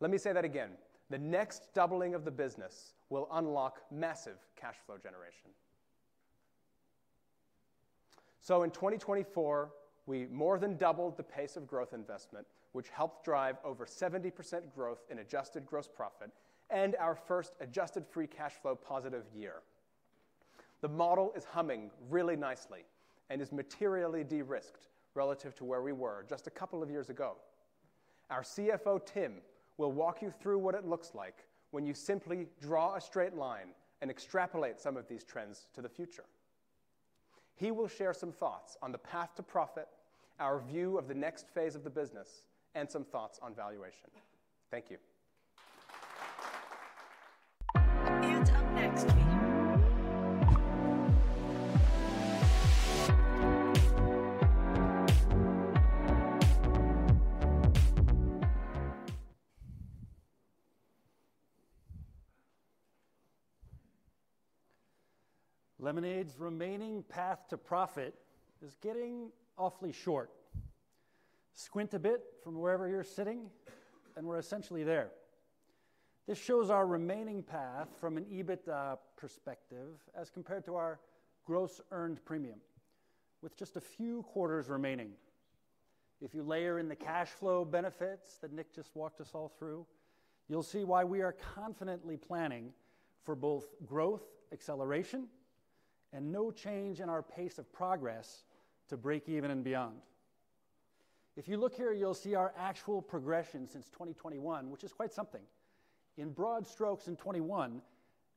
Let me say that again. The next doubling of the business will unlock massive cash flow generation. So in 2024, we more than doubled the pace of growth investment, which helped drive over 70% growth in Adjusted Gross Profit and our first Adjusted Free Cash Flow positive year. The model is humming really nicely and is materially de-risked relative to where we were just a couple of years ago. Our CFO, Tim, will walk you through what it looks like when you simply draw a straight line and extrapolate some of these trends to the future. He will share some thoughts on the path to profit, our view of the next phase of the business, and some thoughts on valuation. Thank you. Lemonade's remaining path to profit is getting awfully short. Squint a bit from wherever you're sitting, and we're essentially there. This shows our remaining path from an EBITDA perspective as compared to our Gross Earned Premium, with just a few quarters remaining. If you layer in the cash flow benefits that Nick just walked us all through, you'll see why we are confidently planning for both growth acceleration and no change in our pace of progress to break even and beyond. If you look here, you'll see our actual progression since 2021, which is quite something. In broad strokes, in 2021,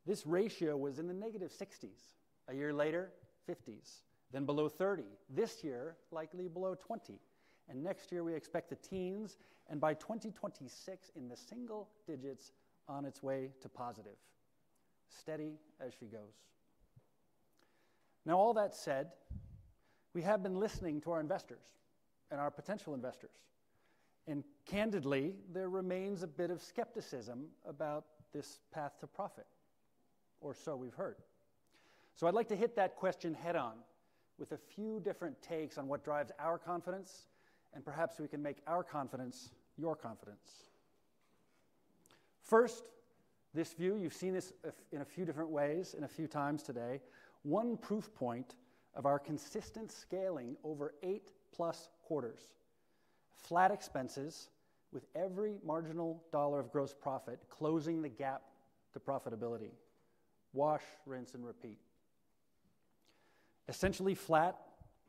this ratio was in the negative 60s. A year later, 50s. Then below 30. This year, likely below 20. And next year, we expect the teens, and by 2026, in the single digits, on its way to positive. Steady as she goes. Now, all that said, we have been listening to our investors and our potential investors, and candidly, there remains a bit of skepticism about this path to profit, or so we've heard. So I'd like to hit that question head-on with a few different takes on what drives our confidence, and perhaps we can make our confidence your confidence. First, this view, you've seen this in a few different ways and a few times today, one proof point of our consistent scaling over eight-plus quarters. Flat expenses with every marginal dollar of gross profit closing the gap to profitability. Wash, rinse, and repeat. Essentially flat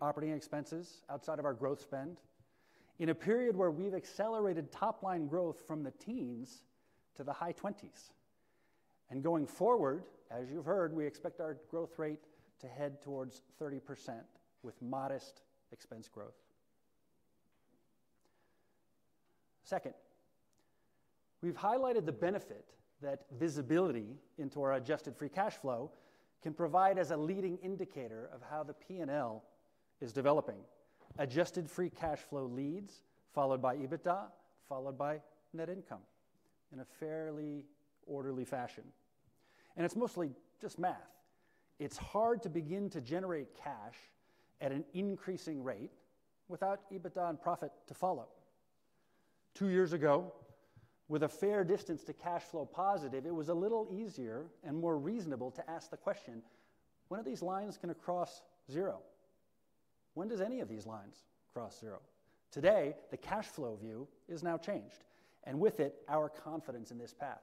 operating expenses outside of our growth spend in a period where we've accelerated top-line growth from the teens to the high 20s. And going forward, as you've heard, we expect our growth rate to head towards 30% with modest expense growth. Second, we've highlighted the benefit that visibility into our Adjusted Free Cash Flow can provide as a leading indicator of how the P&L is developing. Adjusted Free Cash Flow leads, followed by EBITDA, followed by net income in a fairly orderly fashion. And it's mostly just math. It's hard to begin to generate cash at an increasing rate without EBITDA and profit to follow. Two years ago, with a fair distance to cash flow positive, it was a little easier and more reasonable to ask the question, when are these lines going to cross zero? When does any of these lines cross zero? Today, the cash flow view is now changed, and with it, our confidence in this path.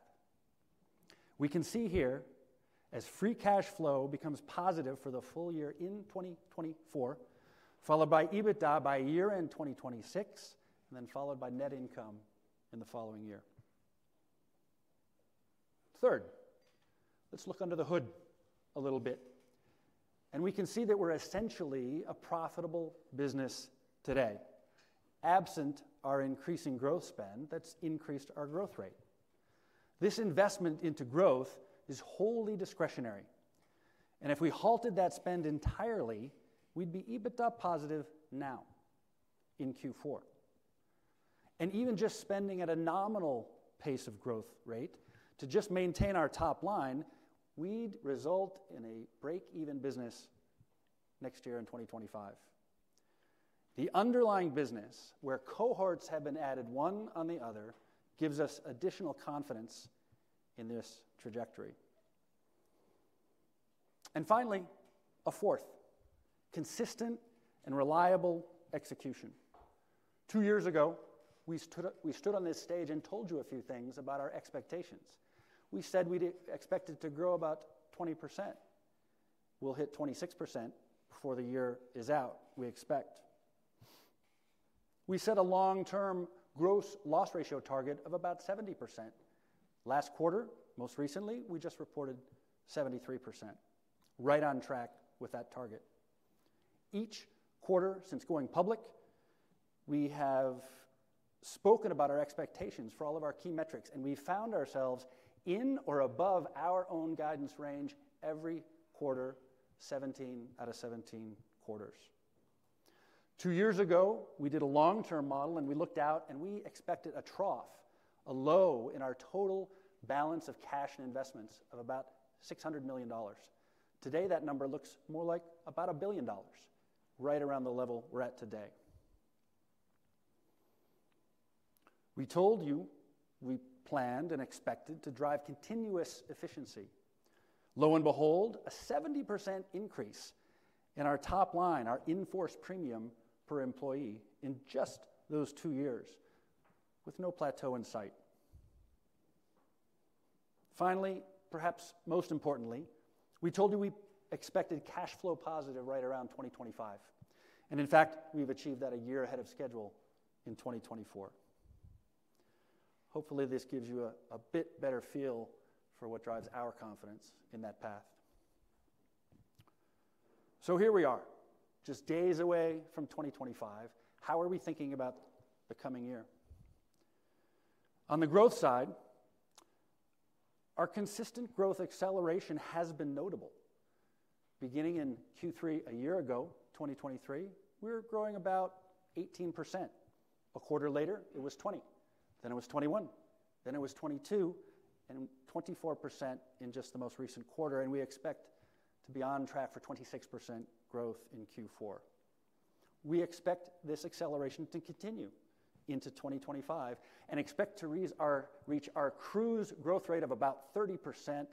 We can see here as free cash flow becomes positive for the full year in 2024, followed by EBITDA by year-end 2026, and then followed by net income in the following year. Third, let's look under the hood a little bit, and we can see that we're essentially a profitable business today, absent our increasing growth spend that's increased our growth rate. This investment into growth is wholly discretionary, and if we halted that spend entirely, we'd be EBITDA positive now in Q4, and even just spending at a nominal pace of growth rate to just maintain our top line, we'd result in a break-even business next year in 2025. The underlying business, where cohorts have been added one on the other, gives us additional confidence in this trajectory, and finally, a fourth, consistent and reliable execution. Two years ago, we stood on this stage and told you a few things about our expectations. We said we expected to grow about 20%. We'll hit 26% before the year is out, we expect. We set a long-term gross loss ratio target of about 70%. Last quarter, most recently, we just reported 73%. Right on track with that target. Each quarter since going public, we have spoken about our expectations for all of our key metrics, and we found ourselves in or above our own guidance range every quarter, 17 out of 17 quarters. Two years ago, we did a long-term model, and we looked out, and we expected a trough, a low in our total balance of cash and investments of about $600 million. Today, that number looks more like about $1 billion, right around the level we're at today. We told you we planned and expected to drive continuous efficiency. Lo and behold, a 70% increase in our top line, our In Force Premium per employee in just those two years, with no plateau in sight. Finally, perhaps most importantly, we told you we expected cash flow positive right around 2025, and in fact, we've achieved that a year ahead of schedule in 2024. Hopefully, this gives you a bit better feel for what drives our confidence in that path. So here we are, just days away from 2025. How are we thinking about the coming year? On the growth side, our consistent growth acceleration has been notable. Beginning in Q3 a year ago, 2023, we were growing about 18%. A quarter later, it was 20%. Then it was 21%. Then it was 22% and 24% in just the most recent quarter, and we expect to be on track for 26% growth in Q4. We expect this acceleration to continue into 2025 and expect to reach our cruise growth rate of about 30%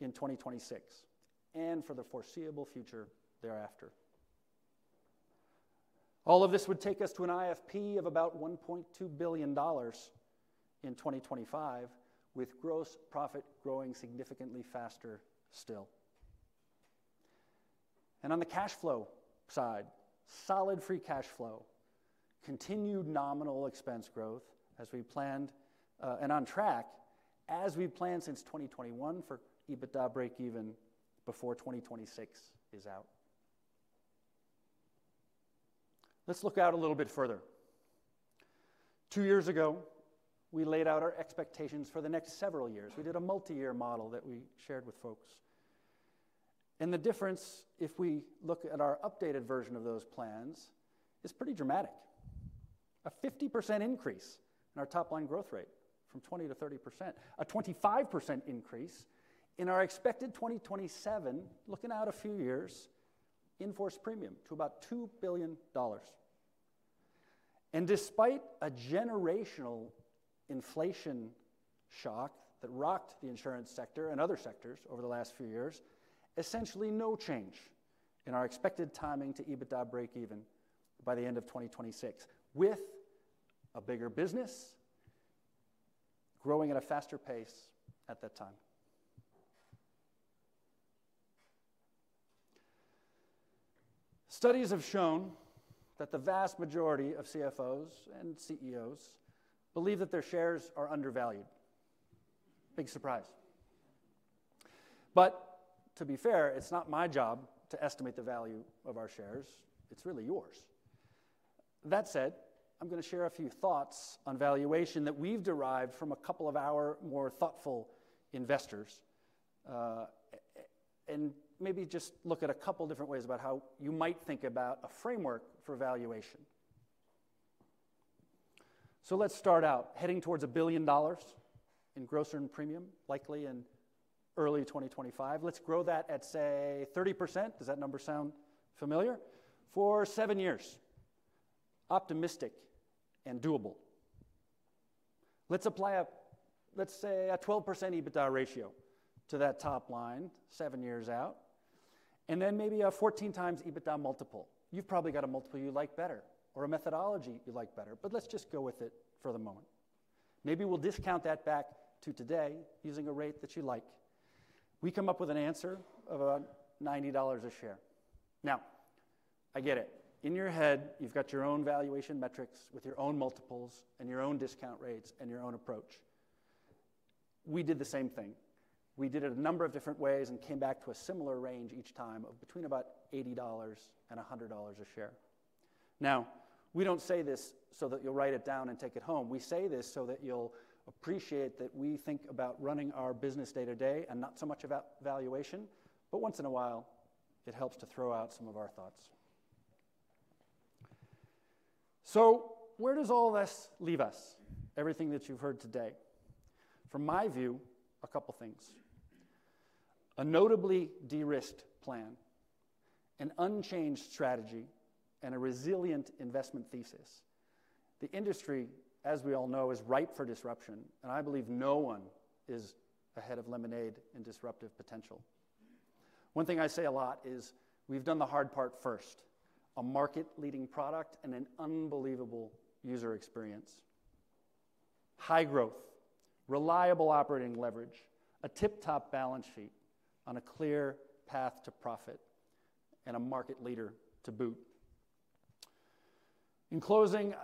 in 2026 and for the foreseeable future thereafter. All of this would take us to an IFP of about $1.2 billion in 2025, with gross profit growing significantly faster still. And on the cash flow side, solid free cash flow, continued nominal expense growth as we planned and on track as we planned since 2021 for EBITDA break-even before 2026 is out. Let's look out a little bit further. Two years ago, we laid out our expectations for the next several years. We did a multi-year model that we shared with folks. The difference, if we look at our updated version of those plans, is pretty dramatic. A 50% increase in our top-line growth rate from 20% to 30%. A 25% increase in our expected 2027, looking out a few years, In Force Premium to about $2 billion. Despite a generational inflation shock that rocked the insurance sector and other sectors over the last few years, essentially no change in our expected timing to EBITDA break-even by the end of 2026, with a bigger business growing at a faster pace at that time. Studies have shown that the vast majority of CFOs and CEOs believe that their shares are undervalued. Big surprise. To be fair, it's not my job to estimate the value of our shares. It's really yours. That said, I'm going to share a few thoughts on valuation that we've derived from a couple of our more thoughtful investors, and maybe just look at a couple of different ways about how you might think about a framework for valuation. So let's start out heading towards $1 billion in Gross Earned Premium, likely in early 2025. Let's grow that at, say, 30%. Does that number sound familiar? For seven years, optimistic and doable. Let's apply a, let's say, a 12% EBITDA ratio to that top line seven years out, and then maybe a 14x EBITDA multiple. You've probably got a multiple you like better or a methodology you like better, but let's just go with it for the moment. Maybe we'll discount that back to today using a rate that you like. We come up with an answer of about $90 a share. Now, I get it. In your head, you've got your own valuation metrics with your own multiples and your own discount rates and your own approach. We did the same thing. We did it a number of different ways and came back to a similar range each time of between about $80 and $100 a share. Now, we don't say this so that you'll write it down and take it home. We say this so that you'll appreciate that we think about running our business day-to-day and not so much about valuation, but once in a while, it helps to throw out some of our thoughts. So where does all this leave us? Everything that you've heard today. From my view, a couple of things. A notably de-risked plan, an unchanged strategy, and a resilient investment thesis. The industry, as we all know, is ripe for disruption, and I believe no one is ahead of Lemonade in disruptive potential. One thing I say a lot is we've done the hard part first. A market-leading product and an unbelievable user experience. High growth, reliable operating leverage, a tip-top balance sheet on a clear path to profit, and a market leader to boot. In closing,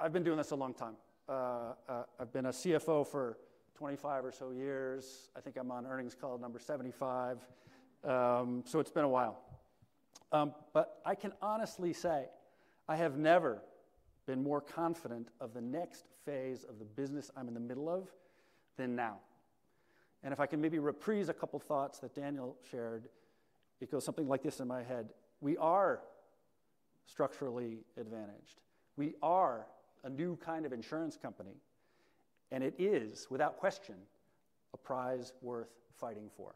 I've been doing this a long time. I've been a CFO for 25 or so years. I think I'm on earnings call number 75, so it's been a while. I can honestly say I have never been more confident of the next phase of the business I'm in the middle of than now. If I can maybe reprise a couple of thoughts that Daniel shared, it goes something like this in my head. We are structurally advantaged. We are a new kind of insurance company, and it is, without question, a prize worth fighting for.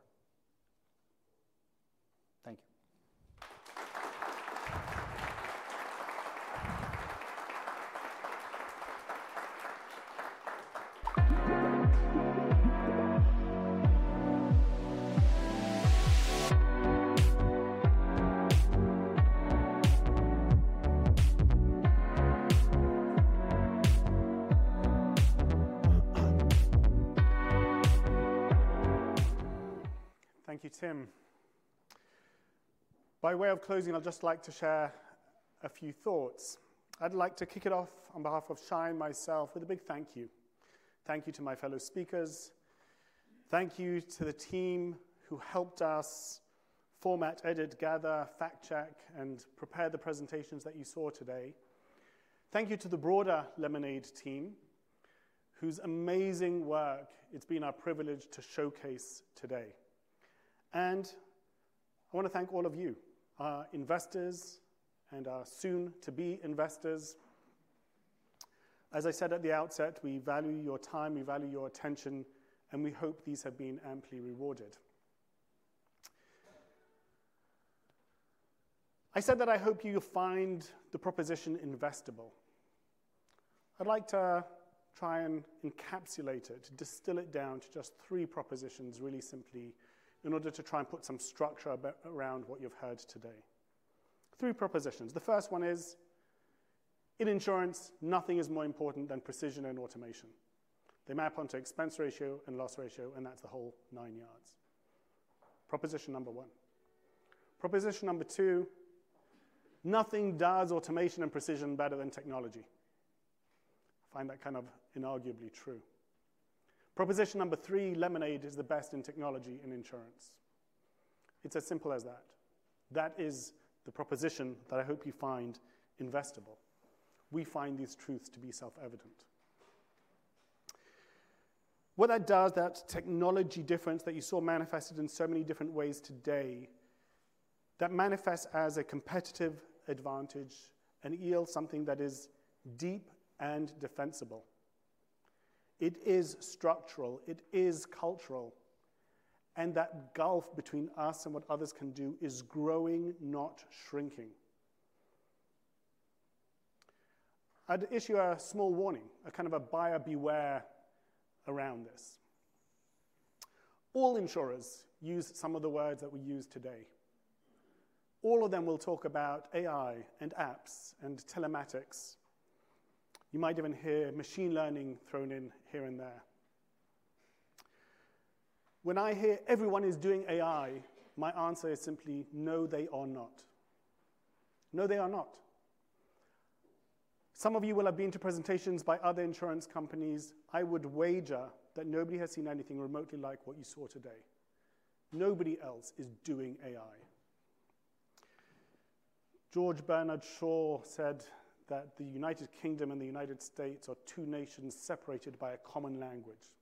Thank you. Thank you, Tim. By way of closing, I'd just like to share a few thoughts. I'd like to kick it off on behalf of Shai myself with a big thank you. Thank you to my fellow speakers. Thank you to the team who helped us format, edit, gather, fact-check, and prepare the presentations that you saw today. Thank you to the broader Lemonade team whose amazing work it's been our privilege to showcase today. And I want to thank all of you, our investors and our soon-to-be investors. As I said at the outset, we value your time, we value your attention, and we hope these have been amply rewarded. I said that I hope you find the proposition investable. I'd like to try and encapsulate it, distill it down to just three propositions really simply in order to try and put some structure around what you've heard today. Three propositions. The first one is, in insurance, nothing is more important than precision and automation. They map onto expense ratio and loss ratio, and that's the whole nine yards. Proposition number one. Proposition number two, nothing does automation and precision better than technology. I find that kind of inarguably true. Proposition number three, Lemonade is the best in technology in insurance. It's as simple as that. That is the proposition that I hope you find investable. We find these truths to be self-evident. What that does, that technology difference that you saw manifested in so many different ways today, that manifests as a competitive advantage, a moat, something that is deep and defensible. It is structural. It is cultural. And that gulf between us and what others can do is growing, not shrinking. I'd issue a small warning, a kind of a buyer beware around this. All insurers use some of the words that we use today. All of them will talk about AI and apps and telematics. You might even hear machine learning thrown in here and there. When I hear everyone is doing AI, my answer is simply, no, they are not. No, they are not. Some of you will have been to presentations by other insurance companies. I would wager that nobody has seen anything remotely like what you saw today. Nobody else is doing AI. George Bernard Shaw said that the United Kingdom and the United States are two nations separated by a common language.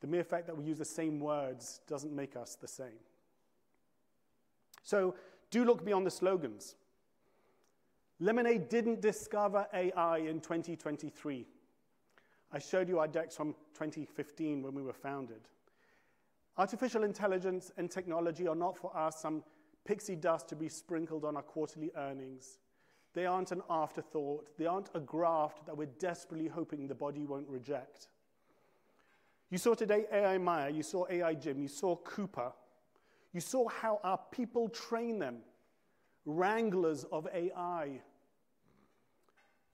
The mere fact that we use the same words doesn't make us the same. So do look beyond the slogans. Lemonade didn't discover AI in 2023. I showed you our decks from 2015 when we were founded. Artificial intelligence and technology are not for us some pixie dust to be sprinkled on our quarterly earnings. They aren't an afterthought. They aren't a graft that we're desperately hoping the body won't reject. You saw today AI Maya. You saw AI Jim. You saw Cooper. You saw how our people train them. Wranglers of AI.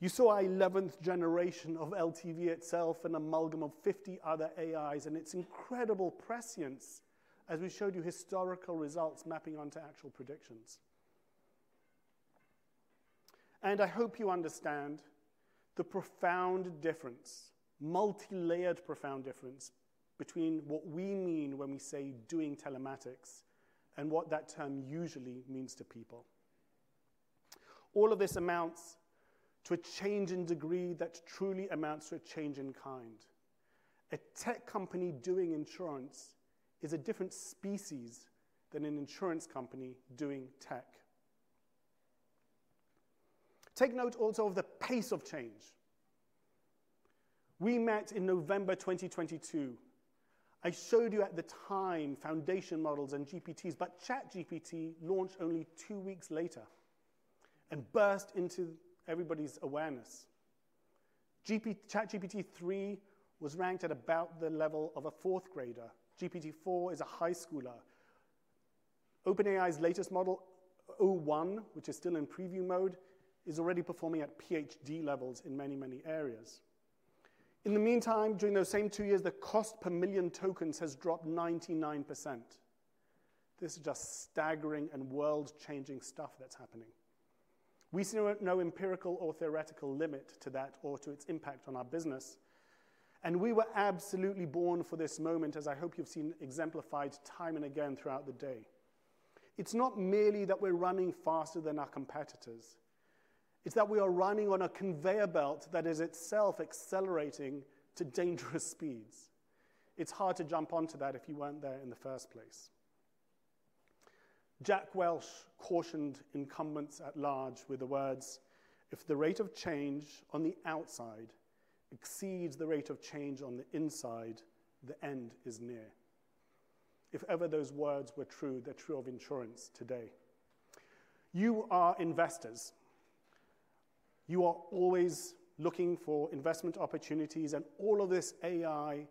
You saw our 11th generation of LTV itself, an amalgam of 50 other AIs, and its incredible prescience as we showed you historical results mapping onto actual predictions, and I hope you understand the profound difference, multi-layered profound difference between what we mean when we say doing telematics and what that term usually means to people. All of this amounts to a change in degree that truly amounts to a change in kind. A tech company doing insurance is a different species than an insurance company doing tech. Take note also of the pace of change. We met in November 2022. I showed you at the time foundation models and GPTs, but ChatGPT launched only two weeks later and burst into everybody's awareness. GPT-3 was ranked at about the level of a fourth grader. GPT-4 is a high schooler. OpenAI's latest model, o1, which is still in preview mode, is already performing at PhD levels in many, many areas. In the meantime, during those same two years, the cost per million tokens has dropped 99%. This is just staggering and world-changing stuff that's happening. We see no empirical or theoretical limit to that or to its impact on our business, and we were absolutely born for this moment, as I hope you've seen exemplified time and again throughout the day. It's not merely that we're running faster than our competitors. It's that we are running on a conveyor belt that is itself accelerating to dangerous speeds. It's hard to jump onto that if you weren't there in the first place. Jack Welch cautioned incumbents at large with the words, "If the rate of change on the outside exceeds the rate of change on the inside, the end is near." If ever those words were true, they're true of insurance today. You are investors. You are always looking for investment opportunities, and all of this AI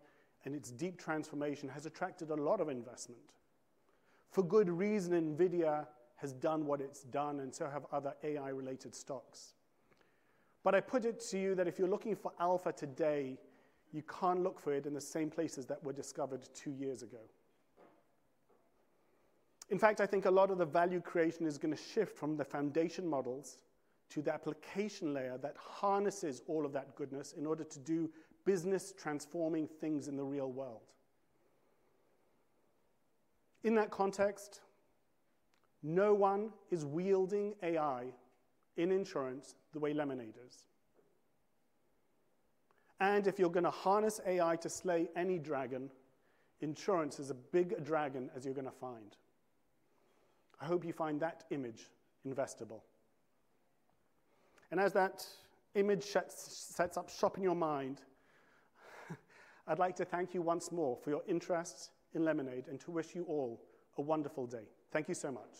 and its deep transformation has attracted a lot of investment. For good reason, NVIDIA has done what it's done, and so have other AI-related stocks. But I put it to you that if you're looking for alpha today, you can't look for it in the same places that were discovered two years ago. In fact, I think a lot of the value creation is going to shift from the foundation models to the application layer that harnesses all of that goodness in order to do business-transforming things in the real world. In that context, no one is wielding AI in insurance the way Lemonade is. And if you're going to harness AI to slay any dragon, insurance is a big dragon as you're going to find. I hope you find that image investable. And as that image sets up shop in your mind, I'd like to thank you once more for your interest in Lemonade and to wish you all a wonderful day. Thank you so much.